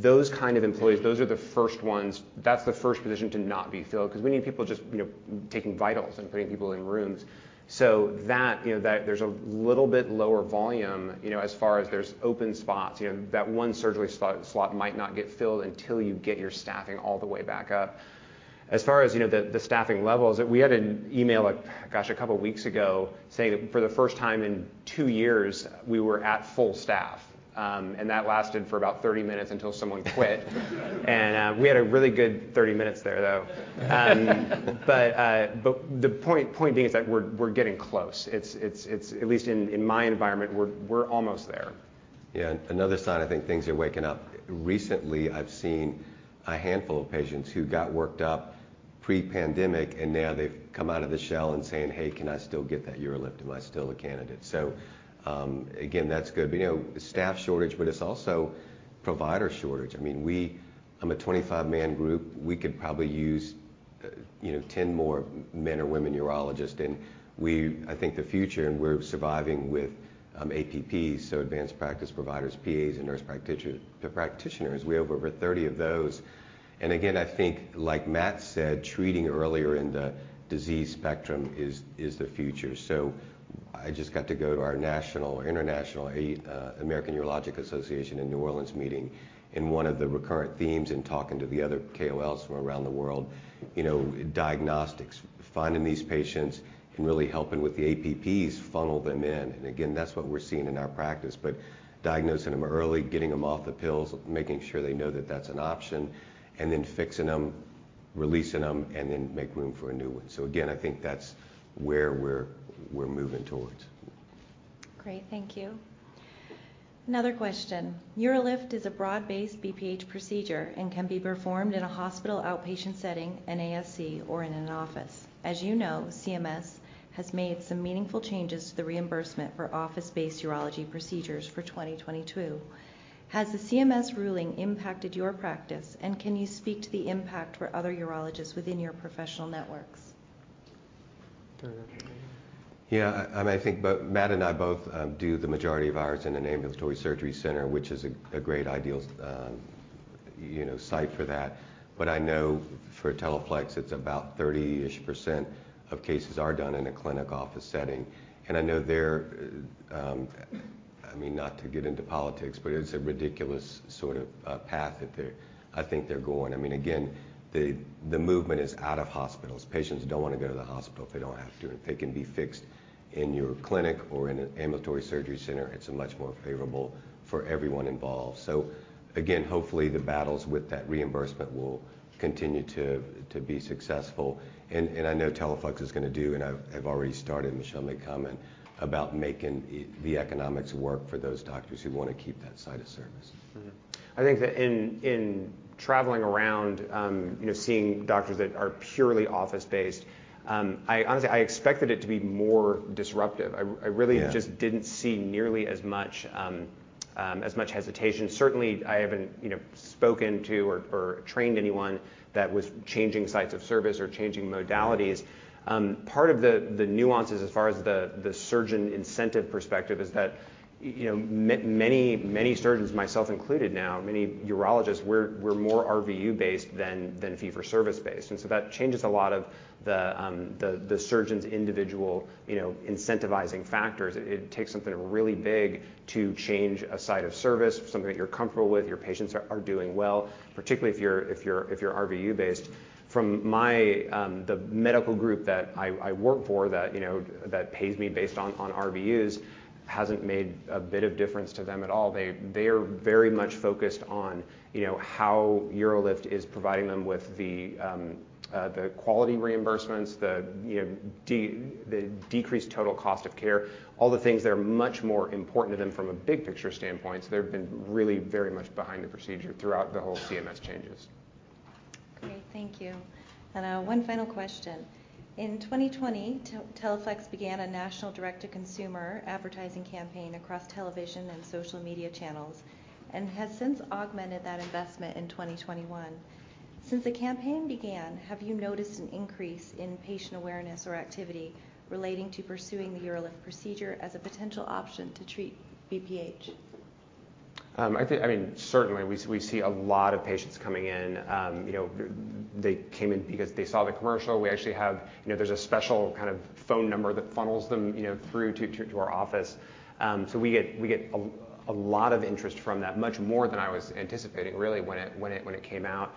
Those kind of employees, those are the first ones. That's the first position to not be filled cause we need people just, you know, taking vitals and putting people in rooms. So that there's a little bit lower volume, you know, as far as there's open spots. You know, that one surgery slot might not get filled until you get your staffing all the way back up. As far as, you know, the staffing levels, we had an email like, gosh, a couple weeks ago saying that for the first time in two years, we were at full staff. That lasted for about 30 minutes until someone quit. We had a really good 30 minutes there, though. The point being is that we're getting close. It's at least in my environment, we're almost there. Yeah. Another sign I think things are waking up. Recently, I've seen a handful of patients who got worked up pre-pandemic, and now they've come out of the shell and saying, "Hey, can I still get that UroLift? Am I still a candidate?" Again, that's good. You know, staff shortage, but it's also provider shortage. I mean, I'm a 25-man group. We could probably use, you know, 10 more men or women urologists. I think the future, and we're surviving with APPs, so advanced practice providers, PAs and nurse practitioners. We have over 30 of those. Again, I think, like Matt said, treating earlier in the disease spectrum is the future. I just got to go to our national or international A, American Urological Association in New Orleans meeting, and one of the recurrent themes in talking to the other KOLs from around the world, you know, diagnostics, finding these patients, and really helping with the APPs funnel them in. That's what we're seeing in our practice. Diagnosing them early, getting them off the pills, making sure they know that that's an option, and then fixing them, releasing them, and then make room for a new one. I think that's where we're moving towards. Great. Thank you. Another question. UroLift is a broad-based BPH procedure and can be performed in a hospital outpatient setting, an ASC, or in an office. As you know, CMS has made some meaningful changes to the reimbursement for office-based urology procedures for 2022. Has the CMS ruling impacted your practice, and can you speak to the impact for other urologists within your professional networks? Fair enough. Yeah, I think both Matt and I do the majority of ours in an ambulatory surgery center, which is a great idea, you know, site for that. I know for Teleflex, it's about 30%-ish of cases are done in a clinic office setting. I know they're. I mean, not to get into politics, but it's a ridiculous sort of path that they're, I think they're going. I mean, again, the movement is out of hospitals. Patients don't want to go to the hospital if they don't have to. If they can be fixed in your clinic or in an ambulatory surgery center, it's much more favorable for everyone involved. Again, hopefully the battles with that reimbursement will continue to be successful. I know Teleflex is gonna do, and I've already started. Michelle may comment about making the economics work for those doctors who want to keep that site of service. Mm-hmm. I think that in traveling around, you know, seeing doctors that are purely office based, I honestly expected it to be more disruptive. I really... (crosstalk) Yeah. Just didn't see nearly as much hesitation. Certainly, I haven't, you know, spoken to or trained anyone that was changing sites of service or changing modalities. Right. Part of the nuances as far as the surgeon incentive perspective is that, you know, many surgeons, myself included now, many urologists, we're more RVU based than fee-for-service based. That changes a lot of the surgeon's individual, you know, incentivizing factors. It takes something really big to change a site of service for something that you're comfortable with, your patients are doing well, particularly if you're RVU based. From the medical group that I work for that, you know, that pays me based on RVUs hasn't made a bit of difference to them at all. They are very much focused on, you know, how UroLift is providing them with the quality reimbursements, the, you know, the decreased total cost of care, all the things that are much more important to them from a big picture standpoint. They've been really very much behind the procedure throughout the whole CMS changes. Great. Thank you. One final question. In 2020, Teleflex began a national direct-to-consumer advertising campaign across television and social media channels and has since augmented that investment in 2021. Since the campaign began, have you noticed an increase in patient awareness or activity relating to pursuing the UroLift procedure as a potential option to treat BPH? I think, I mean, certainly, we see a lot of patients coming in. You know, they came in because they saw the commercial. We actually have, you know, there's a special kind of phone number that funnels them, you know, through to our office. So, we get a lot of interest from that, much more than I was anticipating really when it came out.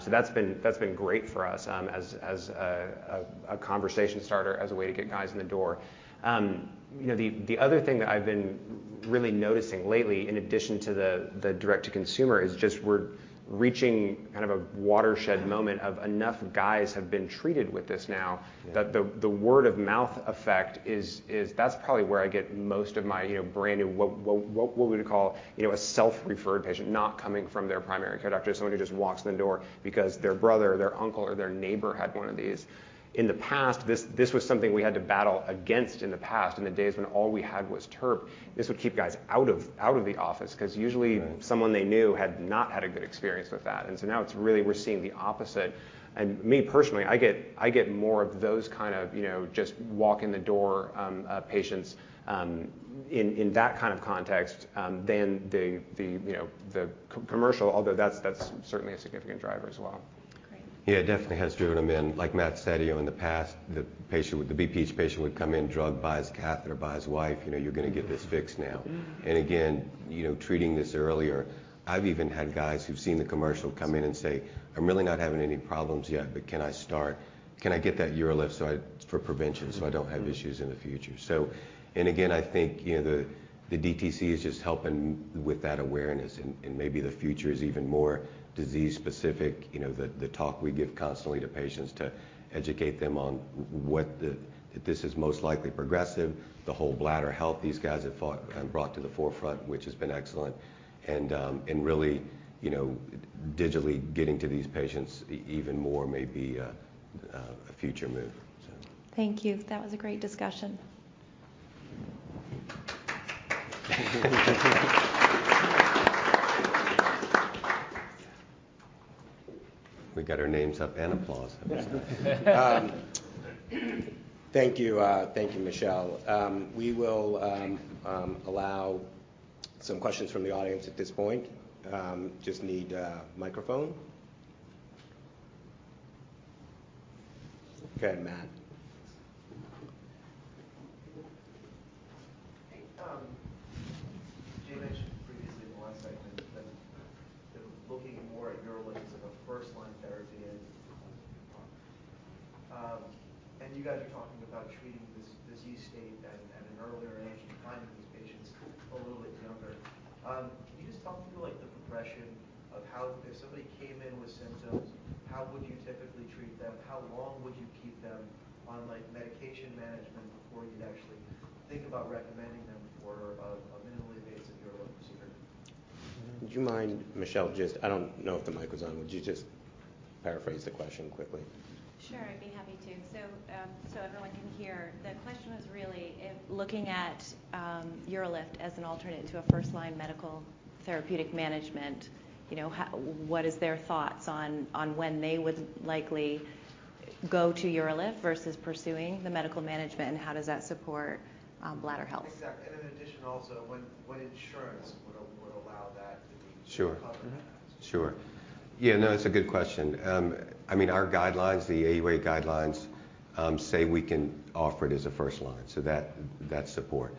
So that's been great for us as a conversation starter, as a way to get guys in the door. You know, the other thing that I've been really noticing lately in addition to the direct to consumer is just we're reaching kind of a watershed moment of enough guys have been treated with this now. Yeah. That the word of mouth effect is that's probably where I get most of my, you know, brand new what we would call, you know, a self-referred patient not coming from their primary care doctor, someone who just walks in the door because their brother, their uncle, or their neighbor had one of these. In the past, this was something we had to battle against in the past, in the days when all we had was TURP. This would keep guys out of the office cause usually. Right. Someone they knew had not had a good experience with that. Now it's really we're seeing the opposite, and me personally, I get more of those kind of, you know, just walk in the door patients in that kind of context than the, you know, the commercial, although that's certainly a significant driver as well. Great. Yeah, it definitely has driven them in. Like Matt said, you know, in the past, the BPH patient would come in drugged by his cath or by his wife. You know, "You're gonna get this fixed now. Mm. Again, you know, treating this earlier, I've even had guys who've seen the commercial come in and say, "I'm really not having any problems yet, but can I start? Can I get that UroLift so I-- for prevention so I don't have issues in the future? Mm-hmm. Again, I think you know the DTC is just helping with that awareness and maybe the future is even more disease specific. You know the talk we give constantly to patients to educate them on that this is most likely progressive, the whole bladder health these guys have brought to the forefront, which has been excellent and really you know digitally getting to these patients even more may be a future move. Thank you. That was a great discussion. We got our names up and applause. How about that? Thank you. Thank you, Michelle. We will allow some questions from the audience at this point. Just need a microphone. Go ahead, Matt. Hey, Jay mentioned previously in the last segment that looking more at UroLift as a first-line therapy and you guys are talking about treating this disease state at an earlier age and finding these patients a little bit younger. Can you just talk through like the progression of how, if somebody came in with symptoms, how would you typically treat them? How long would you keep them on, like, medication management before you'd actually think about recommending them for a minimally invasive UroLift procedure? Would you mind, Michelle, I don't know if the mic was on. Would you just paraphrase the question quickly? Sure. I'd be happy to. Everyone can hear, the question was really if looking at UroLift as an alternate to a first-line medical therapeutic management, you know, what is their thoughts on when they would likely go to UroLift versus pursuing the medical management, and how does that support bladder health? Exactly. In addition, also, what insurance would allow that to be... (crosstalk) Sure. Covered. Sure. Yeah, no, it's a good question. I mean, our guidelines, the AUA guidelines, say we can offer it as a first line, so that's support.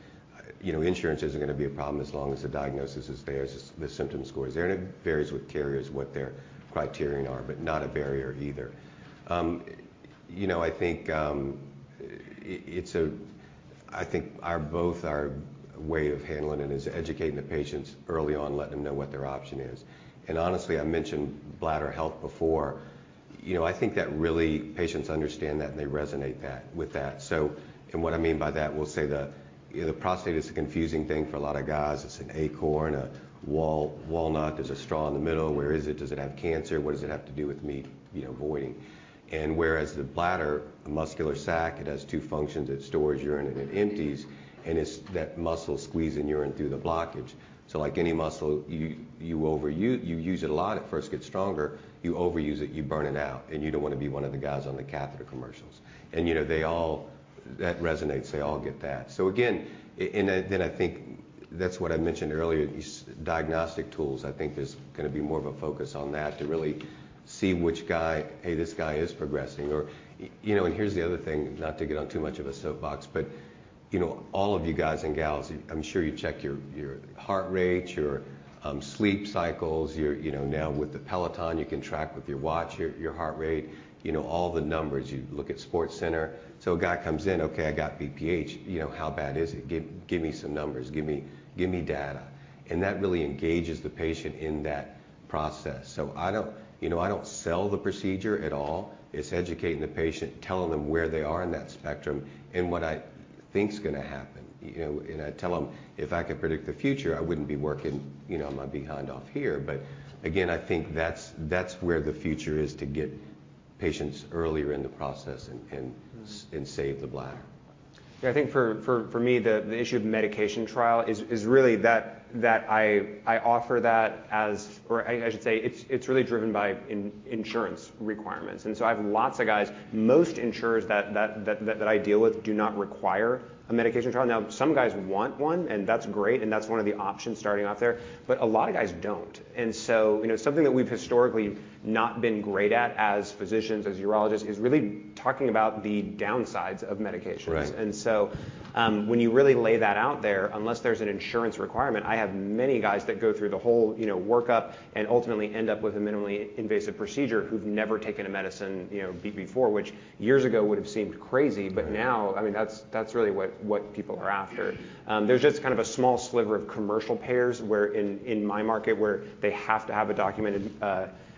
You know, insurance isn't gonna be a problem as long as the diagnosis is there, the symptom score is there. It varies with carriers, what their criteria are, but not a barrier either. You know, I think it's both our way of handling it is educating the patients early on, letting them know what their option is. Honestly, I mentioned bladder health before. You know, I think that really patients understand that, and they resonate with that. What I mean by that, we'll say, you know, the prostate is a confusing thing for a lot of guys. It's an acorn, a walnut. There's a straw in the middle. Where is it? Does it have cancer? What does it have to do with me, you know, voiding? Whereas the bladder, a muscular sac, it has two functions. It stores urine, and it empties, and it's that muscle squeezing urine through the blockage. Like any muscle, you overuse it a lot, it first gets stronger. You overuse it, you burn it out, and you don't want to be one of the guys on the catheter commercials. You know, they all. That resonates. They all get that. Again, and then I think that's what I mentioned earlier, these diagnostic tools. I think there's gonna be more of a focus on that to really see which guy, hey, this guy is progressing. You know, here's the other thing, not to get on too much of a soapbox, but you know, all of you guys and gals, I'm sure you check your heart rate, your sleep cycles, you know. With the Peloton, you can track with your watch your heart rate, you know, all the numbers. You look at SportsCenter. A guy comes in, "Okay, I got BPH. You know, how bad is it? Give me some numbers. Give me data." That really engages the patient in that process. I don't, you know, I don't sell the procedure at all. It's educating the patient, telling them where they are in that spectrum and what I think's gonna happen. You know, I tell 'em, "If I could predict the future, I wouldn't be working, you know, my behind off here." Again, I think that's where the future is to get patients earlier in the process and save the bladder. Yeah. I think for me, the issue of medication trial is really that I offer that as—or I should say it's really driven by insurance requirements. I have lots of guys, most insurers that I deal with do not require a medication trial. Now, some guys want one, and that's great, and that's one of the options starting off there, but a lot of guys don't. You know, something that we've historically not been great at as physicians, as urologists, is really talking about the downsides of medications. Right. When you really lay that out there, unless there's an insurance requirement, I have many guys that go through the whole, you know, workup and ultimately end up with a minimally invasive procedure who've never taken a medicine, you know, before, which years ago would've seemed crazy. Right. now, I mean, that's really what people are after. There's just kind of a small sliver of commercial payers where in my market where they have to have a documented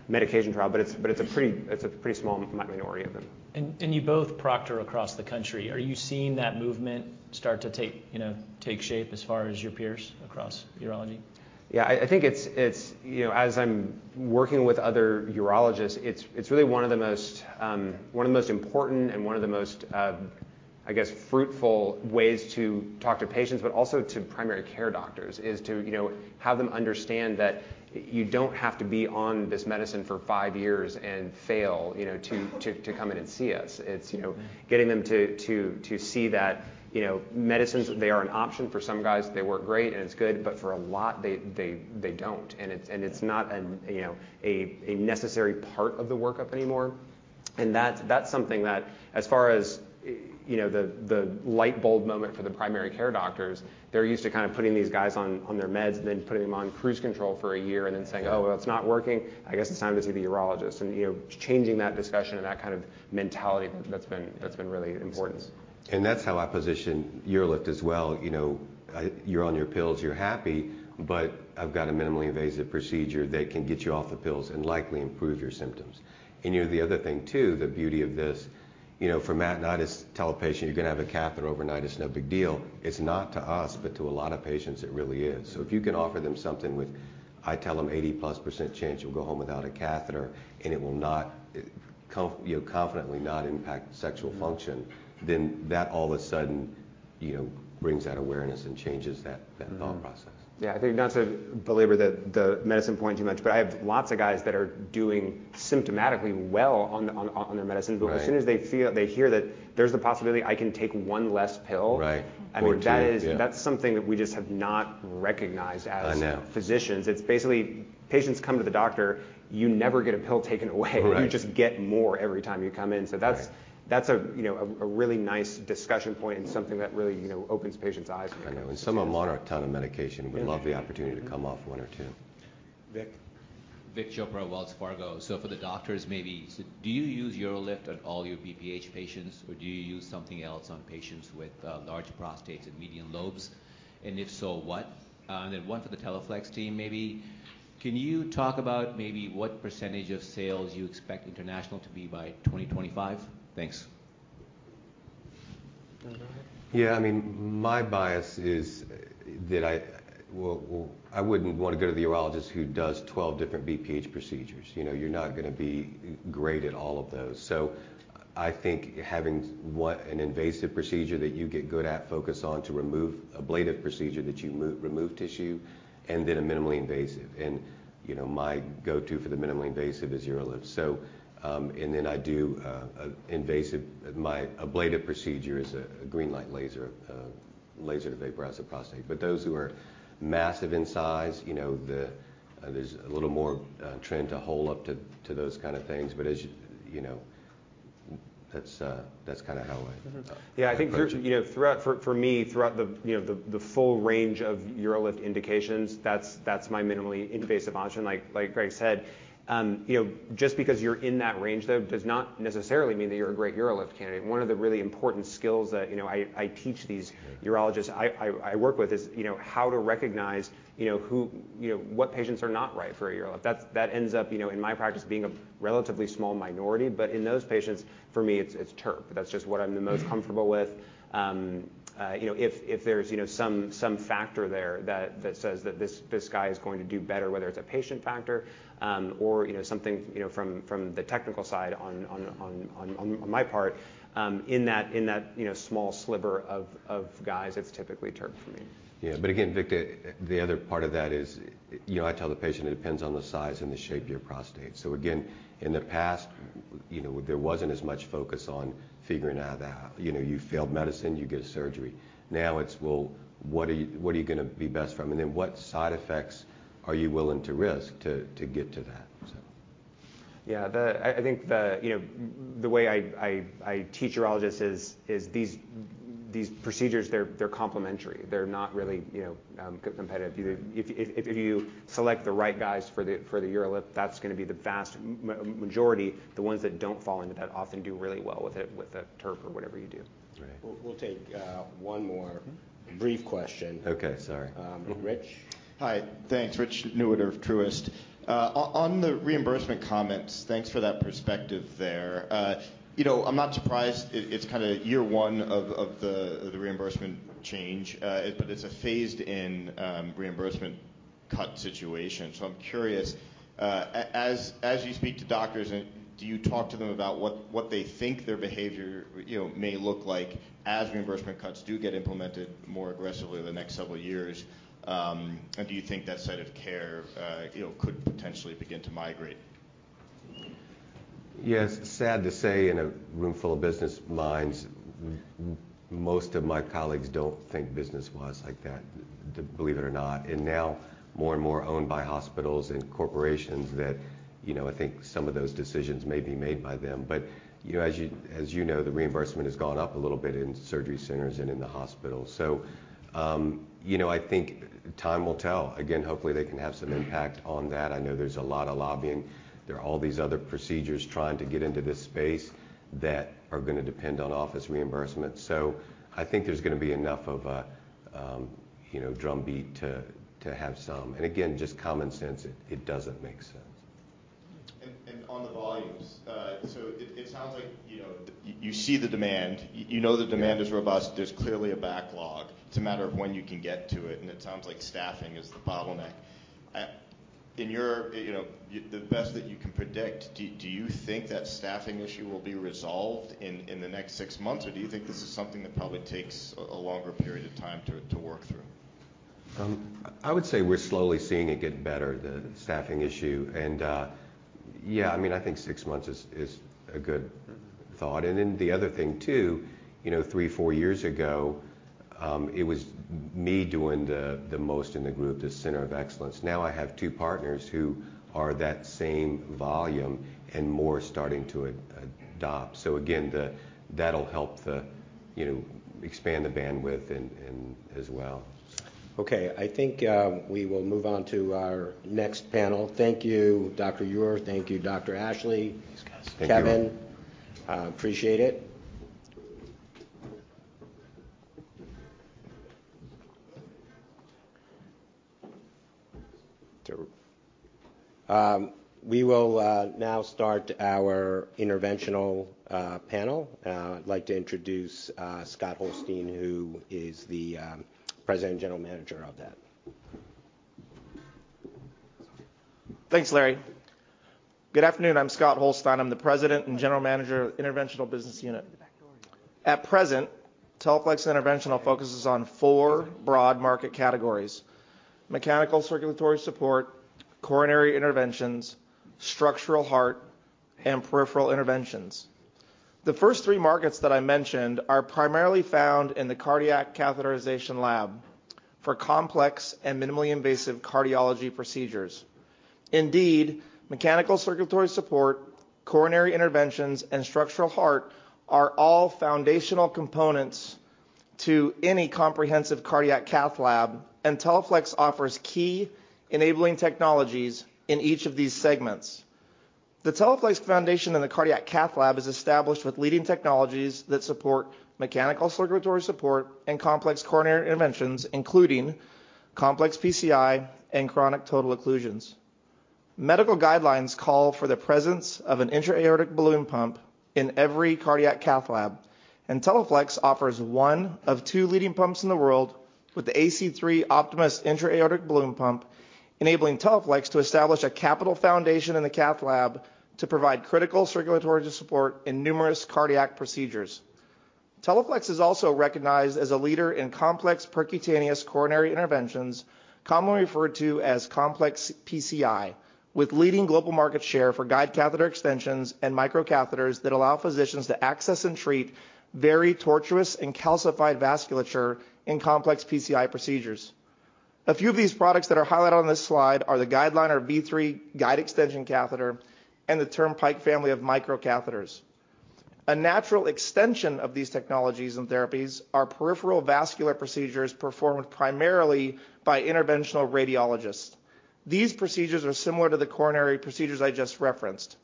medication trial, but it's a pretty small minority of them. You both proctor across the country. Are you seeing that movement start to take, you know, take shape as far as your peers across urology? I think it's, you know, as I'm working with other urologists, it's really one of the most important and one of the most, I guess, fruitful ways to talk to patients but also to primary care doctors, is to, you know, have them understand that you don't have to be on this medicine for five years and fail, you know, to come in and see us. It's, you know, getting them to see that, you know, medicines, they are an option. For some guys, they work great, and it's good, but for a lot, they don't. It's not, you know, a necessary part of the workup anymore. That's something that as far as, you know, the light bulb moment for the primary care doctors, they're used to kind of putting these guys on their meds and then putting them on cruise control for a year and then saying, "Oh, well, it's not working. I guess it's time to see the urologist." You know, changing that discussion and that kind of mentality, that's been really important. That's how I position UroLift as well. You know, you're on your pills. You're happy. I've got a minimally invasive procedure that can get you off the pills and likely improve your symptoms. You know, the other thing too, the beauty of this, you know, for Matt and I to tell a patient, "You're gonna have a catheter overnight. It's no big deal," it's not to us, but to a lot of patients it really is. If you can offer them something with, I tell them 80+% chance you'll go home without a catheter, and it will, you know, confidently not impact sexual function, then that all of a sudden, you know, brings that awareness and changes that thought process. Yeah. I think not to belabor the medicine point too much, but I have lots of guys that are doing symptomatically well on their medicines. Right. As soon as they hear that there's the possibility I can take one less pill. Right. Two, yeah I mean, that's something that we just have not recognized as. I know. physicians. It's basically patients come to the doctor. You never get a pill taken away. Right. You just get more every time you come in. Right. That's a, you know, really nice discussion point and something that really, you know, opens patients' eyes for them. I know. Some of them are on a ton of medication... (crosstalk) Mm-hmm. Would love the opportunity... (crosstalk) Mm-hmm. To come off one or two. Vic? Vik Chopra, Wells Fargo. For the doctors maybe, do you use UroLift on all your BPH patients or do you use something else on patients with large prostates and median lobes? And if so, what? And then one for the Teleflex team maybe. Can you talk about maybe what percentage of sales you expect international to be by 2025? Thanks. You want to go ahead? Yeah. I mean, my bias is that I wouldn't want to go to the urologist who does 12 different BPH procedures. You know, you're not gonna be great at all of those. I think having an invasive procedure that you get good at, focus on to remove, ablative procedure that you remove tissue, and then a minimally invasive. You know, my go-to for the minimally invasive is UroLift. I do an invasive, my ablative procedure is a green light laser to vaporize the prostate. Those who are massive in size, you know, there's a little more trend to HoLEP to those kind of things. As you know. That's kind of how I- Mm-hmm. Approach it. Yeah. I think you know, for me, throughout the full range of UroLift indications, that's my minimally invasive option. Like Greg said, you know, just because you're in that range though does not necessarily mean that you're a great UroLift candidate. One of the really important skills that you know, I teach these urologists I work with is you know, how to recognize you know, who you know, what patients are not right for a UroLift. That ends up you know, in my practice being a relatively small minority. In those patients, for me, it's TURP. That's just what I'm the most comfortable with. You know, if there's some factor there that says that this guy is going to do better, whether it's a patient factor or you know something you know from the technical side on my part, in that small sliver of guys, it's typically TURP for me. Yeah. Again, Vik, the other part of that is, you know, I tell the patient it depends on the size and the shape of your prostate. Again, in the past, you know, there wasn't as much focus on figuring out how, you know, you failed medicine, you get a surgery. Now it's, "Well, what are you gonna be best from? And then what side effects are you willing to risk to get to that? Yeah. I think the, you know, the way I teach urologists is these procedures, they're complementary. They're not really, you know, competitive. If you select the right guys for the UroLift, that's gonna be the vast majority. The ones that don't fall into that often do really well with a TURP or whatever you do. That's right. We'll take one more. Mm-hmm. Brief question. Okay, sorry. Rich. Hi. Thanks. Rich Newitter of Truist. On the reimbursement comments, thanks for that perspective there. You know, I'm not surprised it's kind of year one of the reimbursement change. It's a phased in reimbursement cut situation. I'm curious, as you speak to doctors and do you talk to them about what they think their behavior you know may look like as reimbursement cuts do get implemented more aggressively over the next several years? Do you think that side of care you know could potentially begin to migrate? Yeah. It's sad to say, in a room full of business minds, most of my colleagues don't think business-wise like that, believe it or not. Now more and more owned by hospitals and corporations that, you know, I think some of those decisions may be made by them. You know, as you know, the reimbursement has gone up a little bit in surgery centers and in the hospitals. You know, I think time will tell. Again, hopefully they can have some impact on that. I know there's a lot of lobbying. There are all these other procedures trying to get into this space that are gonna depend on office reimbursement. I think there's gonna be enough of a, you know, drumbeat to have some. Again, just common sense, it doesn't make sense. On the volumes, so it sounds like, you know, you see the demand. You know the demand... (crosstalk) Yeah. Is robust. There's clearly a backlog. It's a matter of when you can get to it, and it sounds like staffing is the bottleneck. You know, the best that you can predict, do you think that staffing issue will be resolved in the next six months, or do you think this is something that probably takes a longer period of time to work through? I would say we're slowly seeing it get better, the staffing issue. Yeah, I mean, I think six months is a good thought. Then the other thing too, you know, three to four years ago, it was me doing the most in the group, the Center of Excellence. Now I have two partners who are that same volume and more starting to adopt. Again, that'll help the, you know, expand the bandwidth and as well. Okay. I think we will move on to our next panel. Thank you, Dr. Eure. Thank you, Dr. Ashley. Thanks, guys. Thank you. Kevin. Appreciate it. We will now start our interventional panel. I'd like to introduce Scott Holstine, who is the President and General Manager of that. Thanks, Larry. Good afternoon. I'm Scott Holstine. I'm the President and General Manager of the Interventional Business Unit. At present, Teleflex Interventional focuses on four broad market categories: mechanical circulatory support, coronary interventions, structural heart, and peripheral interventions. The first three markets that I mentioned are primarily found in the cardiac catheterization lab for complex and minimally invasive cardiology procedures. Indeed, mechanical circulatory support, coronary interventions, and structural heart are all foundational components to any comprehensive cardiac cath lab, and Teleflex offers key enabling technologies in each of these segments. The Teleflex foundation in the cardiac cath lab is established with leading technologies that support mechanical circulatory support and complex coronary interventions, including complex PCI and chronic total occlusions. Medical guidelines call for the presence of an intra-aortic balloon pump in every cardiac cath lab, and Teleflex offers one of two leading pumps in the world with the AC3 Optimus intra-aortic balloon pump, enabling Teleflex to establish a capital foundation in the cath lab to provide critical circulatory support in numerous cardiac procedures. Teleflex is also recognized as a leader in complex percutaneous coronary interventions, commonly referred to as complex PCI, with leading global market share for guide catheter extensions and micro catheters that allow physicians to access and treat very tortuous and calcified vasculature in complex PCI procedures. A few of these products that are highlighted on this slide are the GuideLiner V3 guide extension catheter and the Turnpike family of micro catheters. A natural extension of these technologies and therapies are peripheral vascular procedures performed primarily by interventional radiologists. These procedures are similar to the coronary procedures I just referenced.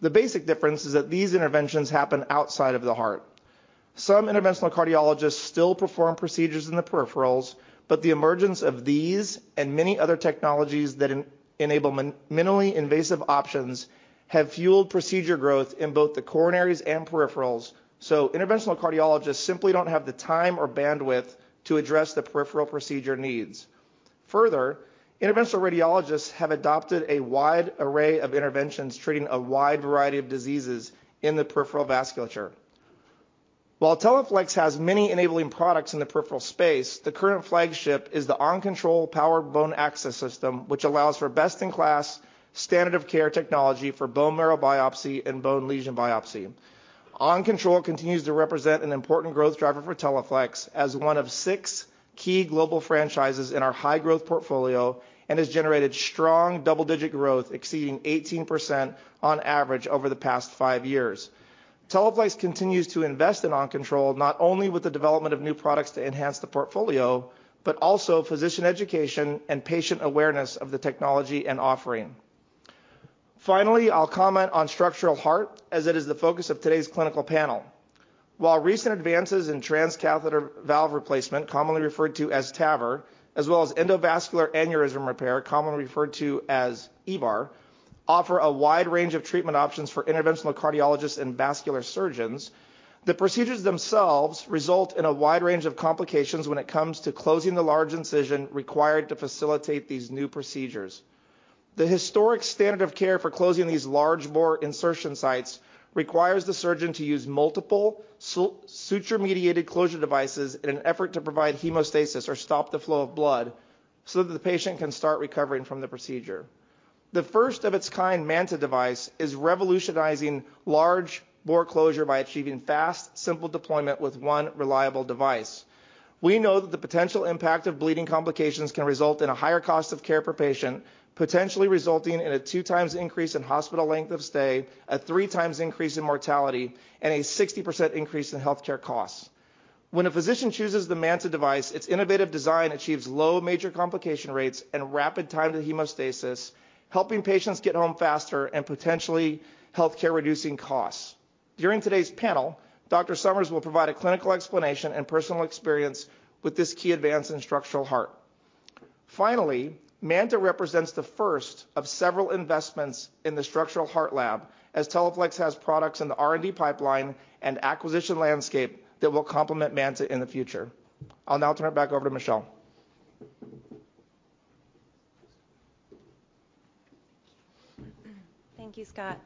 The basic difference is that these interventions happen outside of the heart. Some interventional cardiologists still perform procedures in the peripherals, but the emergence of these and many other technologies that enable minimally invasive options have fueled procedure growth in both the coronaries and peripherals. Interventional cardiologists simply don't have the time or bandwidth to address the peripheral procedure needs. Further, interventional radiologists have adopted a wide array of interventions treating a wide variety of diseases in the peripheral vasculature. While Teleflex has many enabling products in the peripheral space, the current flagship is the OnControl powered bone access system, which allows for best in class standard of care technology for bone marrow biopsy and bone lesion biopsy. OnControl continues to represent an important growth driver for Teleflex as one of six key global franchises in our high growth portfolio, and has generated strong double-digit growth exceeding 18% on average over the past five years. Teleflex continues to invest in OnControl not only with the development of new products to enhance the portfolio, but also physician education and patient awareness of the technology and offering. Finally, I'll comment on structural heart as it is the focus of today's clinical panel. While recent advances in transcatheter valve replacement, commonly referred to as TAVR, as well as endovascular aneurysm repair, commonly referred to as EVAR, offer a wide range of treatment options for interventional cardiologists and vascular surgeons. The procedures themselves result in a wide range of complications when it comes to closing the large incision required to facilitate these new procedures. The historic standard of care for closing these large bore insertion sites requires the surgeon to use multiple suture mediated closure devices in an effort to provide hemostasis or stop the flow of blood so that the patient can start recovering from the procedure. The first of its kind MANTA device is revolutionizing large bore closure by achieving fast, simple deployment with one reliable device. We know that the potential impact of bleeding complications can result in a higher cost of care per patient, potentially resulting in a 2x increase in hospital length of stay, a 3x increase in mortality, and a 60% increase in healthcare costs. When a physician chooses the MANTA device, its innovative design achieves low major complication rates and rapid time to hemostasis, helping patients get home faster and potentially reducing healthcare costs. During today's panel, Dr. Summers will provide a clinical explanation and personal experience with this key advance in structural heart. Finally, MANTA represents the first of several investments in the structural heart lab as Teleflex has products in the R&D pipeline and acquisition landscape that will complement MANTA in the future. I'll now turn it back over to Michelle. Thank you, Scott.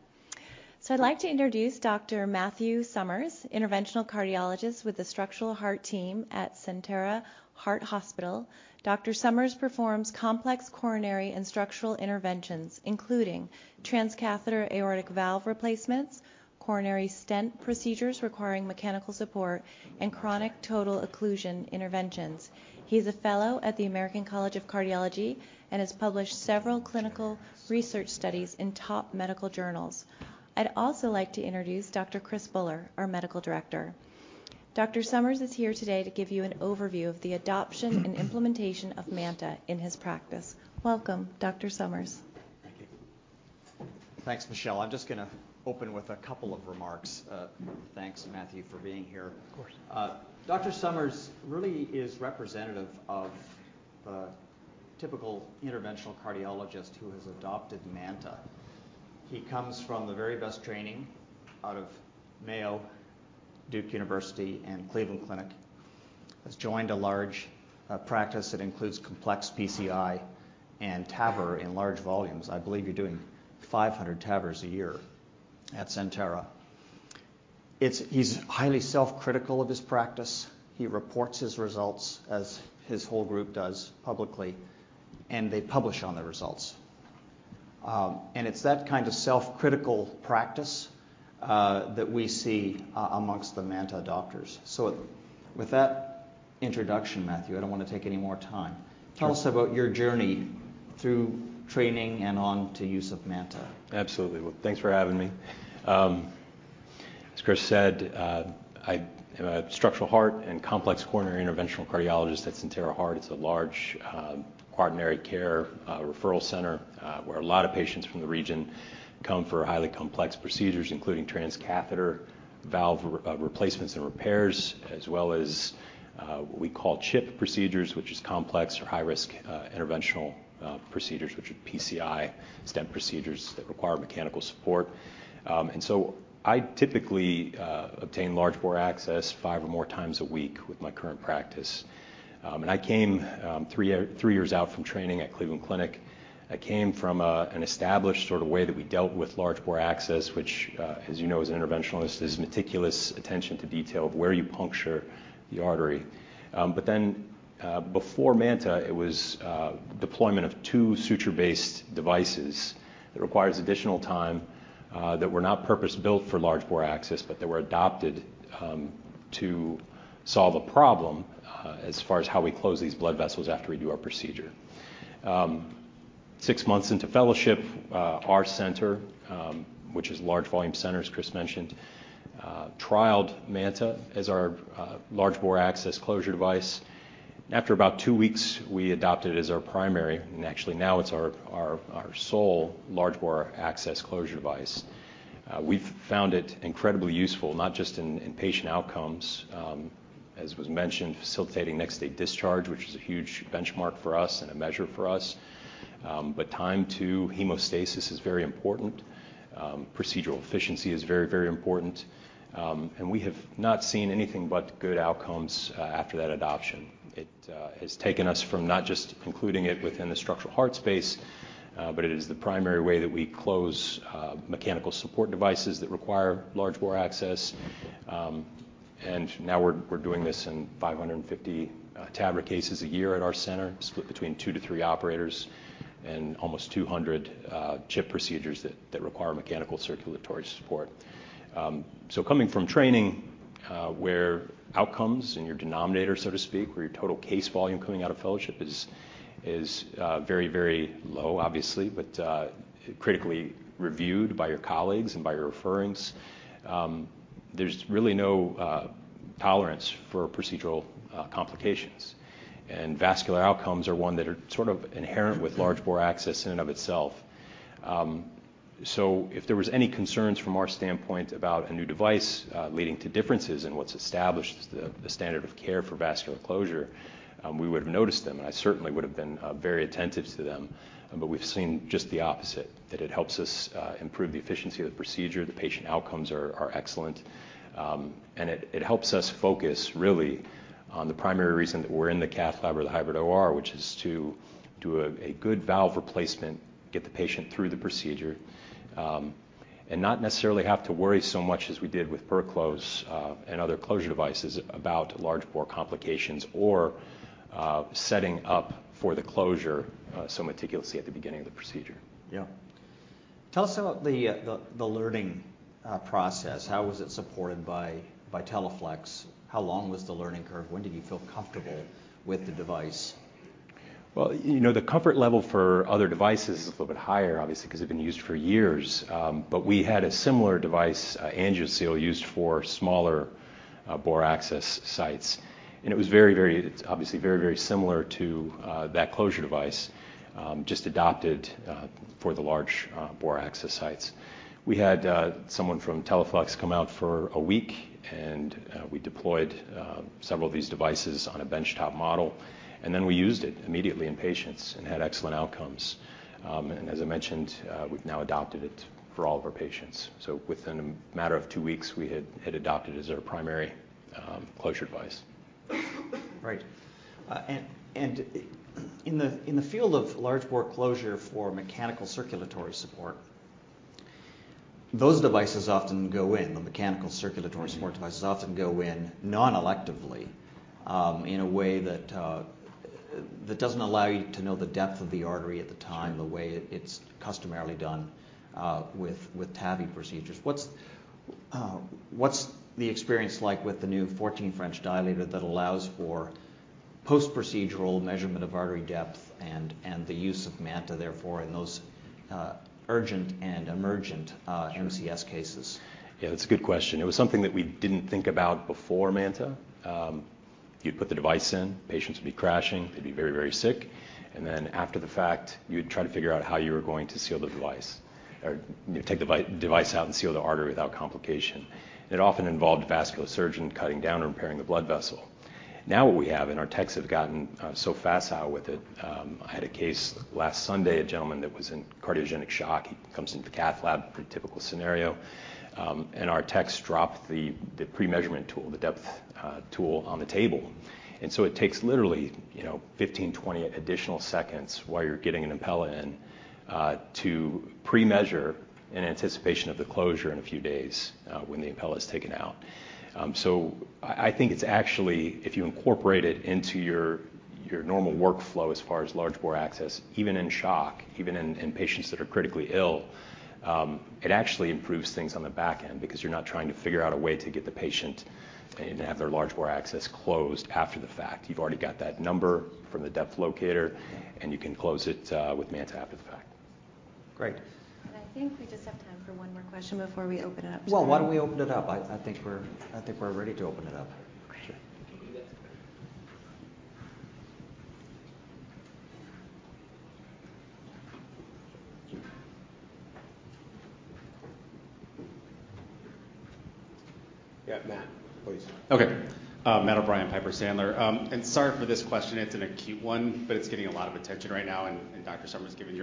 I'd like to introduce Dr. Matthew Summers, interventional cardiologist with the structural heart team at Sentara Heart Hospital. Dr. Summers performs complex coronary and structural interventions including transcatheter aortic valve replacements, coronary stent procedures requiring mechanical support, and chronic total occlusion interventions. He is a fellow at the American College of Cardiology and has published several clinical research studies in top medical journals. I'd also like to introduce Dr. Chris Buller, our medical director. Dr. Summers is here today to give you an overview of the adoption and implementation of MANTA in his practice. Welcome, Dr. Summers. Thank you. Thanks, Michelle. I'm just gonna open with a couple of remarks. Thanks, Matthew, for being here. Of course. Dr. Summers really is representative of a typical interventional cardiologist who has adopted MANTA. He comes from the very best training out of Mayo Clinic, Duke University, and Cleveland Clinic, has joined a large practice that includes complex PCI and TAVR in large volumes. I believe you're doing 500 TAVRs a year at Sentara. He's highly self-critical of his practice. He reports his results as his whole group does publicly, and they publish on the results. It's that kind of self-critical practice that we see amongst the MANTA adopters. With that introduction, Matthew. I don't want to take any more time. Sure. Tell us about your journey through training and on to use of MANTA? Absolutely. Well, thanks for having me. As Chris said, I am a structural heart and complex coronary interventional cardiologist at Sentara Heart. It's a large, quaternary care, referral center, where a lot of patients from the region come for highly complex procedures, including transcatheter valve replacements and repairs, as well as, what we call CHIP procedures, which is complex or high-risk, interventional, procedures, which are PCI stent procedures that require mechanical support. I typically obtain large bore access five or more times a week with my current practice. I came three years out from training at Cleveland Clinic. I came from an established sort of way that we dealt with large bore access, which, as you know, as an interventionalist is meticulous attention to detail of where you puncture the artery. But then, before MANTA, it was deployment of two suture-based devices that requires additional time, that were not purpose-built for large bore access, but they were adopted to solve a problem, as far as how we close these blood vessels after we do our procedure. Six months into fellowship, our center, which is a large volume center as Chris mentioned, trialed MANTA as our large bore access closure device. After about two weeks, we adopted it as our primary, and actually now it's our sole large bore access closure device. We've found it incredibly useful, not just in patient outcomes, as was mentioned, facilitating next-day discharge, which is a huge benchmark for us and a measure for us. Time to hemostasis is very important. Procedural efficiency is very important. We have not seen anything but good outcomes after that adoption. It has taken us from not just including it within the structural heart space, but it is the primary way that we close mechanical support devices that require large bore access. Now we're doing this in 550 TAVR cases a year at our center, split between two to three operators and almost 200 CHIP procedures that require mechanical circulatory support. Coming from training, where outcomes and your denominator, so to speak, where your total case volume coming out of fellowship is very, very low, obviously, but critically reviewed by your colleagues and by your referrers, there's really no tolerance for procedural complications. Vascular outcomes are one that are sort of inherent with large bore access in and of itself. If there was any concerns from our standpoint about a new device leading to differences in what's established as the standard of care for vascular closure, we would have noticed them, and I certainly would have been very attentive to them. We've seen just the opposite, that it helps us improve the efficiency of the procedure, the patient outcomes are excellent, and it helps us focus really on the primary reason that we're in the cath lab or the hybrid OR, which is to do a good valve replacement, get the patient through the procedure, and not necessarily have to worry so much as we did with Perclose and other closure devices about large bore complications or setting up for the closure so meticulously at the beginning of the procedure. Yeah. Tell us about the learning process. How was it supported by Teleflex? How long was the learning curve? When did you feel comfortable with the device? Well, you know, the comfort level for other devices is a little bit higher, obviously, because they've been used for years. We had a similar device, Angio-Seal, used for smaller bore access sites. It was very similar to that closure device, just adopted for the large bore access sites. We had someone from Teleflex come out for a week and we deployed several of these devices on a benchtop model, and then we used it immediately in patients and had excellent outcomes. As I mentioned, we've now adopted it for all of our patients. Within a matter of two weeks, we had adopted it as our primary closure device. Right. In the field of large bore closure for mechanical circulatory support, the mechanical circulatory support devices often go in non-electively, in a way that doesn't allow you to know the depth of the artery at the time. Sure. the way it's customarily done with TAVI procedures. What's the experience like with the new 14 French dilator that allows for post-procedural measurement of artery depth and the use of MANTA therefore in those urgent and emergent... (crosstalk) Sure. MCS cases? Yeah, that's a good question. It was something that we didn't think about before MANTA. You'd put the device in, patients would be crashing, they'd be very, very sick, and then after the fact, you'd try to figure out how you were going to seal the device or take device out and seal the artery without complication. It often involved a vascular surgeon cutting down and repairing the blood vessel. Now what we have, and our techs have gotten so facile with it. I had a case last Sunday, a gentleman that was in cardiogenic shock. He comes into the cath lab, pretty typical scenario, and our techs dropped the pre-measurement tool, the depth tool on the table. It takes literally, you know, 15, 20 additional seconds while you're getting an Impella in, to pre-measure in anticipation of the closure in a few days, when the Impella is taken out. I think it's actually, if you incorporate it into your normal workflow as far as large bore access, even in shock, even in patients that are critically ill, it actually improves things on the back end because you're not trying to figure out a way to get the patient and have their large bore access closed after the fact. You've already got that number from the depth locator, and you can close it with MANTA after the fact. Great. I think we just have time for one more question before we open it up. Well, why don't we open it up? I think we're ready to open it up. Okay. Yeah. Matt, please. Okay. Matt O'Brien, Piper Sandler. Sorry for this question. It's an acute one, but it's getting a lot of attention right now, and Dr. Summers, given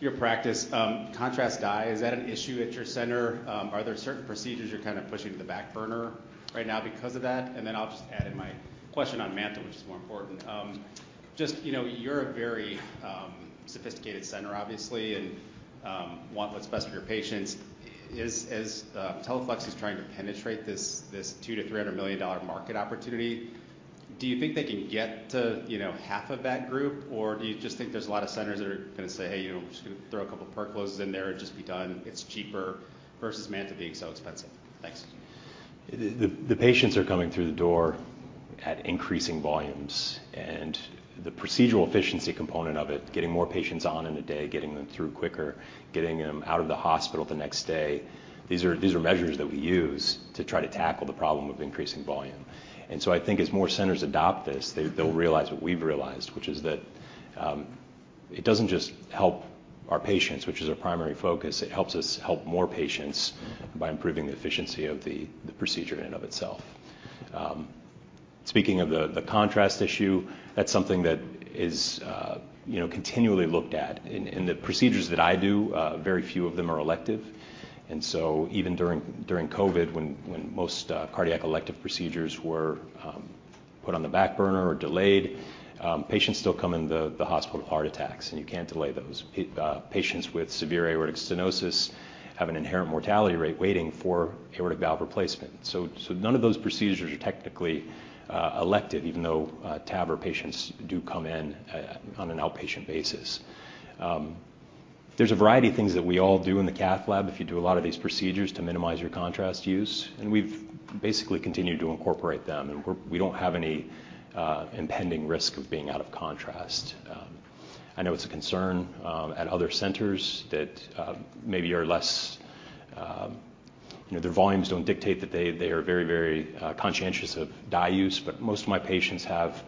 your practice. Contrast dye, is that an issue at your center? Are there certain procedures you're kind of pushing to the back burner right now because of that? I'll just add in my question on MANTA, which is more important. Just, you know, you're a very sophisticated center obviously and want what's best for your patients. As Teleflex is trying to penetrate this $200 to 300 million market opportunity, do you think they can get to, you know, half of that group, or do you just think there's a lot of centers that are gonna say, "Hey, you know, I'm just gonna throw a couple Percloses in there and just be done. It's cheaper," versus MANTA being so expensive? Thanks. The patients are coming through the door at increasing volumes, and the procedural efficiency component of it, getting more patients on in a day, getting them through quicker, getting them out of the hospital the next day, these are measures that we use to try to tackle the problem of increasing volume. I think as more centers adopt this, they'll realize what we've realized, which is that it doesn't just help our patients, which is our primary focus. It helps us help more patients by improving the efficiency of the procedure in and of itself. Speaking of the contrast issue, that's something that is, you know, continually looked at. In the procedures that I do, very few of them are elective. Even during COVID when most cardiac elective procedures were put on the back burner or delayed, patients still come into the hospital with heart attacks, and you can't delay those. Patients with severe aortic stenosis have an inherent mortality rate waiting for aortic valve replacement. None of those procedures are technically elective even though TAVR patients do come in on an outpatient basis. There's a variety of things that we all do in the cath lab if you do a lot of these procedures to minimize your contrast use, and we've basically continued to incorporate them, and we don't have any impending risk of being out of contrast. I know it's a concern at other centers that maybe are less, you know, their volumes don't dictate that they are very conscientious of dye use. Most of my patients have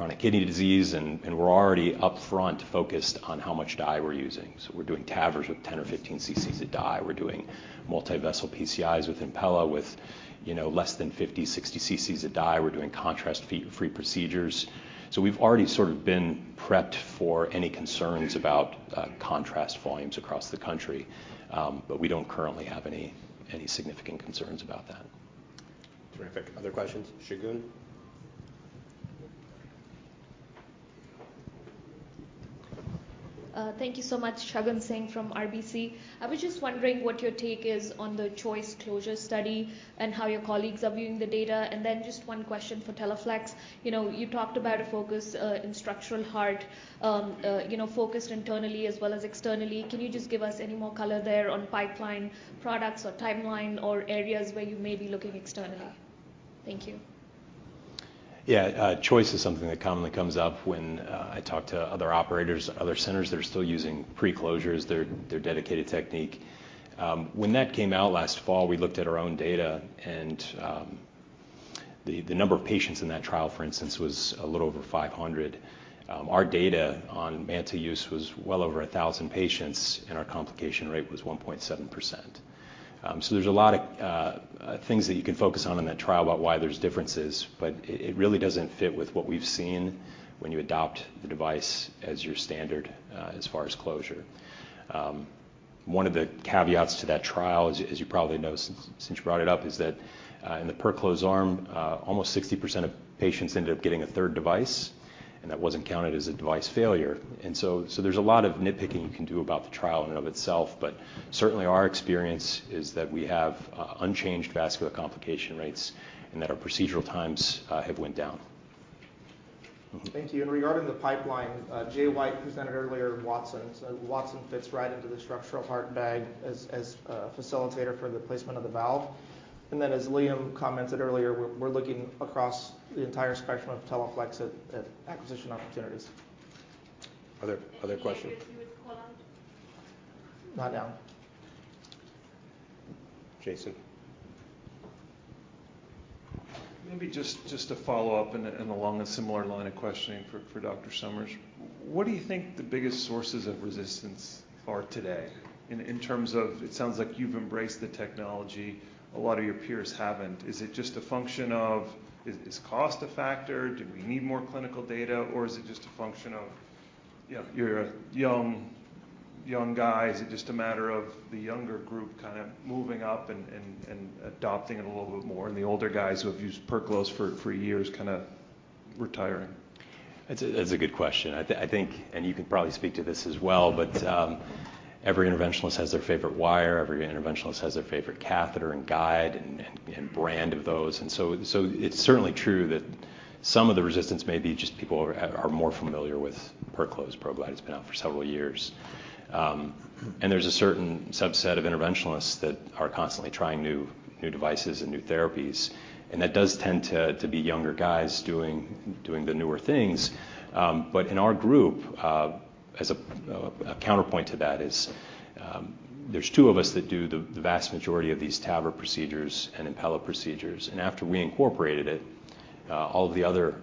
chronic kidney disease, and we're already upfront focused on how much dye we're using. We're doing TAVRs with 10 or 15 cc's of dye. We're doing multi-vessel PCIs with Impella with, you know, less than 50, 60 cc's of dye. We're doing contrast-free procedures. We've already sort of been prepped for any concerns about contrast volumes across the country. We don't currently have any significant concerns about that. Terrific. Other questions? Shagun? Thank you so much. Shagun Singh from RBC. I was just wondering what your take is on the CHOICE-CLOSURE study and how your colleagues are viewing the data. Then just one question for Teleflex. You know, you talked about a focus in structural heart, you know, focused internally as well as externally. Can you just give us any more color there on pipeline products or timeline or areas where you may be looking externally? Thank you. Yeah. CHOICE-CLOSURE is something that commonly comes up when I talk to other operators at other centers that are still using preclosures, their dedicated technique. When that came out last fall, we looked at our own data, and the number of patients in that trial, for instance, was a little over 500. Our data on MANTA use was well over 1,000 patients, and our complication rate was 1.7%. There's a lot of things that you can focus on in that trial about why there's differences, but it really doesn't fit with what we've seen when you adopt the device as your standard, as far as closure One of the caveats to that trial, as you probably know since you brought it up, is that in the Perclose arm, almost 60% of patients ended up getting a third device, and that wasn't counted as a device failure. There's a lot of nitpicking you can do about the trial in and of itself, but certainly our experience is that we have unchanged vascular complication rates and that our procedural times have went down. Mm-hmm. Thank you. Regarding the pipeline, Jay White presented earlier Wattson. Wattson fits right into the structural heart bag as a facilitator for the placement of the valve. As Liam commented earlier, we're looking across the entire spectrum of Teleflex at acquisition opportunities. Other questions? Not now. Jayson? Maybe just to follow up and along a similar line of questioning for Dr. Summers. What do you think the biggest sources of resistance are today in terms of it sounds like you've embraced the technology, a lot of your peers haven't. Is it just a function of, is cost a factor? Do we need more clinical data? Or is it just a function of, you know, you're a young guy. Is it just a matter of the younger group kind of moving up and adopting it a little bit more, and the older guys who have used Perclose for years kind of retiring? That's a good question. I think, and you can probably speak to this as well, but every interventionalist has their favorite wire, every interventionalist has their favorite catheter, and guide, and brand of those. It's certainly true that some of the resistance may be just people are more familiar with Perclose ProGlide. It's been out for several years. There's a certain subset of interventionalists that are constantly trying new devices and new therapies, and that does tend to be younger guys doing the newer things. In our group, as a counterpoint to that is, there's two of us that do the vast majority of these TAVR procedures and Impella procedures, and after we incorporated it, all of the other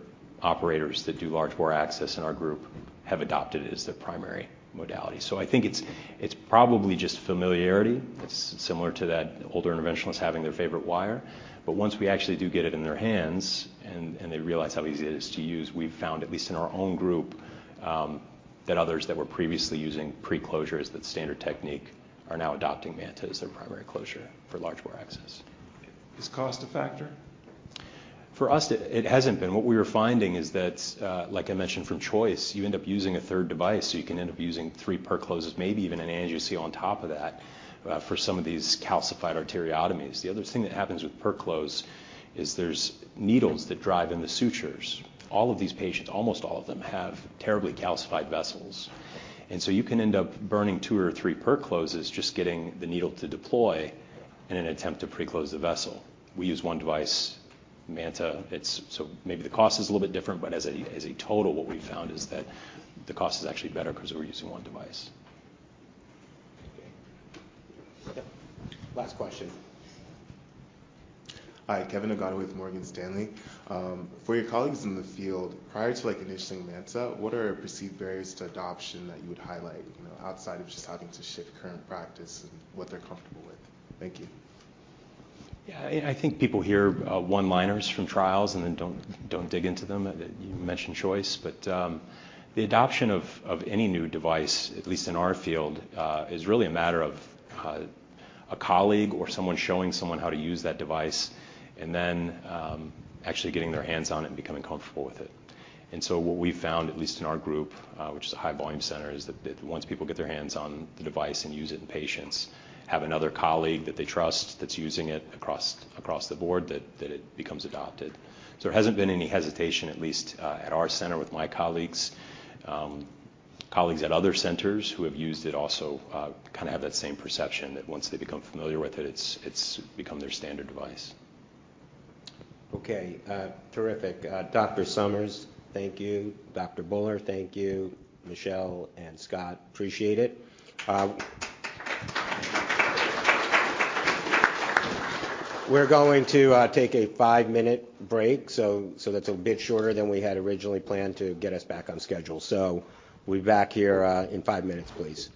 operators that do large bore access in our group have adopted it as their primary modality. I think it's probably just familiarity. It's similar to that older interventionalists having their favorite wire. Once we actually do get it in their hands and they realize how easy it is to use, we've found, at least in our own group, that others that were previously using Perclose as the standard technique are now adopting MANTA as their primary closure for large bore access. Is cost a factor? For us, it hasn't been. What we were finding is that, like I mentioned from CHOICE-CLOSURE, you end up using a third device, so you can end up using three Percloses, maybe even an Angio-Seal on top of that, for some of these calcified arteriotomies. The other thing that happens with Perclose is there's needles that drive in the sutures. All of these patients, almost all of them, have terribly calcified vessels, and so you can end up burning two or three Percloses just getting the needle to deploy in an attempt to preclose the vessel. We use one device, MANTA. Maybe the cost is a little bit different, but as a total, what we've found is that the cost is actually better because we're using one device. Okay. Yep. Last question. Hi. Kevin (inaudible) with Morgan Stanley. For your colleagues in the field, prior to, like, introducing MANTA, what are perceived barriers to adoption that you would highlight, you know, outside of just having to shift current practice and what they're comfortable with? Thank you. Yeah. I think people hear one-liners from trials and then don't dig into them. You mentioned CHOICE-CLOSURE, but the adoption of any new device, at least in our field, is really a matter of a colleague or someone showing someone how to use that device and then actually getting their hands on it and becoming comfortable with it. What we've found, at least in our group, which is a high volume center, is that once people get their hands on the device and use it in patients, have another colleague that they trust that's using it across the board, that it becomes adopted. There hasn't been any hesitation, at least, at our center with my colleagues. Colleagues at other centers who have used it also kind of have that same perception that once they become familiar with it's become their standard device. Okay. Terrific. Dr. Summers, thank you. Dr. Buller, thank you. Michelle and Scott, appreciate it. We're going to take a five-minute break, so that's a bit shorter than we had originally planned to get us back on schedule. We'll be back here in five minutes, please.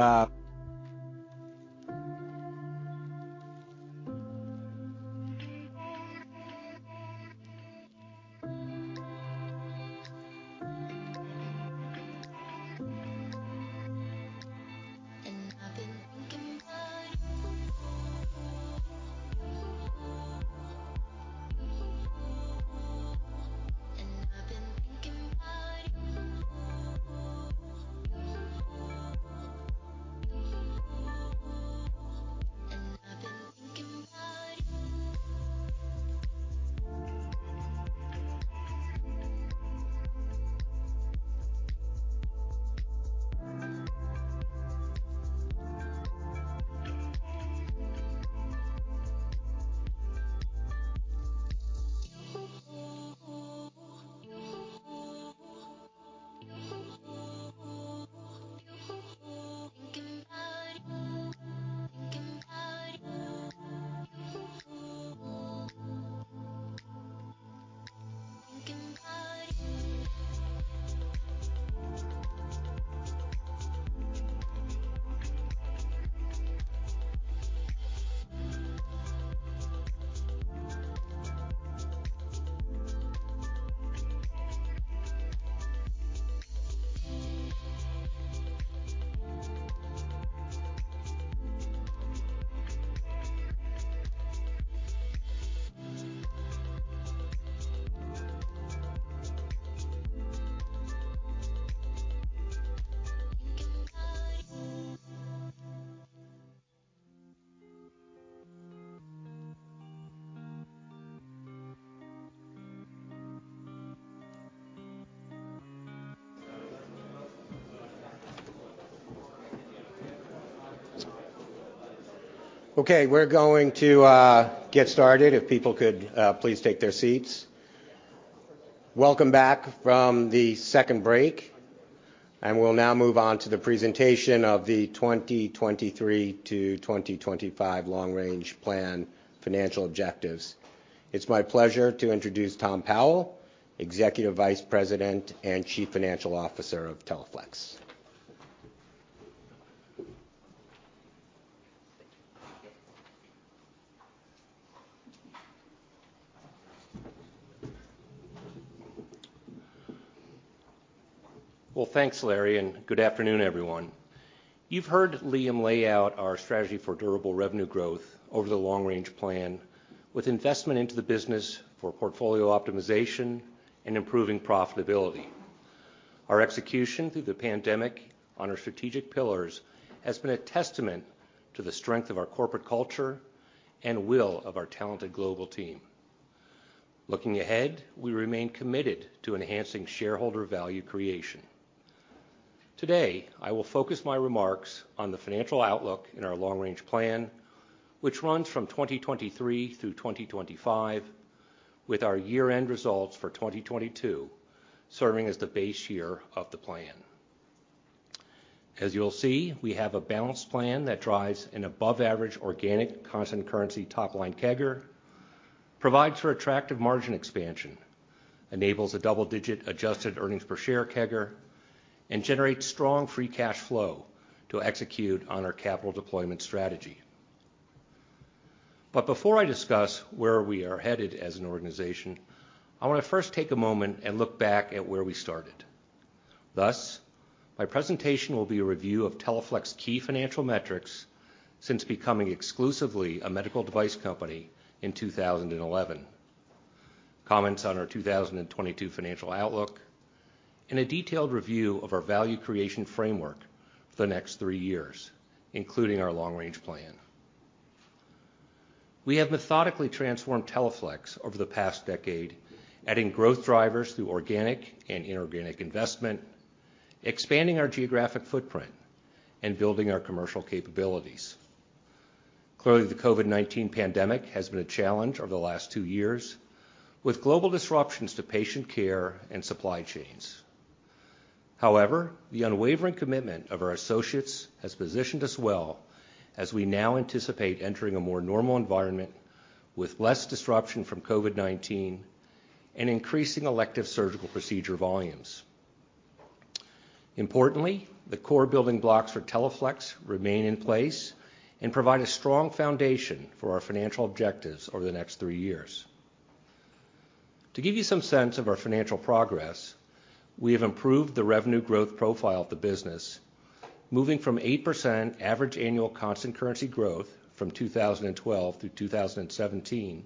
How are you? Okay, we're going to get started if people could please take their seats. Welcome back from the second break, and we'll now move on to the presentation of the 2023 to 2025 long-range plan financial objectives. It's my pleasure to introduce Tom Powell, Executive Vice President and Chief Financial Officer of Teleflex. Well, thanks, Larry, and good afternoon, everyone. You've heard Liam lay out our strategy for durable revenue growth over the long range plan with investment into the business for portfolio optimization and improving profitability. Our execution through the pandemic on our strategic pillars has been a testament to the strength of our corporate culture and will of our talented global team. Looking ahead, we remain committed to enhancing shareholder value creation. Today, I will focus my remarks on the financial outlook in our long-range plan, which runs from 2023 through 2025, with our year-end results for 2022 serving as the base year of the plan. As you'll see, we have a balanced plan that drives an above-average organic constant currency top-line CAGR, provides for attractive margin expansion, enables a double-digit adjusted earnings per share CAGR, and generates strong free cash flow to execute on our capital deployment strategy. Before I discuss where we are headed as an organization, I want to first take a moment and look back at where we started. Thus, my presentation will be a review of Teleflex key financial metrics since becoming exclusively a medical device company in 2011. Comments on our 2022 financial outlook, and a detailed review of our value creation framework for the next three years, including our long-range plan. We have methodically transformed Teleflex over the past decade, adding growth drivers through organic and inorganic investment, expanding our geographic footprint and building our commercial capabilities. Clearly, the COVID-19 pandemic has been a challenge over the last two years, with global disruptions to patient care and supply chains. However, the unwavering commitment of our associates has positioned us well as we now anticipate entering a more normal environment with less disruption from COVID-19 and increasing elective surgical procedure volumes. Importantly, the core building blocks for Teleflex remain in place and provide a strong foundation for our financial objectives over the next three years. To give you some sense of our financial progress, we have improved the revenue growth profile of the business, moving from 8% average annual constant currency growth from 2012 through 2017,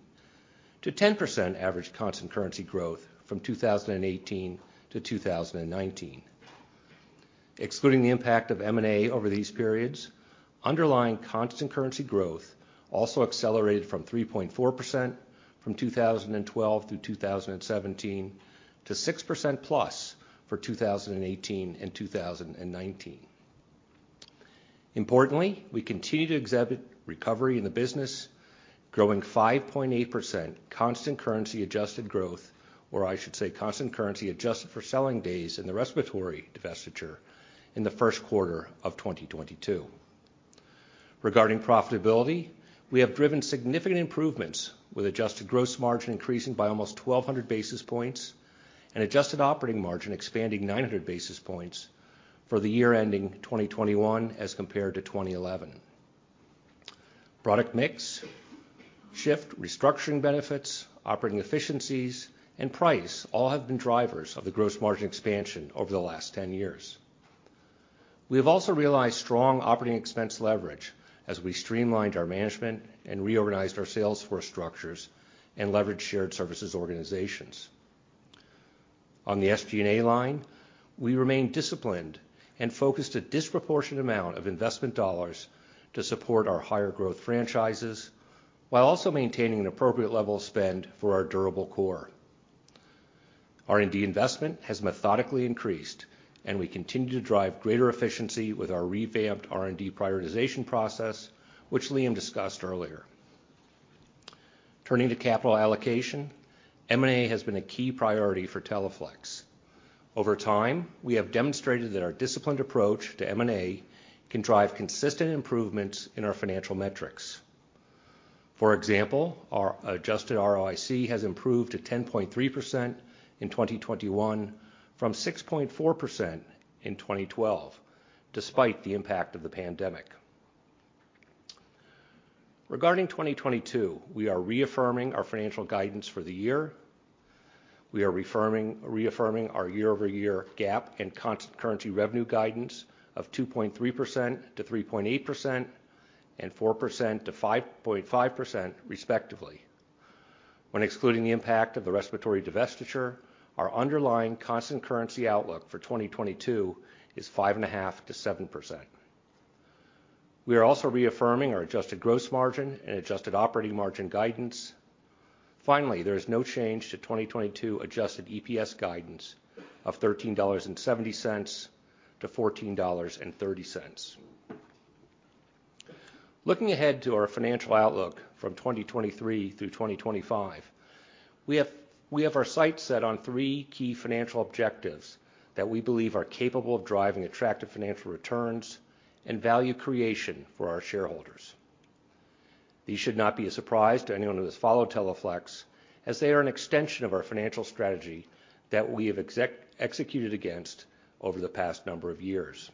to 10% average constant currency growth from 2018 to 2019. Excluding the impact of M&A over these periods, underlying constant currency growth also accelerated from 3.4% from 2012 through 2017, to 6%+ for 2018 and 2019. Importantly, we continue to exhibit recovery in the business, growing 5.8% constant currency adjusted growth, or I should say, constant currency adjusted for selling days in the respiratory divestiture in the first quarter of 2022. Regarding profitability, we have driven significant improvements with adjusted gross margin increasing by almost 1,200-basis points and adjusted operating margin expanding 900-basis points for the year ending 2021 as compared to 2011. Product mix, shift restructuring benefits, operating efficiencies and price all have been drivers of the gross margin expansion over the last 10 years. We have also realized strong operating expense leverage as we streamlined our management and reorganized our sales force structures and leveraged shared services organizations. On the SG&A line, we remain disciplined and focused a disproportionate amount of investment dollars to support our higher growth franchises while also maintaining an appropriate level of spend for our durable core. R&D investment has methodically increased, and we continue to drive greater efficiency with our revamped R&D prioritization process, which Liam discussed earlier. Turning to capital allocation, M&A has been a key priority for Teleflex. Over time, we have demonstrated that our disciplined approach to M&A can drive consistent improvements in our financial metrics. For example, our adjusted ROIC has improved to 10.3% in 2021 from 6.4% in 2012, despite the impact of the pandemic. Regarding 2022, we are reaffirming our financial guidance for the year. We are reaffirming our year-over-year GAAP and constant currency revenue guidance of 2.3% to 3.8% and 4% to 5.5%, respectively. When excluding the impact of the respiratory divestiture, our underlying constant currency outlook for 2022 is 5.5% to 7%. We are also reaffirming our adjusted gross margin and adjusted operating margin guidance. Finally, there is no change to 2022 adjusted EPS guidance of $13.70 to 14.30. Looking ahead to our financial outlook from 2023 through 2025, we have our sights set on three key financial objectives that we believe are capable of driving attractive financial returns and value creation for our shareholders. These should not be a surprise to anyone who has followed Teleflex, as they are an extension of our financial strategy that we have executed against over the past number of years.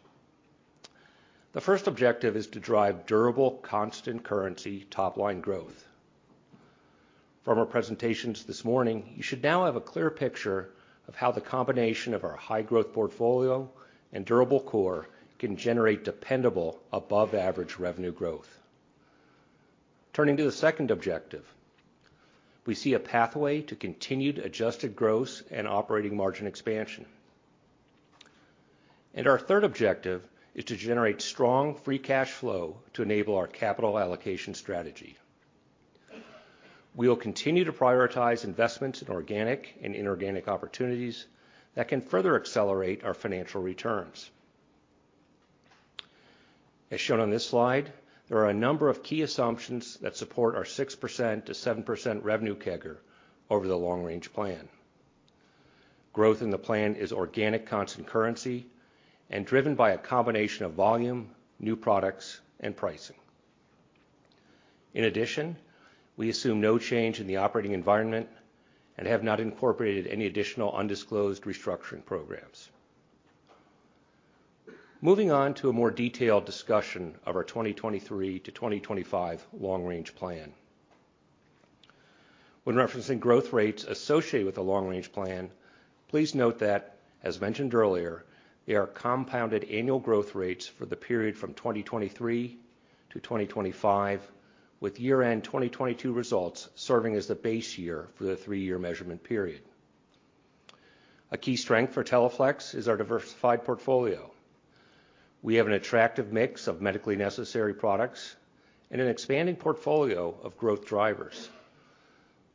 The first objective is to drive durable, constant currency top line growth. From our presentations this morning, you should now have a clear picture of how the combination of our high growth portfolio and durable core can generate dependable above average revenue growth. Turning to the second objective, we see a pathway to continued adjusted gross and operating margin expansion. Our third objective is to generate strong free cash flow to enable our capital allocation strategy. We will continue to prioritize investments in organic and inorganic opportunities that can further accelerate our financial returns. As shown on this slide, there are a number of key assumptions that support our 6% to 7% revenue CAGR over the long range plan. Growth in the plan is organic constant currency and driven by a combination of volume, new products and pricing. In addition, we assume no change in the operating environment and have not incorporated any additional undisclosed restructuring programs. Moving on to a more detailed discussion of our 2023 to 2025 long range plan. When referencing growth rates associated with the long range plan, please note that, as mentioned earlier, they are compounded annual growth rates for the period from 2023 to 2025, with year-end 2022 results serving as the base year for the three-year measurement period. A key strength for Teleflex is our diversified portfolio. We have an attractive mix of medically necessary products and an expanding portfolio of growth drivers.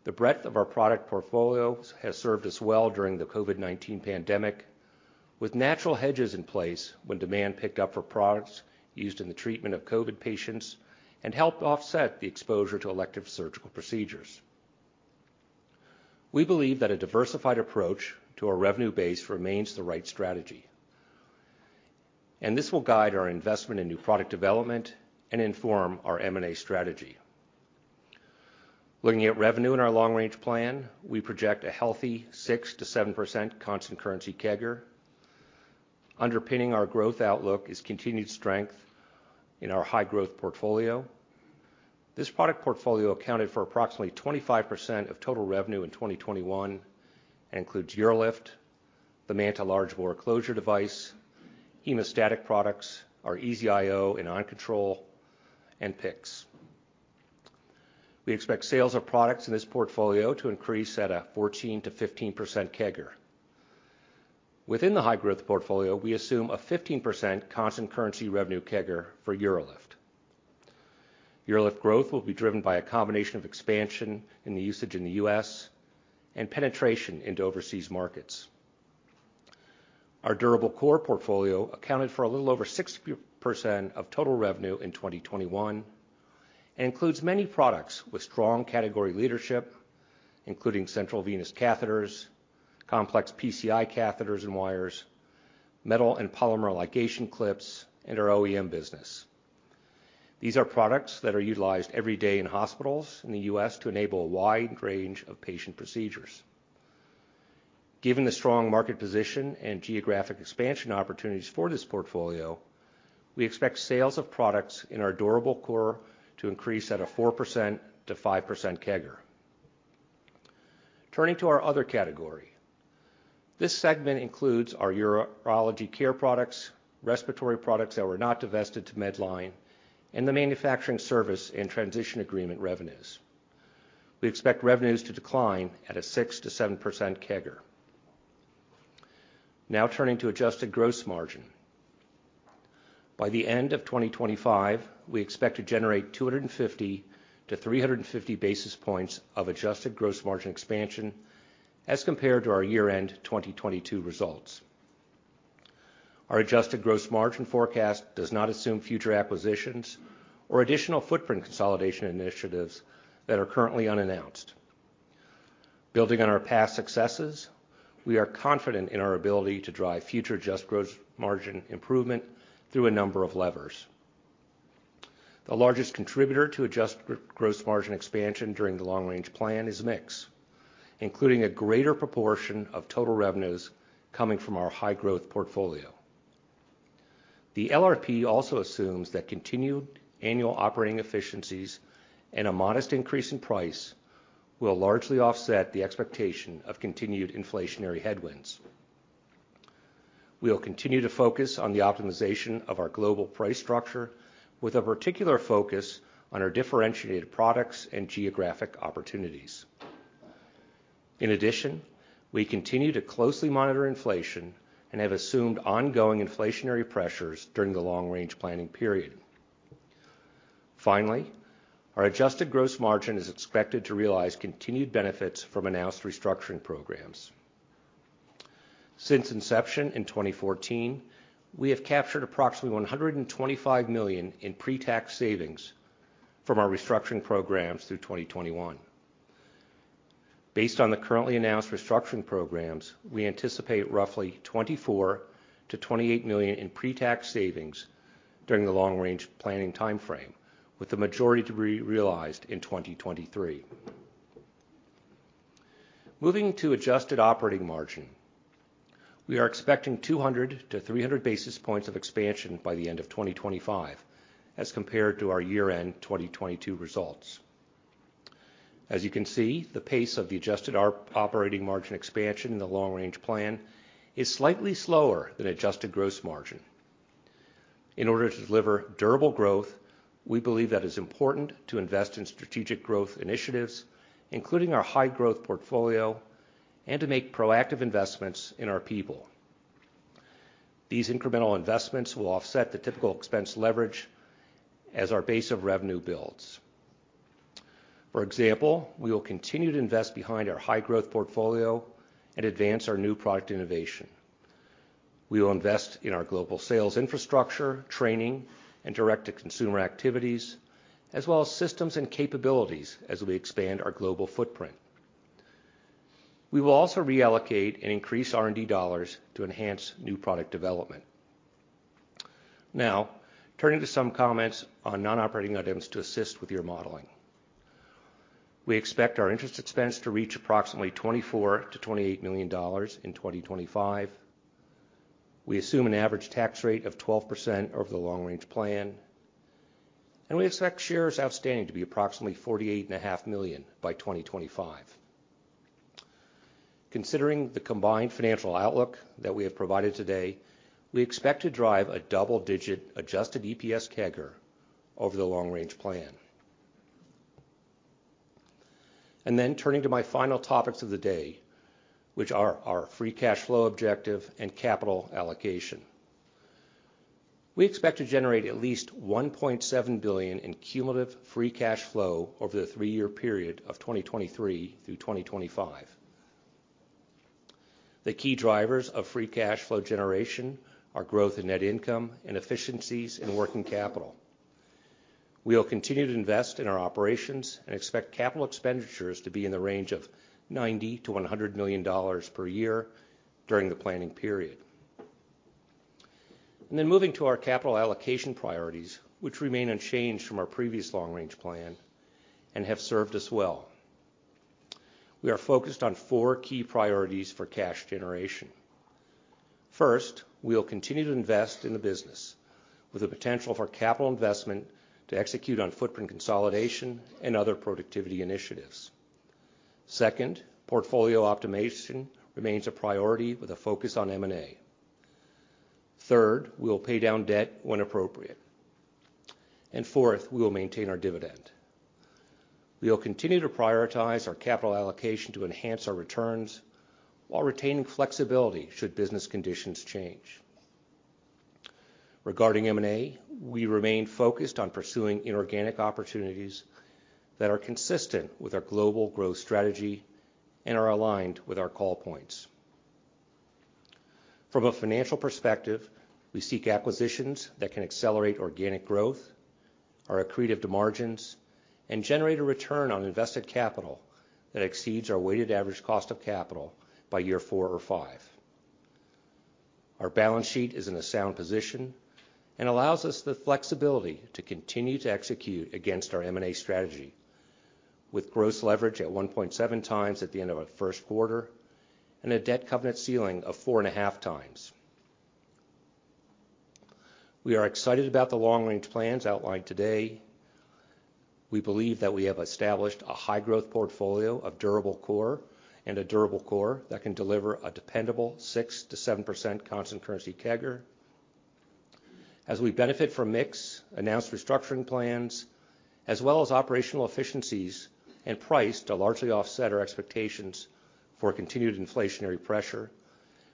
The breadth of our product portfolio has served us well during the COVID-19 pandemic, with natural hedges in place when demand picked up for products used in the treatment of COVID patients and helped offset the exposure to elective surgical procedures. We believe that a diversified approach to our revenue base remains the right strategy, and this will guide our investment in new product development and inform our M&A strategy. Looking at revenue in our long-range plan, we project a healthy 6% to 7% constant currency CAGR. Underpinning our growth outlook is continued strength in our high-growth portfolio. This product portfolio accounted for approximately 25% of total revenue in 2021, and includes UroLift, the MANTA Large Bore Closure device, hemostatic products, our EZ-IO and OnControl, and PICC. We expect sales of products in this portfolio to increase at a 14% to 15% CAGR. Within the high-growth portfolio, we assume a 15% constant currency revenue CAGR for UroLift. UroLift growth will be driven by a combination of expansion in the usage in the US and penetration into overseas markets. Our durable core portfolio accounted for a little over 60% of total revenue in 2021, and includes many products with strong category leadership, including central venous catheters, complex PCI catheters and wires, metal and polymer ligation clips, and our OEM business. These are products that are utilized every day in hospitals in the US to enable a wide range of patient procedures. Given the strong market position and geographic expansion opportunities for this portfolio, we expect sales of products in our durable core to increase at a 4% to 5% CAGR. Turning to our other category. This segment includes our urology care products, respiratory products that were not divested to Medline, and the manufacturing service and transition agreement revenues. We expect revenues to decline at a 6% to 7% CAGR. Now turning to adjusted gross margin. By the end of 2025, we expect to generate 250 to 350-basis points of adjusted gross margin expansion as compared to our year-end 2022 results. Our adjusted gross margin forecast does not assume future acquisitions or additional footprint consolidation initiatives that are currently unannounced. Building on our past successes, we are confident in our ability to drive future adjusted gross margin improvement through a number of levers. The largest contributor to adjusted gross margin expansion during the long-range plan is mix, including a greater proportion of total revenues coming from our high-growth portfolio. The LRP also assumes that continued annual operating efficiencies and a modest increase in price will largely offset the expectation of continued inflationary headwinds. We will continue to focus on the optimization of our global price structure, with a particular focus on our differentiated products and geographic opportunities. In addition, we continue to closely monitor inflation and have assumed ongoing inflationary pressures during the long-range planning period. Finally, our adjusted gross margin is expected to realize continued benefits from announced restructuring programs. Since inception in 2014, we have captured approximately $125 million in pre-tax savings from our restructuring programs through 2021. Based on the currently announced restructuring programs, we anticipate roughly $24 to 28 million in pre-tax savings during the long-range planning timeframe, with the majority to be realized in 2023. Moving to adjusted operating margin, we are expecting 200 to 300-basis points of expansion by the end of 2025, as compared to our year-end 2022 results. As you can see, the pace of the adjusted operating margin expansion in the long-range plan is slightly slower than adjusted gross margin. In order to deliver durable growth, we believe that it's important to invest in strategic growth initiatives, including our high-growth portfolio, and to make proactive investments in our people. These incremental investments will offset the typical expense leverage as our base of revenue builds. For example, we will continue to invest behind our high-growth portfolio and advance our new product innovation. We will invest in our global sales infrastructure, training, and direct-to-consumer activities, as well as systems and capabilities as we expand our global footprint. We will also reallocate and increase R&D dollars to enhance new product development. Now, turning to some comments on non-operating items to assist with your modeling. We expect our interest expense to reach approximately $24 to 28 million in 2025. We assume an average tax rate of 12% over the long-range plan, and we expect shares outstanding to be approximately 48.5 million by 2025. Considering the combined financial outlook that we have provided today, we expect to drive a double-digit adjusted EPS CAGR over the long-range plan. Then turning to my final topics of the day, which are our free cash flow objective and capital allocation. We expect to generate at least $1.7 billion in cumulative free cash flow over the three-year period of 2023 through 2025. The key drivers of free cash flow generation are growth in net income and efficiencies in working capital. We will continue to invest in our operations and expect capital expenditures to be in the range of $90 to 100 million per year during the planning period. Then moving to our capital allocation priorities, which remain unchanged from our previous long-range plan and have served us well. We are focused on four key priorities for cash generation. First, we will continue to invest in the business with the potential for capital investment to execute on footprint consolidation and other productivity initiatives. Second, portfolio optimization remains a priority with a focus on M&A. Third, we will pay down debt when appropriate. Fourth, we will maintain our dividend. We will continue to prioritize our capital allocation to enhance our returns while retaining flexibility should business conditions change. Regarding M&A, we remain focused on pursuing inorganic opportunities that are consistent with our global growth strategy and are aligned with our call points. From a financial perspective, we seek acquisitions that can accelerate organic growth, are accretive to margins, and generate a return on invested capital that exceeds our weighted average cost of capital by year four or five. Our balance sheet is in a sound position and allows us the flexibility to continue to execute against our M&A strategy with gross leverage at 1.7x at the end of our first quarter and a debt covenant ceiling of 4.5x. We are excited about the long-range plans outlined today. We believe that we have established a high-growth portfolio of durable core, and a durable core that can deliver a dependable 6% to 7% constant currency CAGR. As we benefit from mix, announced restructuring plans, as well as operational efficiencies and price to largely offset our expectations for continued inflationary pressure,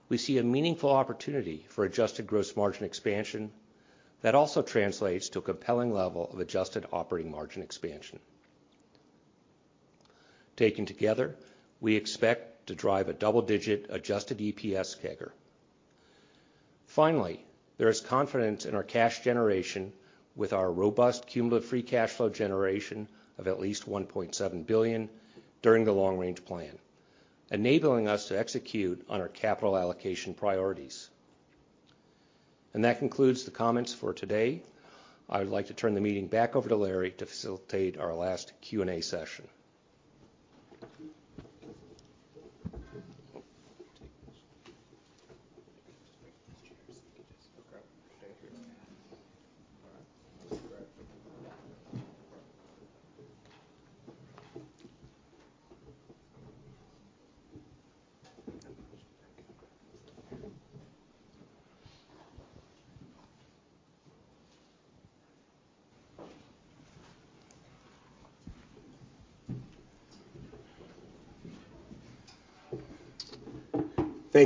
we see a meaningful opportunity for adjusted gross margin expansion that also translates to a compelling level of adjusted operating margin expansion. Taken together, we expect to drive a double-digit adjusted EPS CAGR. Finally, there is confidence in our cash generation with our robust cumulative free cash flow generation of at least $1.7 billion during the long-range plan, enabling us to execute on our capital allocation priorities. That concludes the comments for today. I would like to turn the meeting back over to Larry to facilitate our last Q&A session.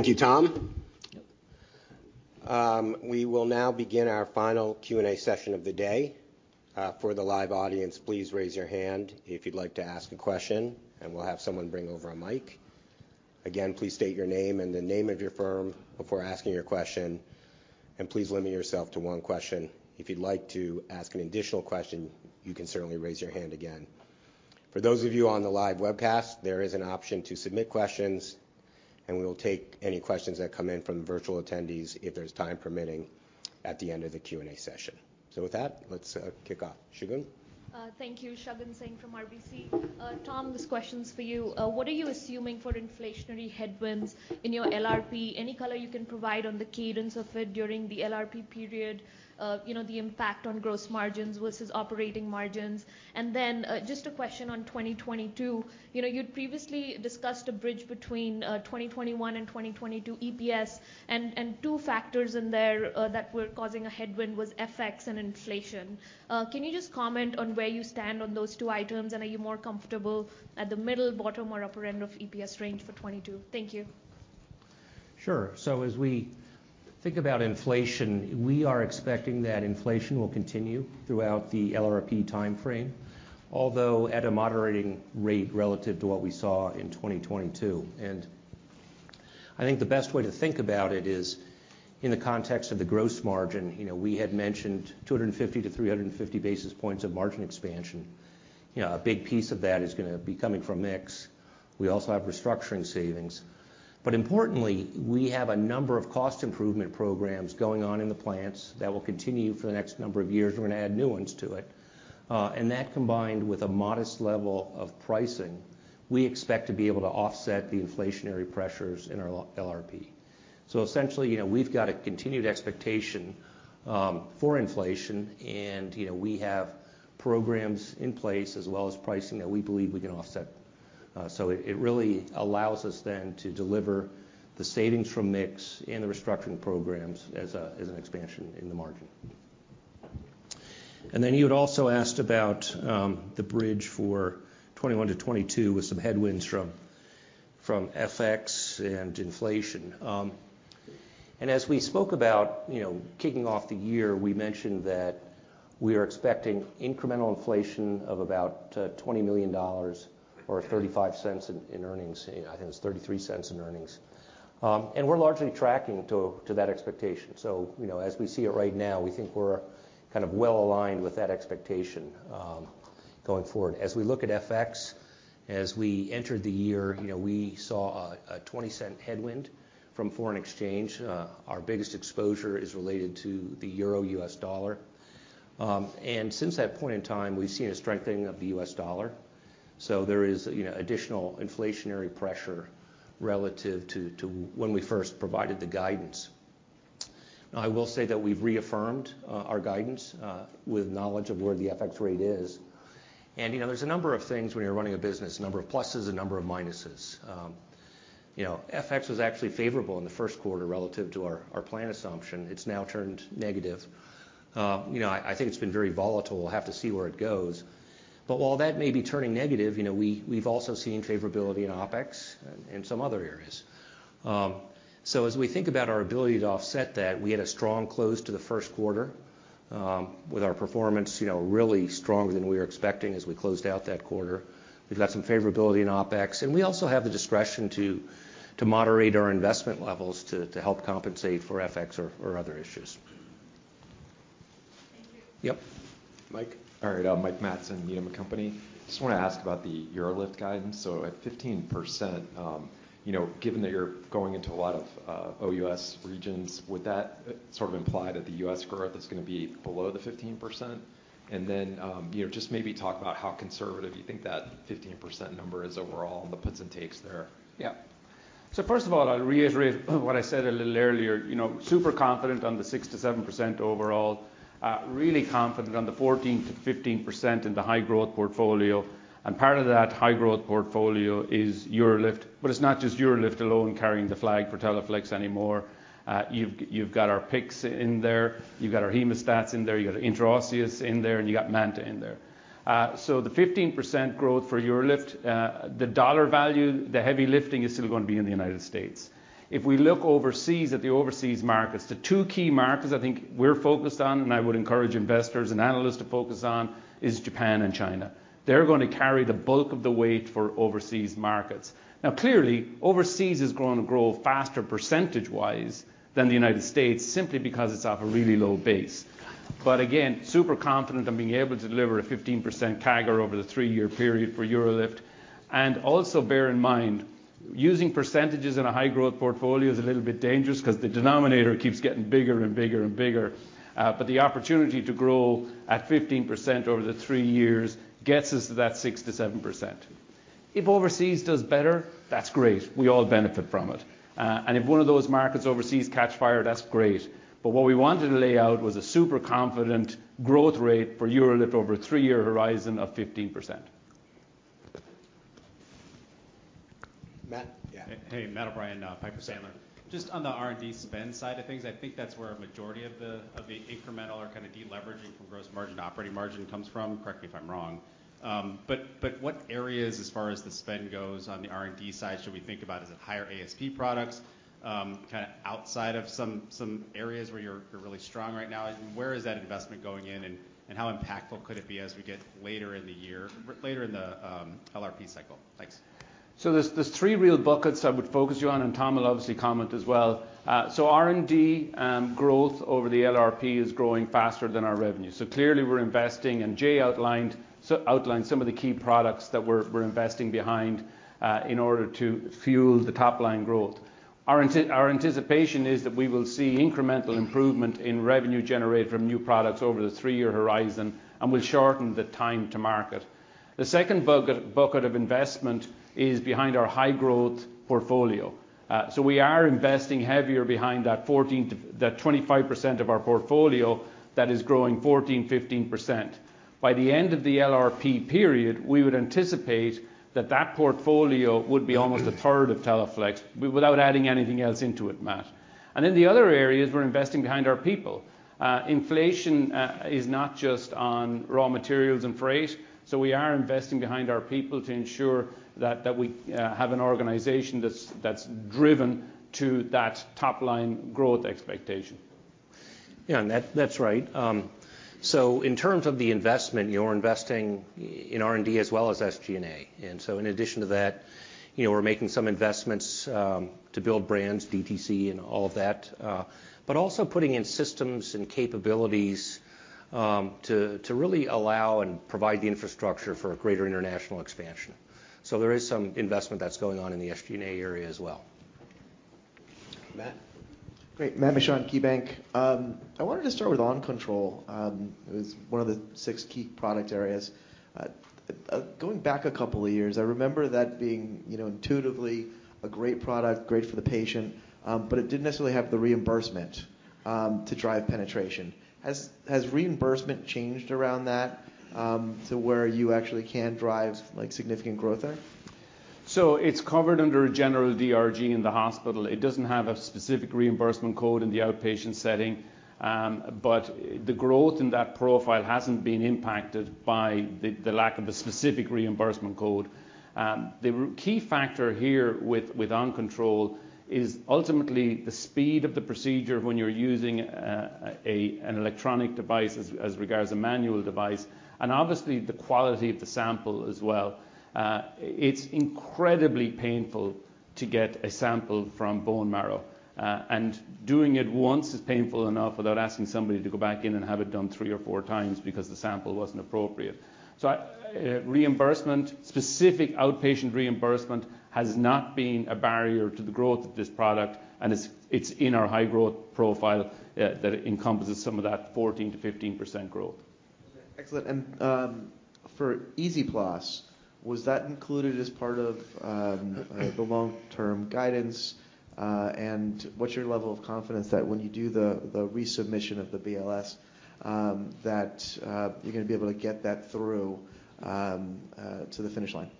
Take this. Just bring these chairs. Okay. Thank you. All right. Just grab. Yeah. Any questions back here? Okay. Thank you, Tom. Yep. We will now begin our final Q&A session of the day. For the live audience, please raise your hand if you'd like to ask a question, and we'll have someone bring over a mic. Again, please state your name and the name of your firm before asking your question, and please limit yourself to one question. If you'd like to ask an additional question, you can certainly raise your hand again. For those of you on the live webcast, there is an option to submit questions, and we will take any questions that come in from virtual attendees if there's time permitting at the end of the Q&A session. With that, let's kick off. Shagun? Thank you. Shagun Singh from RBC. Tom, this question's for you. What are you assuming for inflationary headwinds in your LRP? Any color you can provide on the cadence of it during the LRP period, you know, the impact on gross margins versus operating margins? And then, just a question on 2022. You know, you'd previously discussed a bridge between, 2021 and 2022 EPS and two factors in there, that were causing a headwind was FX and inflation. Can you just comment on where you stand on those two items? And are you more comfortable at the middle, bottom, or upper end of EPS range for 2022? Thank you. Sure. As we think about inflation, we are expecting that inflation will continue throughout the LRP timeframe, although at a moderating rate relative to what we saw in 2022. I think the best way to think about it is in the context of the gross margin. You know, we had mentioned 250 to 350-basis points of margin expansion. You know, a big piece of that is gonna be coming from mix. We also have restructuring savings. But importantly, we have a number of cost improvement programs going on in the plants that will continue for the next number of years. We're gonna add new ones to it. And that combined with a modest level of pricing, we expect to be able to offset the inflationary pressures in our LRP. Essentially, you know, we've got a continued expectation for inflation and, you know, we have programs in place as well as pricing that we believe we can offset. It really allows us then to deliver the savings from mix and the restructuring programs as an expansion in the margin. You had also asked about the bridge for 2021 to 2022 with some headwinds from FX and inflation. As we spoke about, you know, kicking off the year, we mentioned that we are expecting incremental inflation of about $20 million or $0.35 in earnings. I think it's $0.33 in earnings. We're largely tracking to that expectation. You know, as we see it right now, we think we're kind of well-aligned with that expectation going forward. As we look at FX, as we entered the year, you know, we saw a $0.20 headwind from foreign exchange. Our biggest exposure is related to the euro-US dollar. Since that point in time we've seen a strengthening of the US dollar. There is, you know, additional inflationary pressure relative to when we first provided the guidance. Now I will say that we've reaffirmed our guidance with knowledge of where the FX rate is. You know, there's a number of things when you're running a business, a number of pluses, a number of minuses. You know, FX was actually favorable in the first quarter relative to our plan assumption. It's now turned negative. You know, I think it's been very volatile. We'll have to see where it goes. While that may be turning negative, you know, we've also seen favorability in OpEx and some other areas. As we think about our ability to offset that, we had a strong close to the first quarter, with our performance, you know, really stronger than we were expecting as we closed out that quarter. We've got some favorability in OpEx, and we also have the discretion to moderate our investment levels to help compensate for FX or other issues. Thank you. Yep. Mike. All right. Mike Matson, Needham & Company. Just want to ask about the UroLift guidance. At 15%, you know, given that you're going into a lot of OUS regions, would that sort of imply that the US growth is gonna be below the 15%? And then, you know, just maybe talk about how conservative you think that 15% number is overall and the puts and takes there. Yeah. First of all, I'll reiterate what I said a little earlier. You know, super confident on the 6% to 7% overall. Really confident on the 14% to 15% in the high-growth portfolio. And part of that high-growth portfolio is UroLift. But it's not just UroLift alone carrying the flag for Teleflex anymore. You've got our PICC's in there, you've got our hemostats in there, you've got intraosseous in there, and you've got MANTA in there. The 15% growth for UroLift, the dollar value, the heavy lifting is still gonna be in the United States. If we look overseas at the overseas markets, the two key markets I think we're focused on, and I would encourage investors and analysts to focus on, is Japan and China. They're gonna carry the bulk of the weight for overseas markets. Now clearly, overseas is going to grow faster percentage-wise than the United States simply because it's off a really low base. Again, super confident on being able to deliver a 15% CAGR over the three-year period for UroLift. Also bear in mind, using percentages in a high-growth portfolio is a little bit dangerous cause the denominator keeps getting bigger and bigger and bigger. The opportunity to grow at 15% over the three years gets us to that 6% to 7%. If overseas does better, that's great. We all benefit from it. If one of those markets overseas catch fire, that's great. What we wanted to lay out was a super confident growth rate for UroLift over a three-year horizon of 15%. Matt? Yeah. Hey. Matt O'Brien, Piper Sandler. Just on the R&D spend side of things, I think that's where a majority of the incremental or kind of deleveraging from gross margin to operating margin comes from. Correct me if I'm wrong. But what areas as far as the spend goes on the R&D side should we think about? Is it higher ASP products, kind of outside of some areas where you're really strong right now? Where is that investment going in and how impactful could it be as we get later in the year, later in the LRP cycle? Thanks. There are three real buckets I would focus on, and Tom will obviously comment as well. R&D growth over the LRP is growing faster than our revenue. Clearly we're investing, and Jay outlined some of the key products that we're investing behind, in order to fuel the top-line growth. Our anticipation is that we will see incremental improvement in revenue generated from new products over the three-year horizon, and we'll shorten the time to market. The second bucket of investment is behind our high growth portfolio. We are investing heavier behind that 14% to 25% of our portfolio that is growing 14% to 15%. By the end of the LRP period, we would anticipate that portfolio would be almost a third of Teleflex without adding anything else into it, Matt. The other areas, we're investing behind our people. Inflation is not just on raw materials and freight, so we are investing behind our people to ensure that we have an organization that's driven to that top line growth expectation. Yeah, that's right. In terms of the investment, you're investing in R&D as well as SG&A. In addition to that, you know, we're making some investments to build brands, DTC, and all of that. also putting in systems and capabilities to really allow and provide the infrastructure for a greater international expansion. There is some investment that's going on in the SG&A area as well. Great. Matt Mishan, KeyBanc. I wanted to start with OnControl. It was one of the six key product areas. Going back a couple of years, I remember that being, you know, intuitively a great product, great for the patient, but it didn't necessarily have the reimbursement to drive penetration. Has reimbursement changed around that to where you actually can drive, like, significant growth there? It's covered under a general DRG in the hospital. It doesn't have a specific reimbursement code in the outpatient setting. The growth in that profile hasn't been impacted by the lack of a specific reimbursement code. The key factor here with OnControl is ultimately the speed of the procedure when you're using an electronic device as regards a manual device, and obviously the quality of the sample as well. It's incredibly painful to get a sample from bone marrow. Doing it once is painful enough without asking somebody to go back in and have it done 3x or 4x because the sample wasn't appropriate. Reimbursement, specific outpatient reimbursement, has not been a barrier to the growth of this product, and it's in our high-growth profile that encompasses some of that 14% to 15% growth. Okay. Excellent. For EZ-Plas, was that included as part of the long-term guidance? What's your level of confidence that when you do the resubmission of the BLA, that you're gonna be able to get that through to the finish line?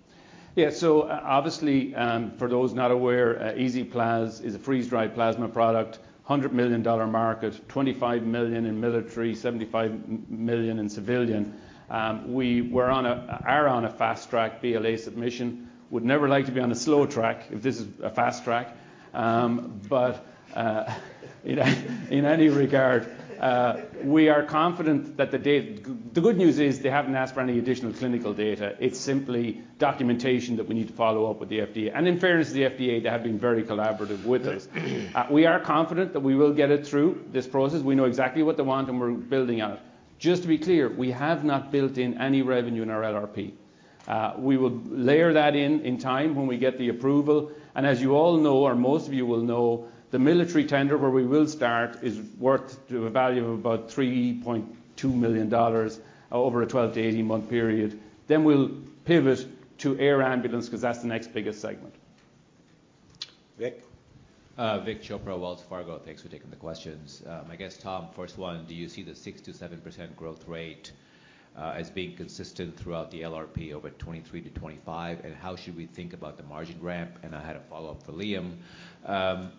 Obviously, for those not aware, EZ-Plas is a freeze-dried plasma product, $100 million market, $25 million in military, $75 million in civilian. We are on a fast-track BLA submission. Would never like to be on a slow track if this is a fast track. In any regard, we are confident that the data. The good news is they haven't asked for any additional clinical data. It's simply documentation that we need to follow up with the FDA. In fairness to the FDA, they have been very collaborative with us. We are confident that we will get it through this process. We know exactly what they want, and we're building out. Just to be clear, we have not built in any revenue in our LRP. We will layer that in time when we get the approval. As you all know, or most of you will know, the military tender where we will start is worth to a value of about $3.2 million over a 12 to 18-month period. We'll pivot to air ambulance cause that's the next biggest segment. Vik? Vik Chopra, Wells Fargo. Thanks for taking the questions. I guess, Tom, first one, do you see the 6% to 7% growth rate as being consistent throughout the LRP over 2023 to 2025? How should we think about the margin ramp? I had a follow-up for Liam.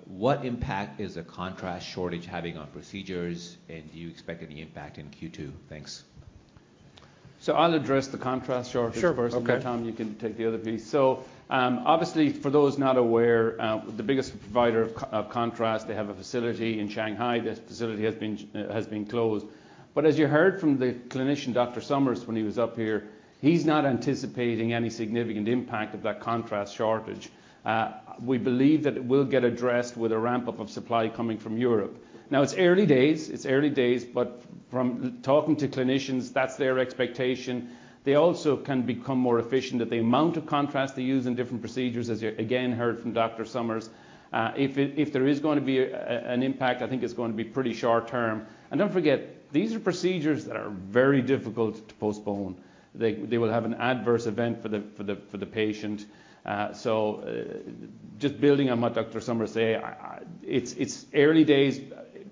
What impact is the contrast shortage having on procedures, and do you expect any impact in second quarter? Thanks. I'll address the contrast shortage. Sure. Okay First, Tom, you can take the other piece. Obviously, for those not aware, the biggest provider of contrast, they have a facility in Shanghai. That facility has been closed. As you heard from the clinician, Dr. Summers, when he was up here, he's not anticipating any significant impact of that contrast shortage. We believe that it will get addressed with a ramp-up of supply coming from Europe. Now, it's early days, but from talking to clinicians, that's their expectation. They also can become more efficient at the amount of contrast they use in different procedures, as you, again, heard from Dr. Summers. If there is going to be an impact, I think it's going to be pretty short term. Don't forget, these are procedures that are very difficult to postpone. They will have an adverse event for the patient. Just building on what Dr. Matthew Summers say, I it's early days.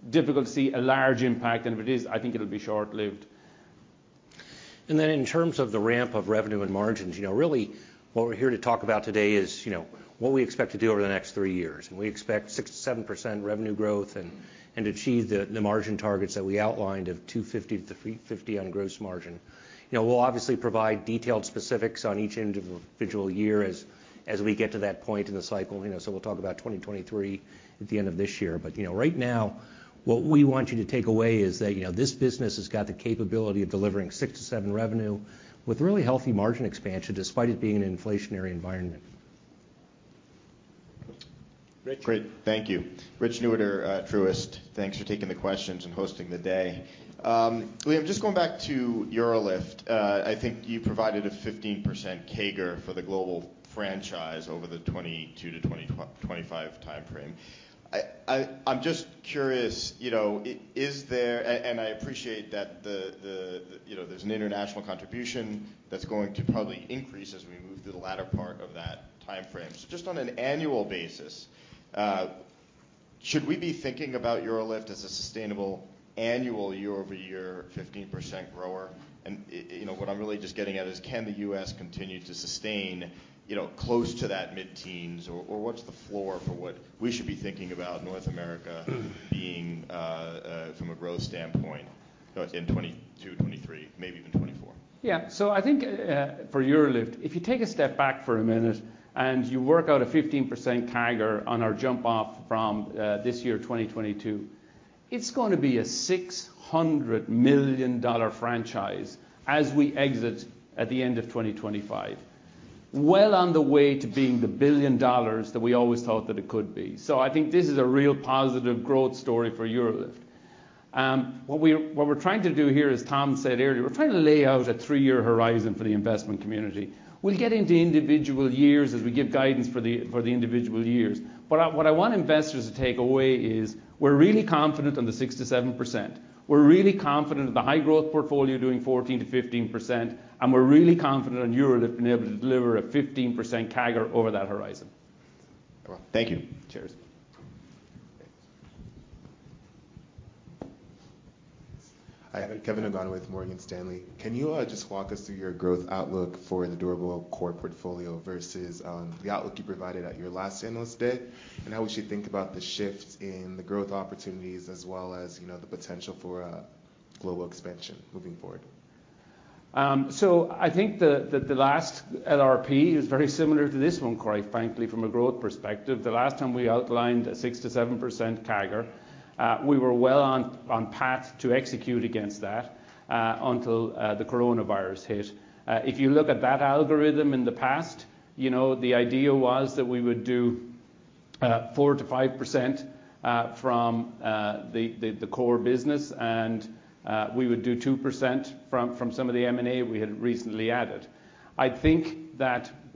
Difficult to see a large impact, and if it is, I think it'll be short-lived. Then in terms of the ramp of revenue and margins, you know, really what we're here to talk about today is, you know, what we expect to do over the next three years. We expect 6% to 7% revenue growth and achieve the margin targets that we outlined of 250 to 350 on gross margin. You know, we'll obviously provide detailed specifics on each individual year as we get to that point in the cycle. You know, we'll talk about 2023 at the end of this year. Right now what we want you to take away is that, you know, this business has got the capability of delivering 6% to 7% revenue with really healthy margin expansion, despite it being an inflationary environment. Rich? Great. Thank you. Rich Newitter, Truist. Thanks for taking the questions and hosting the day. Liam, just going back to UroLift, I think you provided a 15% CAGR for the global franchise over the 2022 to 2025 timeframe. I'm just curious, you know, I appreciate that, you know, there's an international contribution that's going to probably increase as we move through the latter part of that timeframe. Just on an annual basis, should we be thinking about UroLift as a sustainable annual year-over-year 15% grower? It, you know, what I'm really just getting at is can the US continue to sustain, you know, close to that mid-teens% or what's the floor for what we should be thinking about North America being from a growth standpoint in 2022, 2023, maybe even 2024? Yeah. I think, for UroLift, if you take a step back for a minute, and you work out a 15% CAGR on our jump-off from this year, 2022, it's gonna be a $600 million franchise as we exit at the end of 2025. Well on the way to being the $1 billion that we always thought that it could be. I think this is a real positive growth story for UroLift. What we're trying to do here, as Tom said earlier, we're trying to lay out a three-year horizon for the investment community. We'll get into individual years as we give guidance for the individual years. What I want investors to take away is we're really confident on the 6% to 7%. We're really confident of the high growth portfolio doing 14% to 15%, and we're really confident on Europe being able to deliver a 15% CAGR over that horizon. Well, thank you. Cheers. Hi. Kevin (inaudible) with Morgan Stanley. Can you just walk us through your growth outlook for the durable core portfolio versus the outlook you provided at your last analyst day, and how we should think about the shift in the growth opportunities as well as, you know, the potential for global expansion moving forward? I think the last LRP is very similar to this one, quite frankly, from a growth perspective. The last time we outlined a 6% to 7% CAGR, we were well on path to execute against that, until the coronavirus hit. If you look at that algorithm in the past, you know, the idea was that we would do 4% to 5% from the core business, and we would do 2% from some of the M&A we had recently added. I think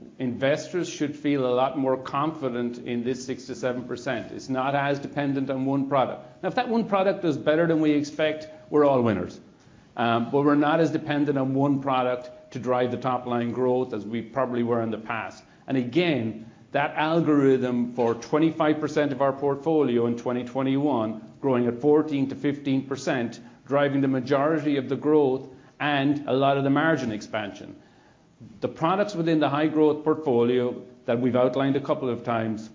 that investors should feel a lot more confident in this 6% to 7%. It's not as dependent on one product. Now, if that one product does better than we expect, we're all winners. We're not as dependent on one product to drive the top-line growth as we probably were in the past. Again, that algorithm for 25% of our portfolio in 2021 growing at 14% to 15%, driving the majority of the growth and a lot of the margin expansion. The products within the high-growth portfolio that we've outlined a couple of times,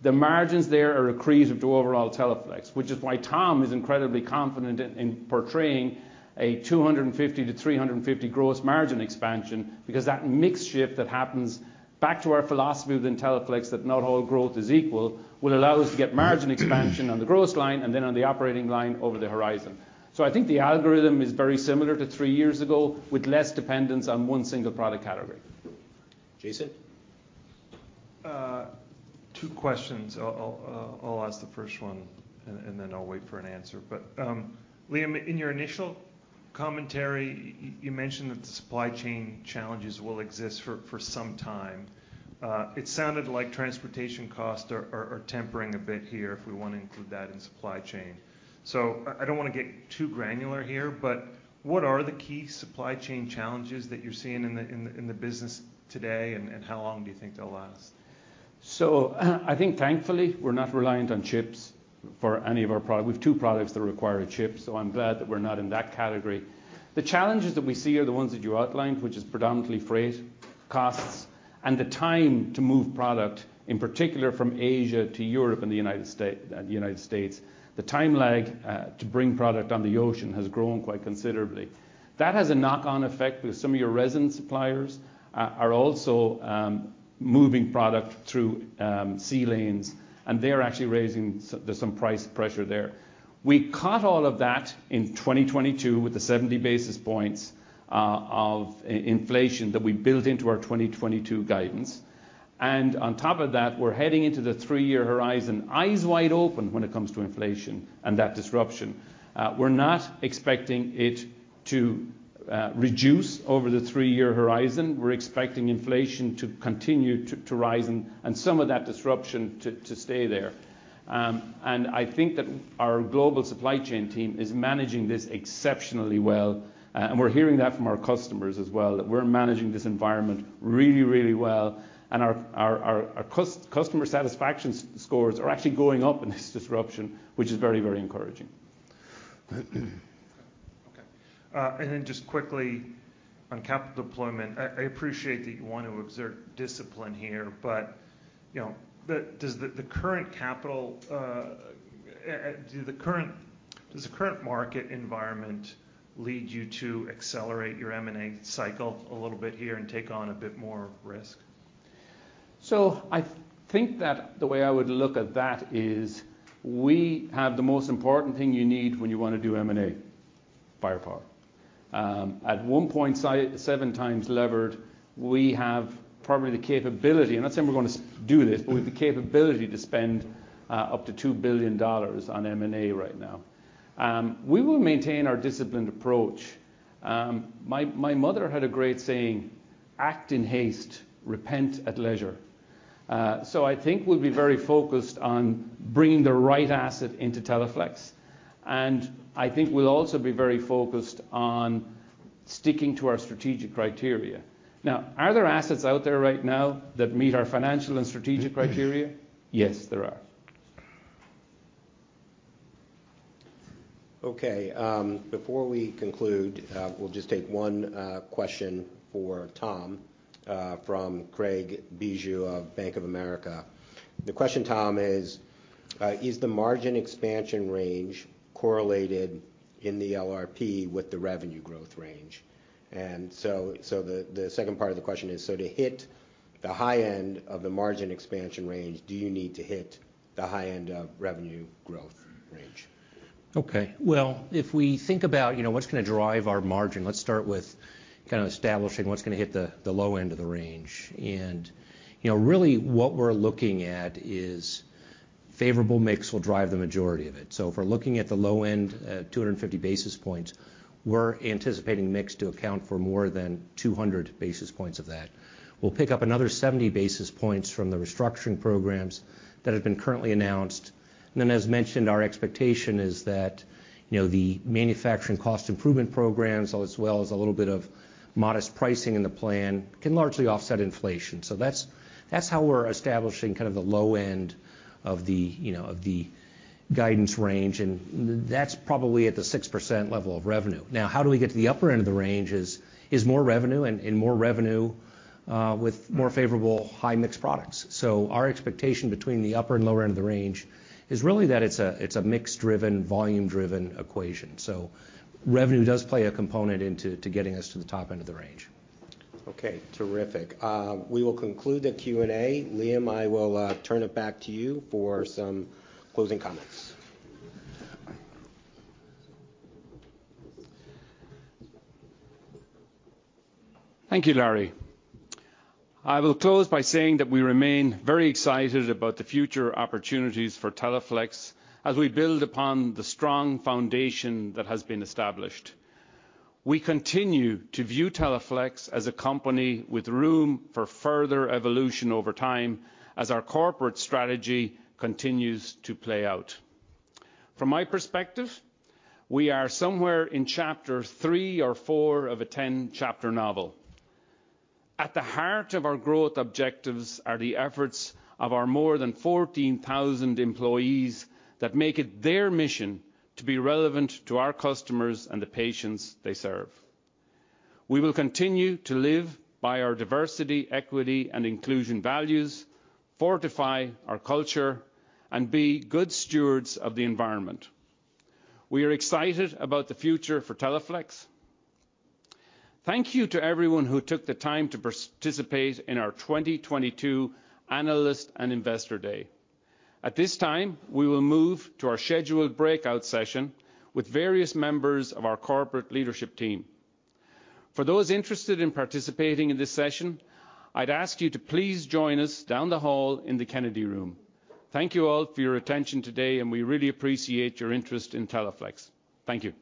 the margins there are accretive to overall Teleflex, which is why Tom is incredibly confident in portraying a 250 to 350 gross margin expansion because that mix shift that happens back to our philosophy within Teleflex, that not all growth is equal, will allow us to get margin expansion on the gross line and then on the operating line over the horizon. I think the algorithm is very similar to three years ago with less dependence on one single product category. Jayson? Two questions. I'll ask the first one and then I'll wait for an answer. Liam, in your initial commentary, you mentioned that the supply chain challenges will exist for some time. It sounded like transportation costs are tempering a bit here if we want to include that in supply chain. I don't want to get too granular here, but what are the key supply chain challenges that you're seeing in the business today, and how long do you think they'll last? I think thankfully, we're not reliant on chips for any of our product. We have two products that require a chip, so I'm glad that we're not in that category. The challenges that we see are the ones that you outlined, which is predominantly freight costs and the time to move product, in particular from Asia to Europe and the United States. The time lag to bring product on the ocean has grown quite considerably. That has a knock-on effect with some of your resin suppliers are also moving product through sea lanes, and they're actually raising some. There's some price pressure there. We caught all of that in 2022 with the 70-basis points of inflation that we built into our 2022 guidance. On top of that, we're heading into the three-year horizon, eyes wide open when it comes to inflation and that disruption. We're not expecting it to reduce over the three-year horizon. We're expecting inflation to continue to rise and some of that disruption to stay there. I think that our global supply chain team is managing this exceptionally well, and we're hearing that from our customers as well, that we're managing this environment really, really well. Our customer satisfaction scores are actually going up in this disruption, which is very, very encouraging. Just quickly on capital deployment. I appreciate that you want to observe discipline here, but you know, does the current market environment lead you to accelerate your M&A cycle a little bit here and take on a bit more risk? I think that the way I would look at that is we have the most important thing you need when you want to do M&A, firepower. At 1.7x levered, we have probably the capability. I'm not saying we're gonna do this, but we have the capability to spend up to $2 billion on M&A right now. We will maintain our disciplined approach. My mother had a great saying, "Act in haste, repent at leisure." I think we'll be very focused on bringing the right asset into Teleflex, and I think we'll also be very focused on sticking to our strategic criteria. Now, are there assets out there right now that meet our financial and strategic criteria? Yes, there are. Okay. Before we conclude, we'll just take one question for Tom from Craig Bijou of Bank of America. The question, Tom, is the margin expansion range correlated in the LRP with the revenue growth range? The second part of the question is, to hit the high end of the margin expansion range, do you need to hit the high end of revenue growth range? Okay. Well, if we think about, you know, what's gonna drive our margin, let's start with kind of establishing what's gonna hit the low end of the range. You know, really what we're looking at is. Favorable mix will drive the majority of it. If we're looking at the low end, 250-basis points, we're anticipating mix to account for more than 200-basis points of that. We'll pick up another 70-basis points from the restructuring programs that have been currently announced. As mentioned, our expectation is that, you know, the manufacturing cost improvement programs, as well as a little bit of modest pricing in the plan, can largely offset inflation. That's how we're establishing kind of the low end of the guidance range, and that's probably at the 6% level of revenue. Now, how do we get to the upper end of the range is more revenue and more revenue with more favorable high-mix products. Our expectation between the upper and lower end of the range is really that it's a mix-driven, volume-driven equation. Revenue does play a component into getting us to the top end of the range. Okay, terrific. We will conclude the Q&A. Liam, I will turn it back to you for some closing comments. Thank you, Larry. I will close by saying that we remain very excited about the future opportunities for Teleflex as we build upon the strong foundation that has been established. We continue to view Teleflex as a company with room for further evolution over time as our corporate strategy continues to play out. From my perspective, we are somewhere in chapter three or four of a 10-chapter novel. At the heart of our growth objectives are the efforts of our more than 14,000 employees that make it their mission to be relevant to our customers and the patients they serve. We will continue to live by our diversity, equity, and inclusion values, fortify our culture, and be good stewards of the environment. We are excited about the future for Teleflex. Thank you to everyone who took the time to participate in our 2022 Analyst and Investor Day. At this time, we will move to our scheduled breakout session with various members of our corporate leadership team. For those interested in participating in this session, I'd ask you to please join us down the hall in the Kennedy Room. Thank you all for your attention today, and we really appreciate your interest in Teleflex. Thank you.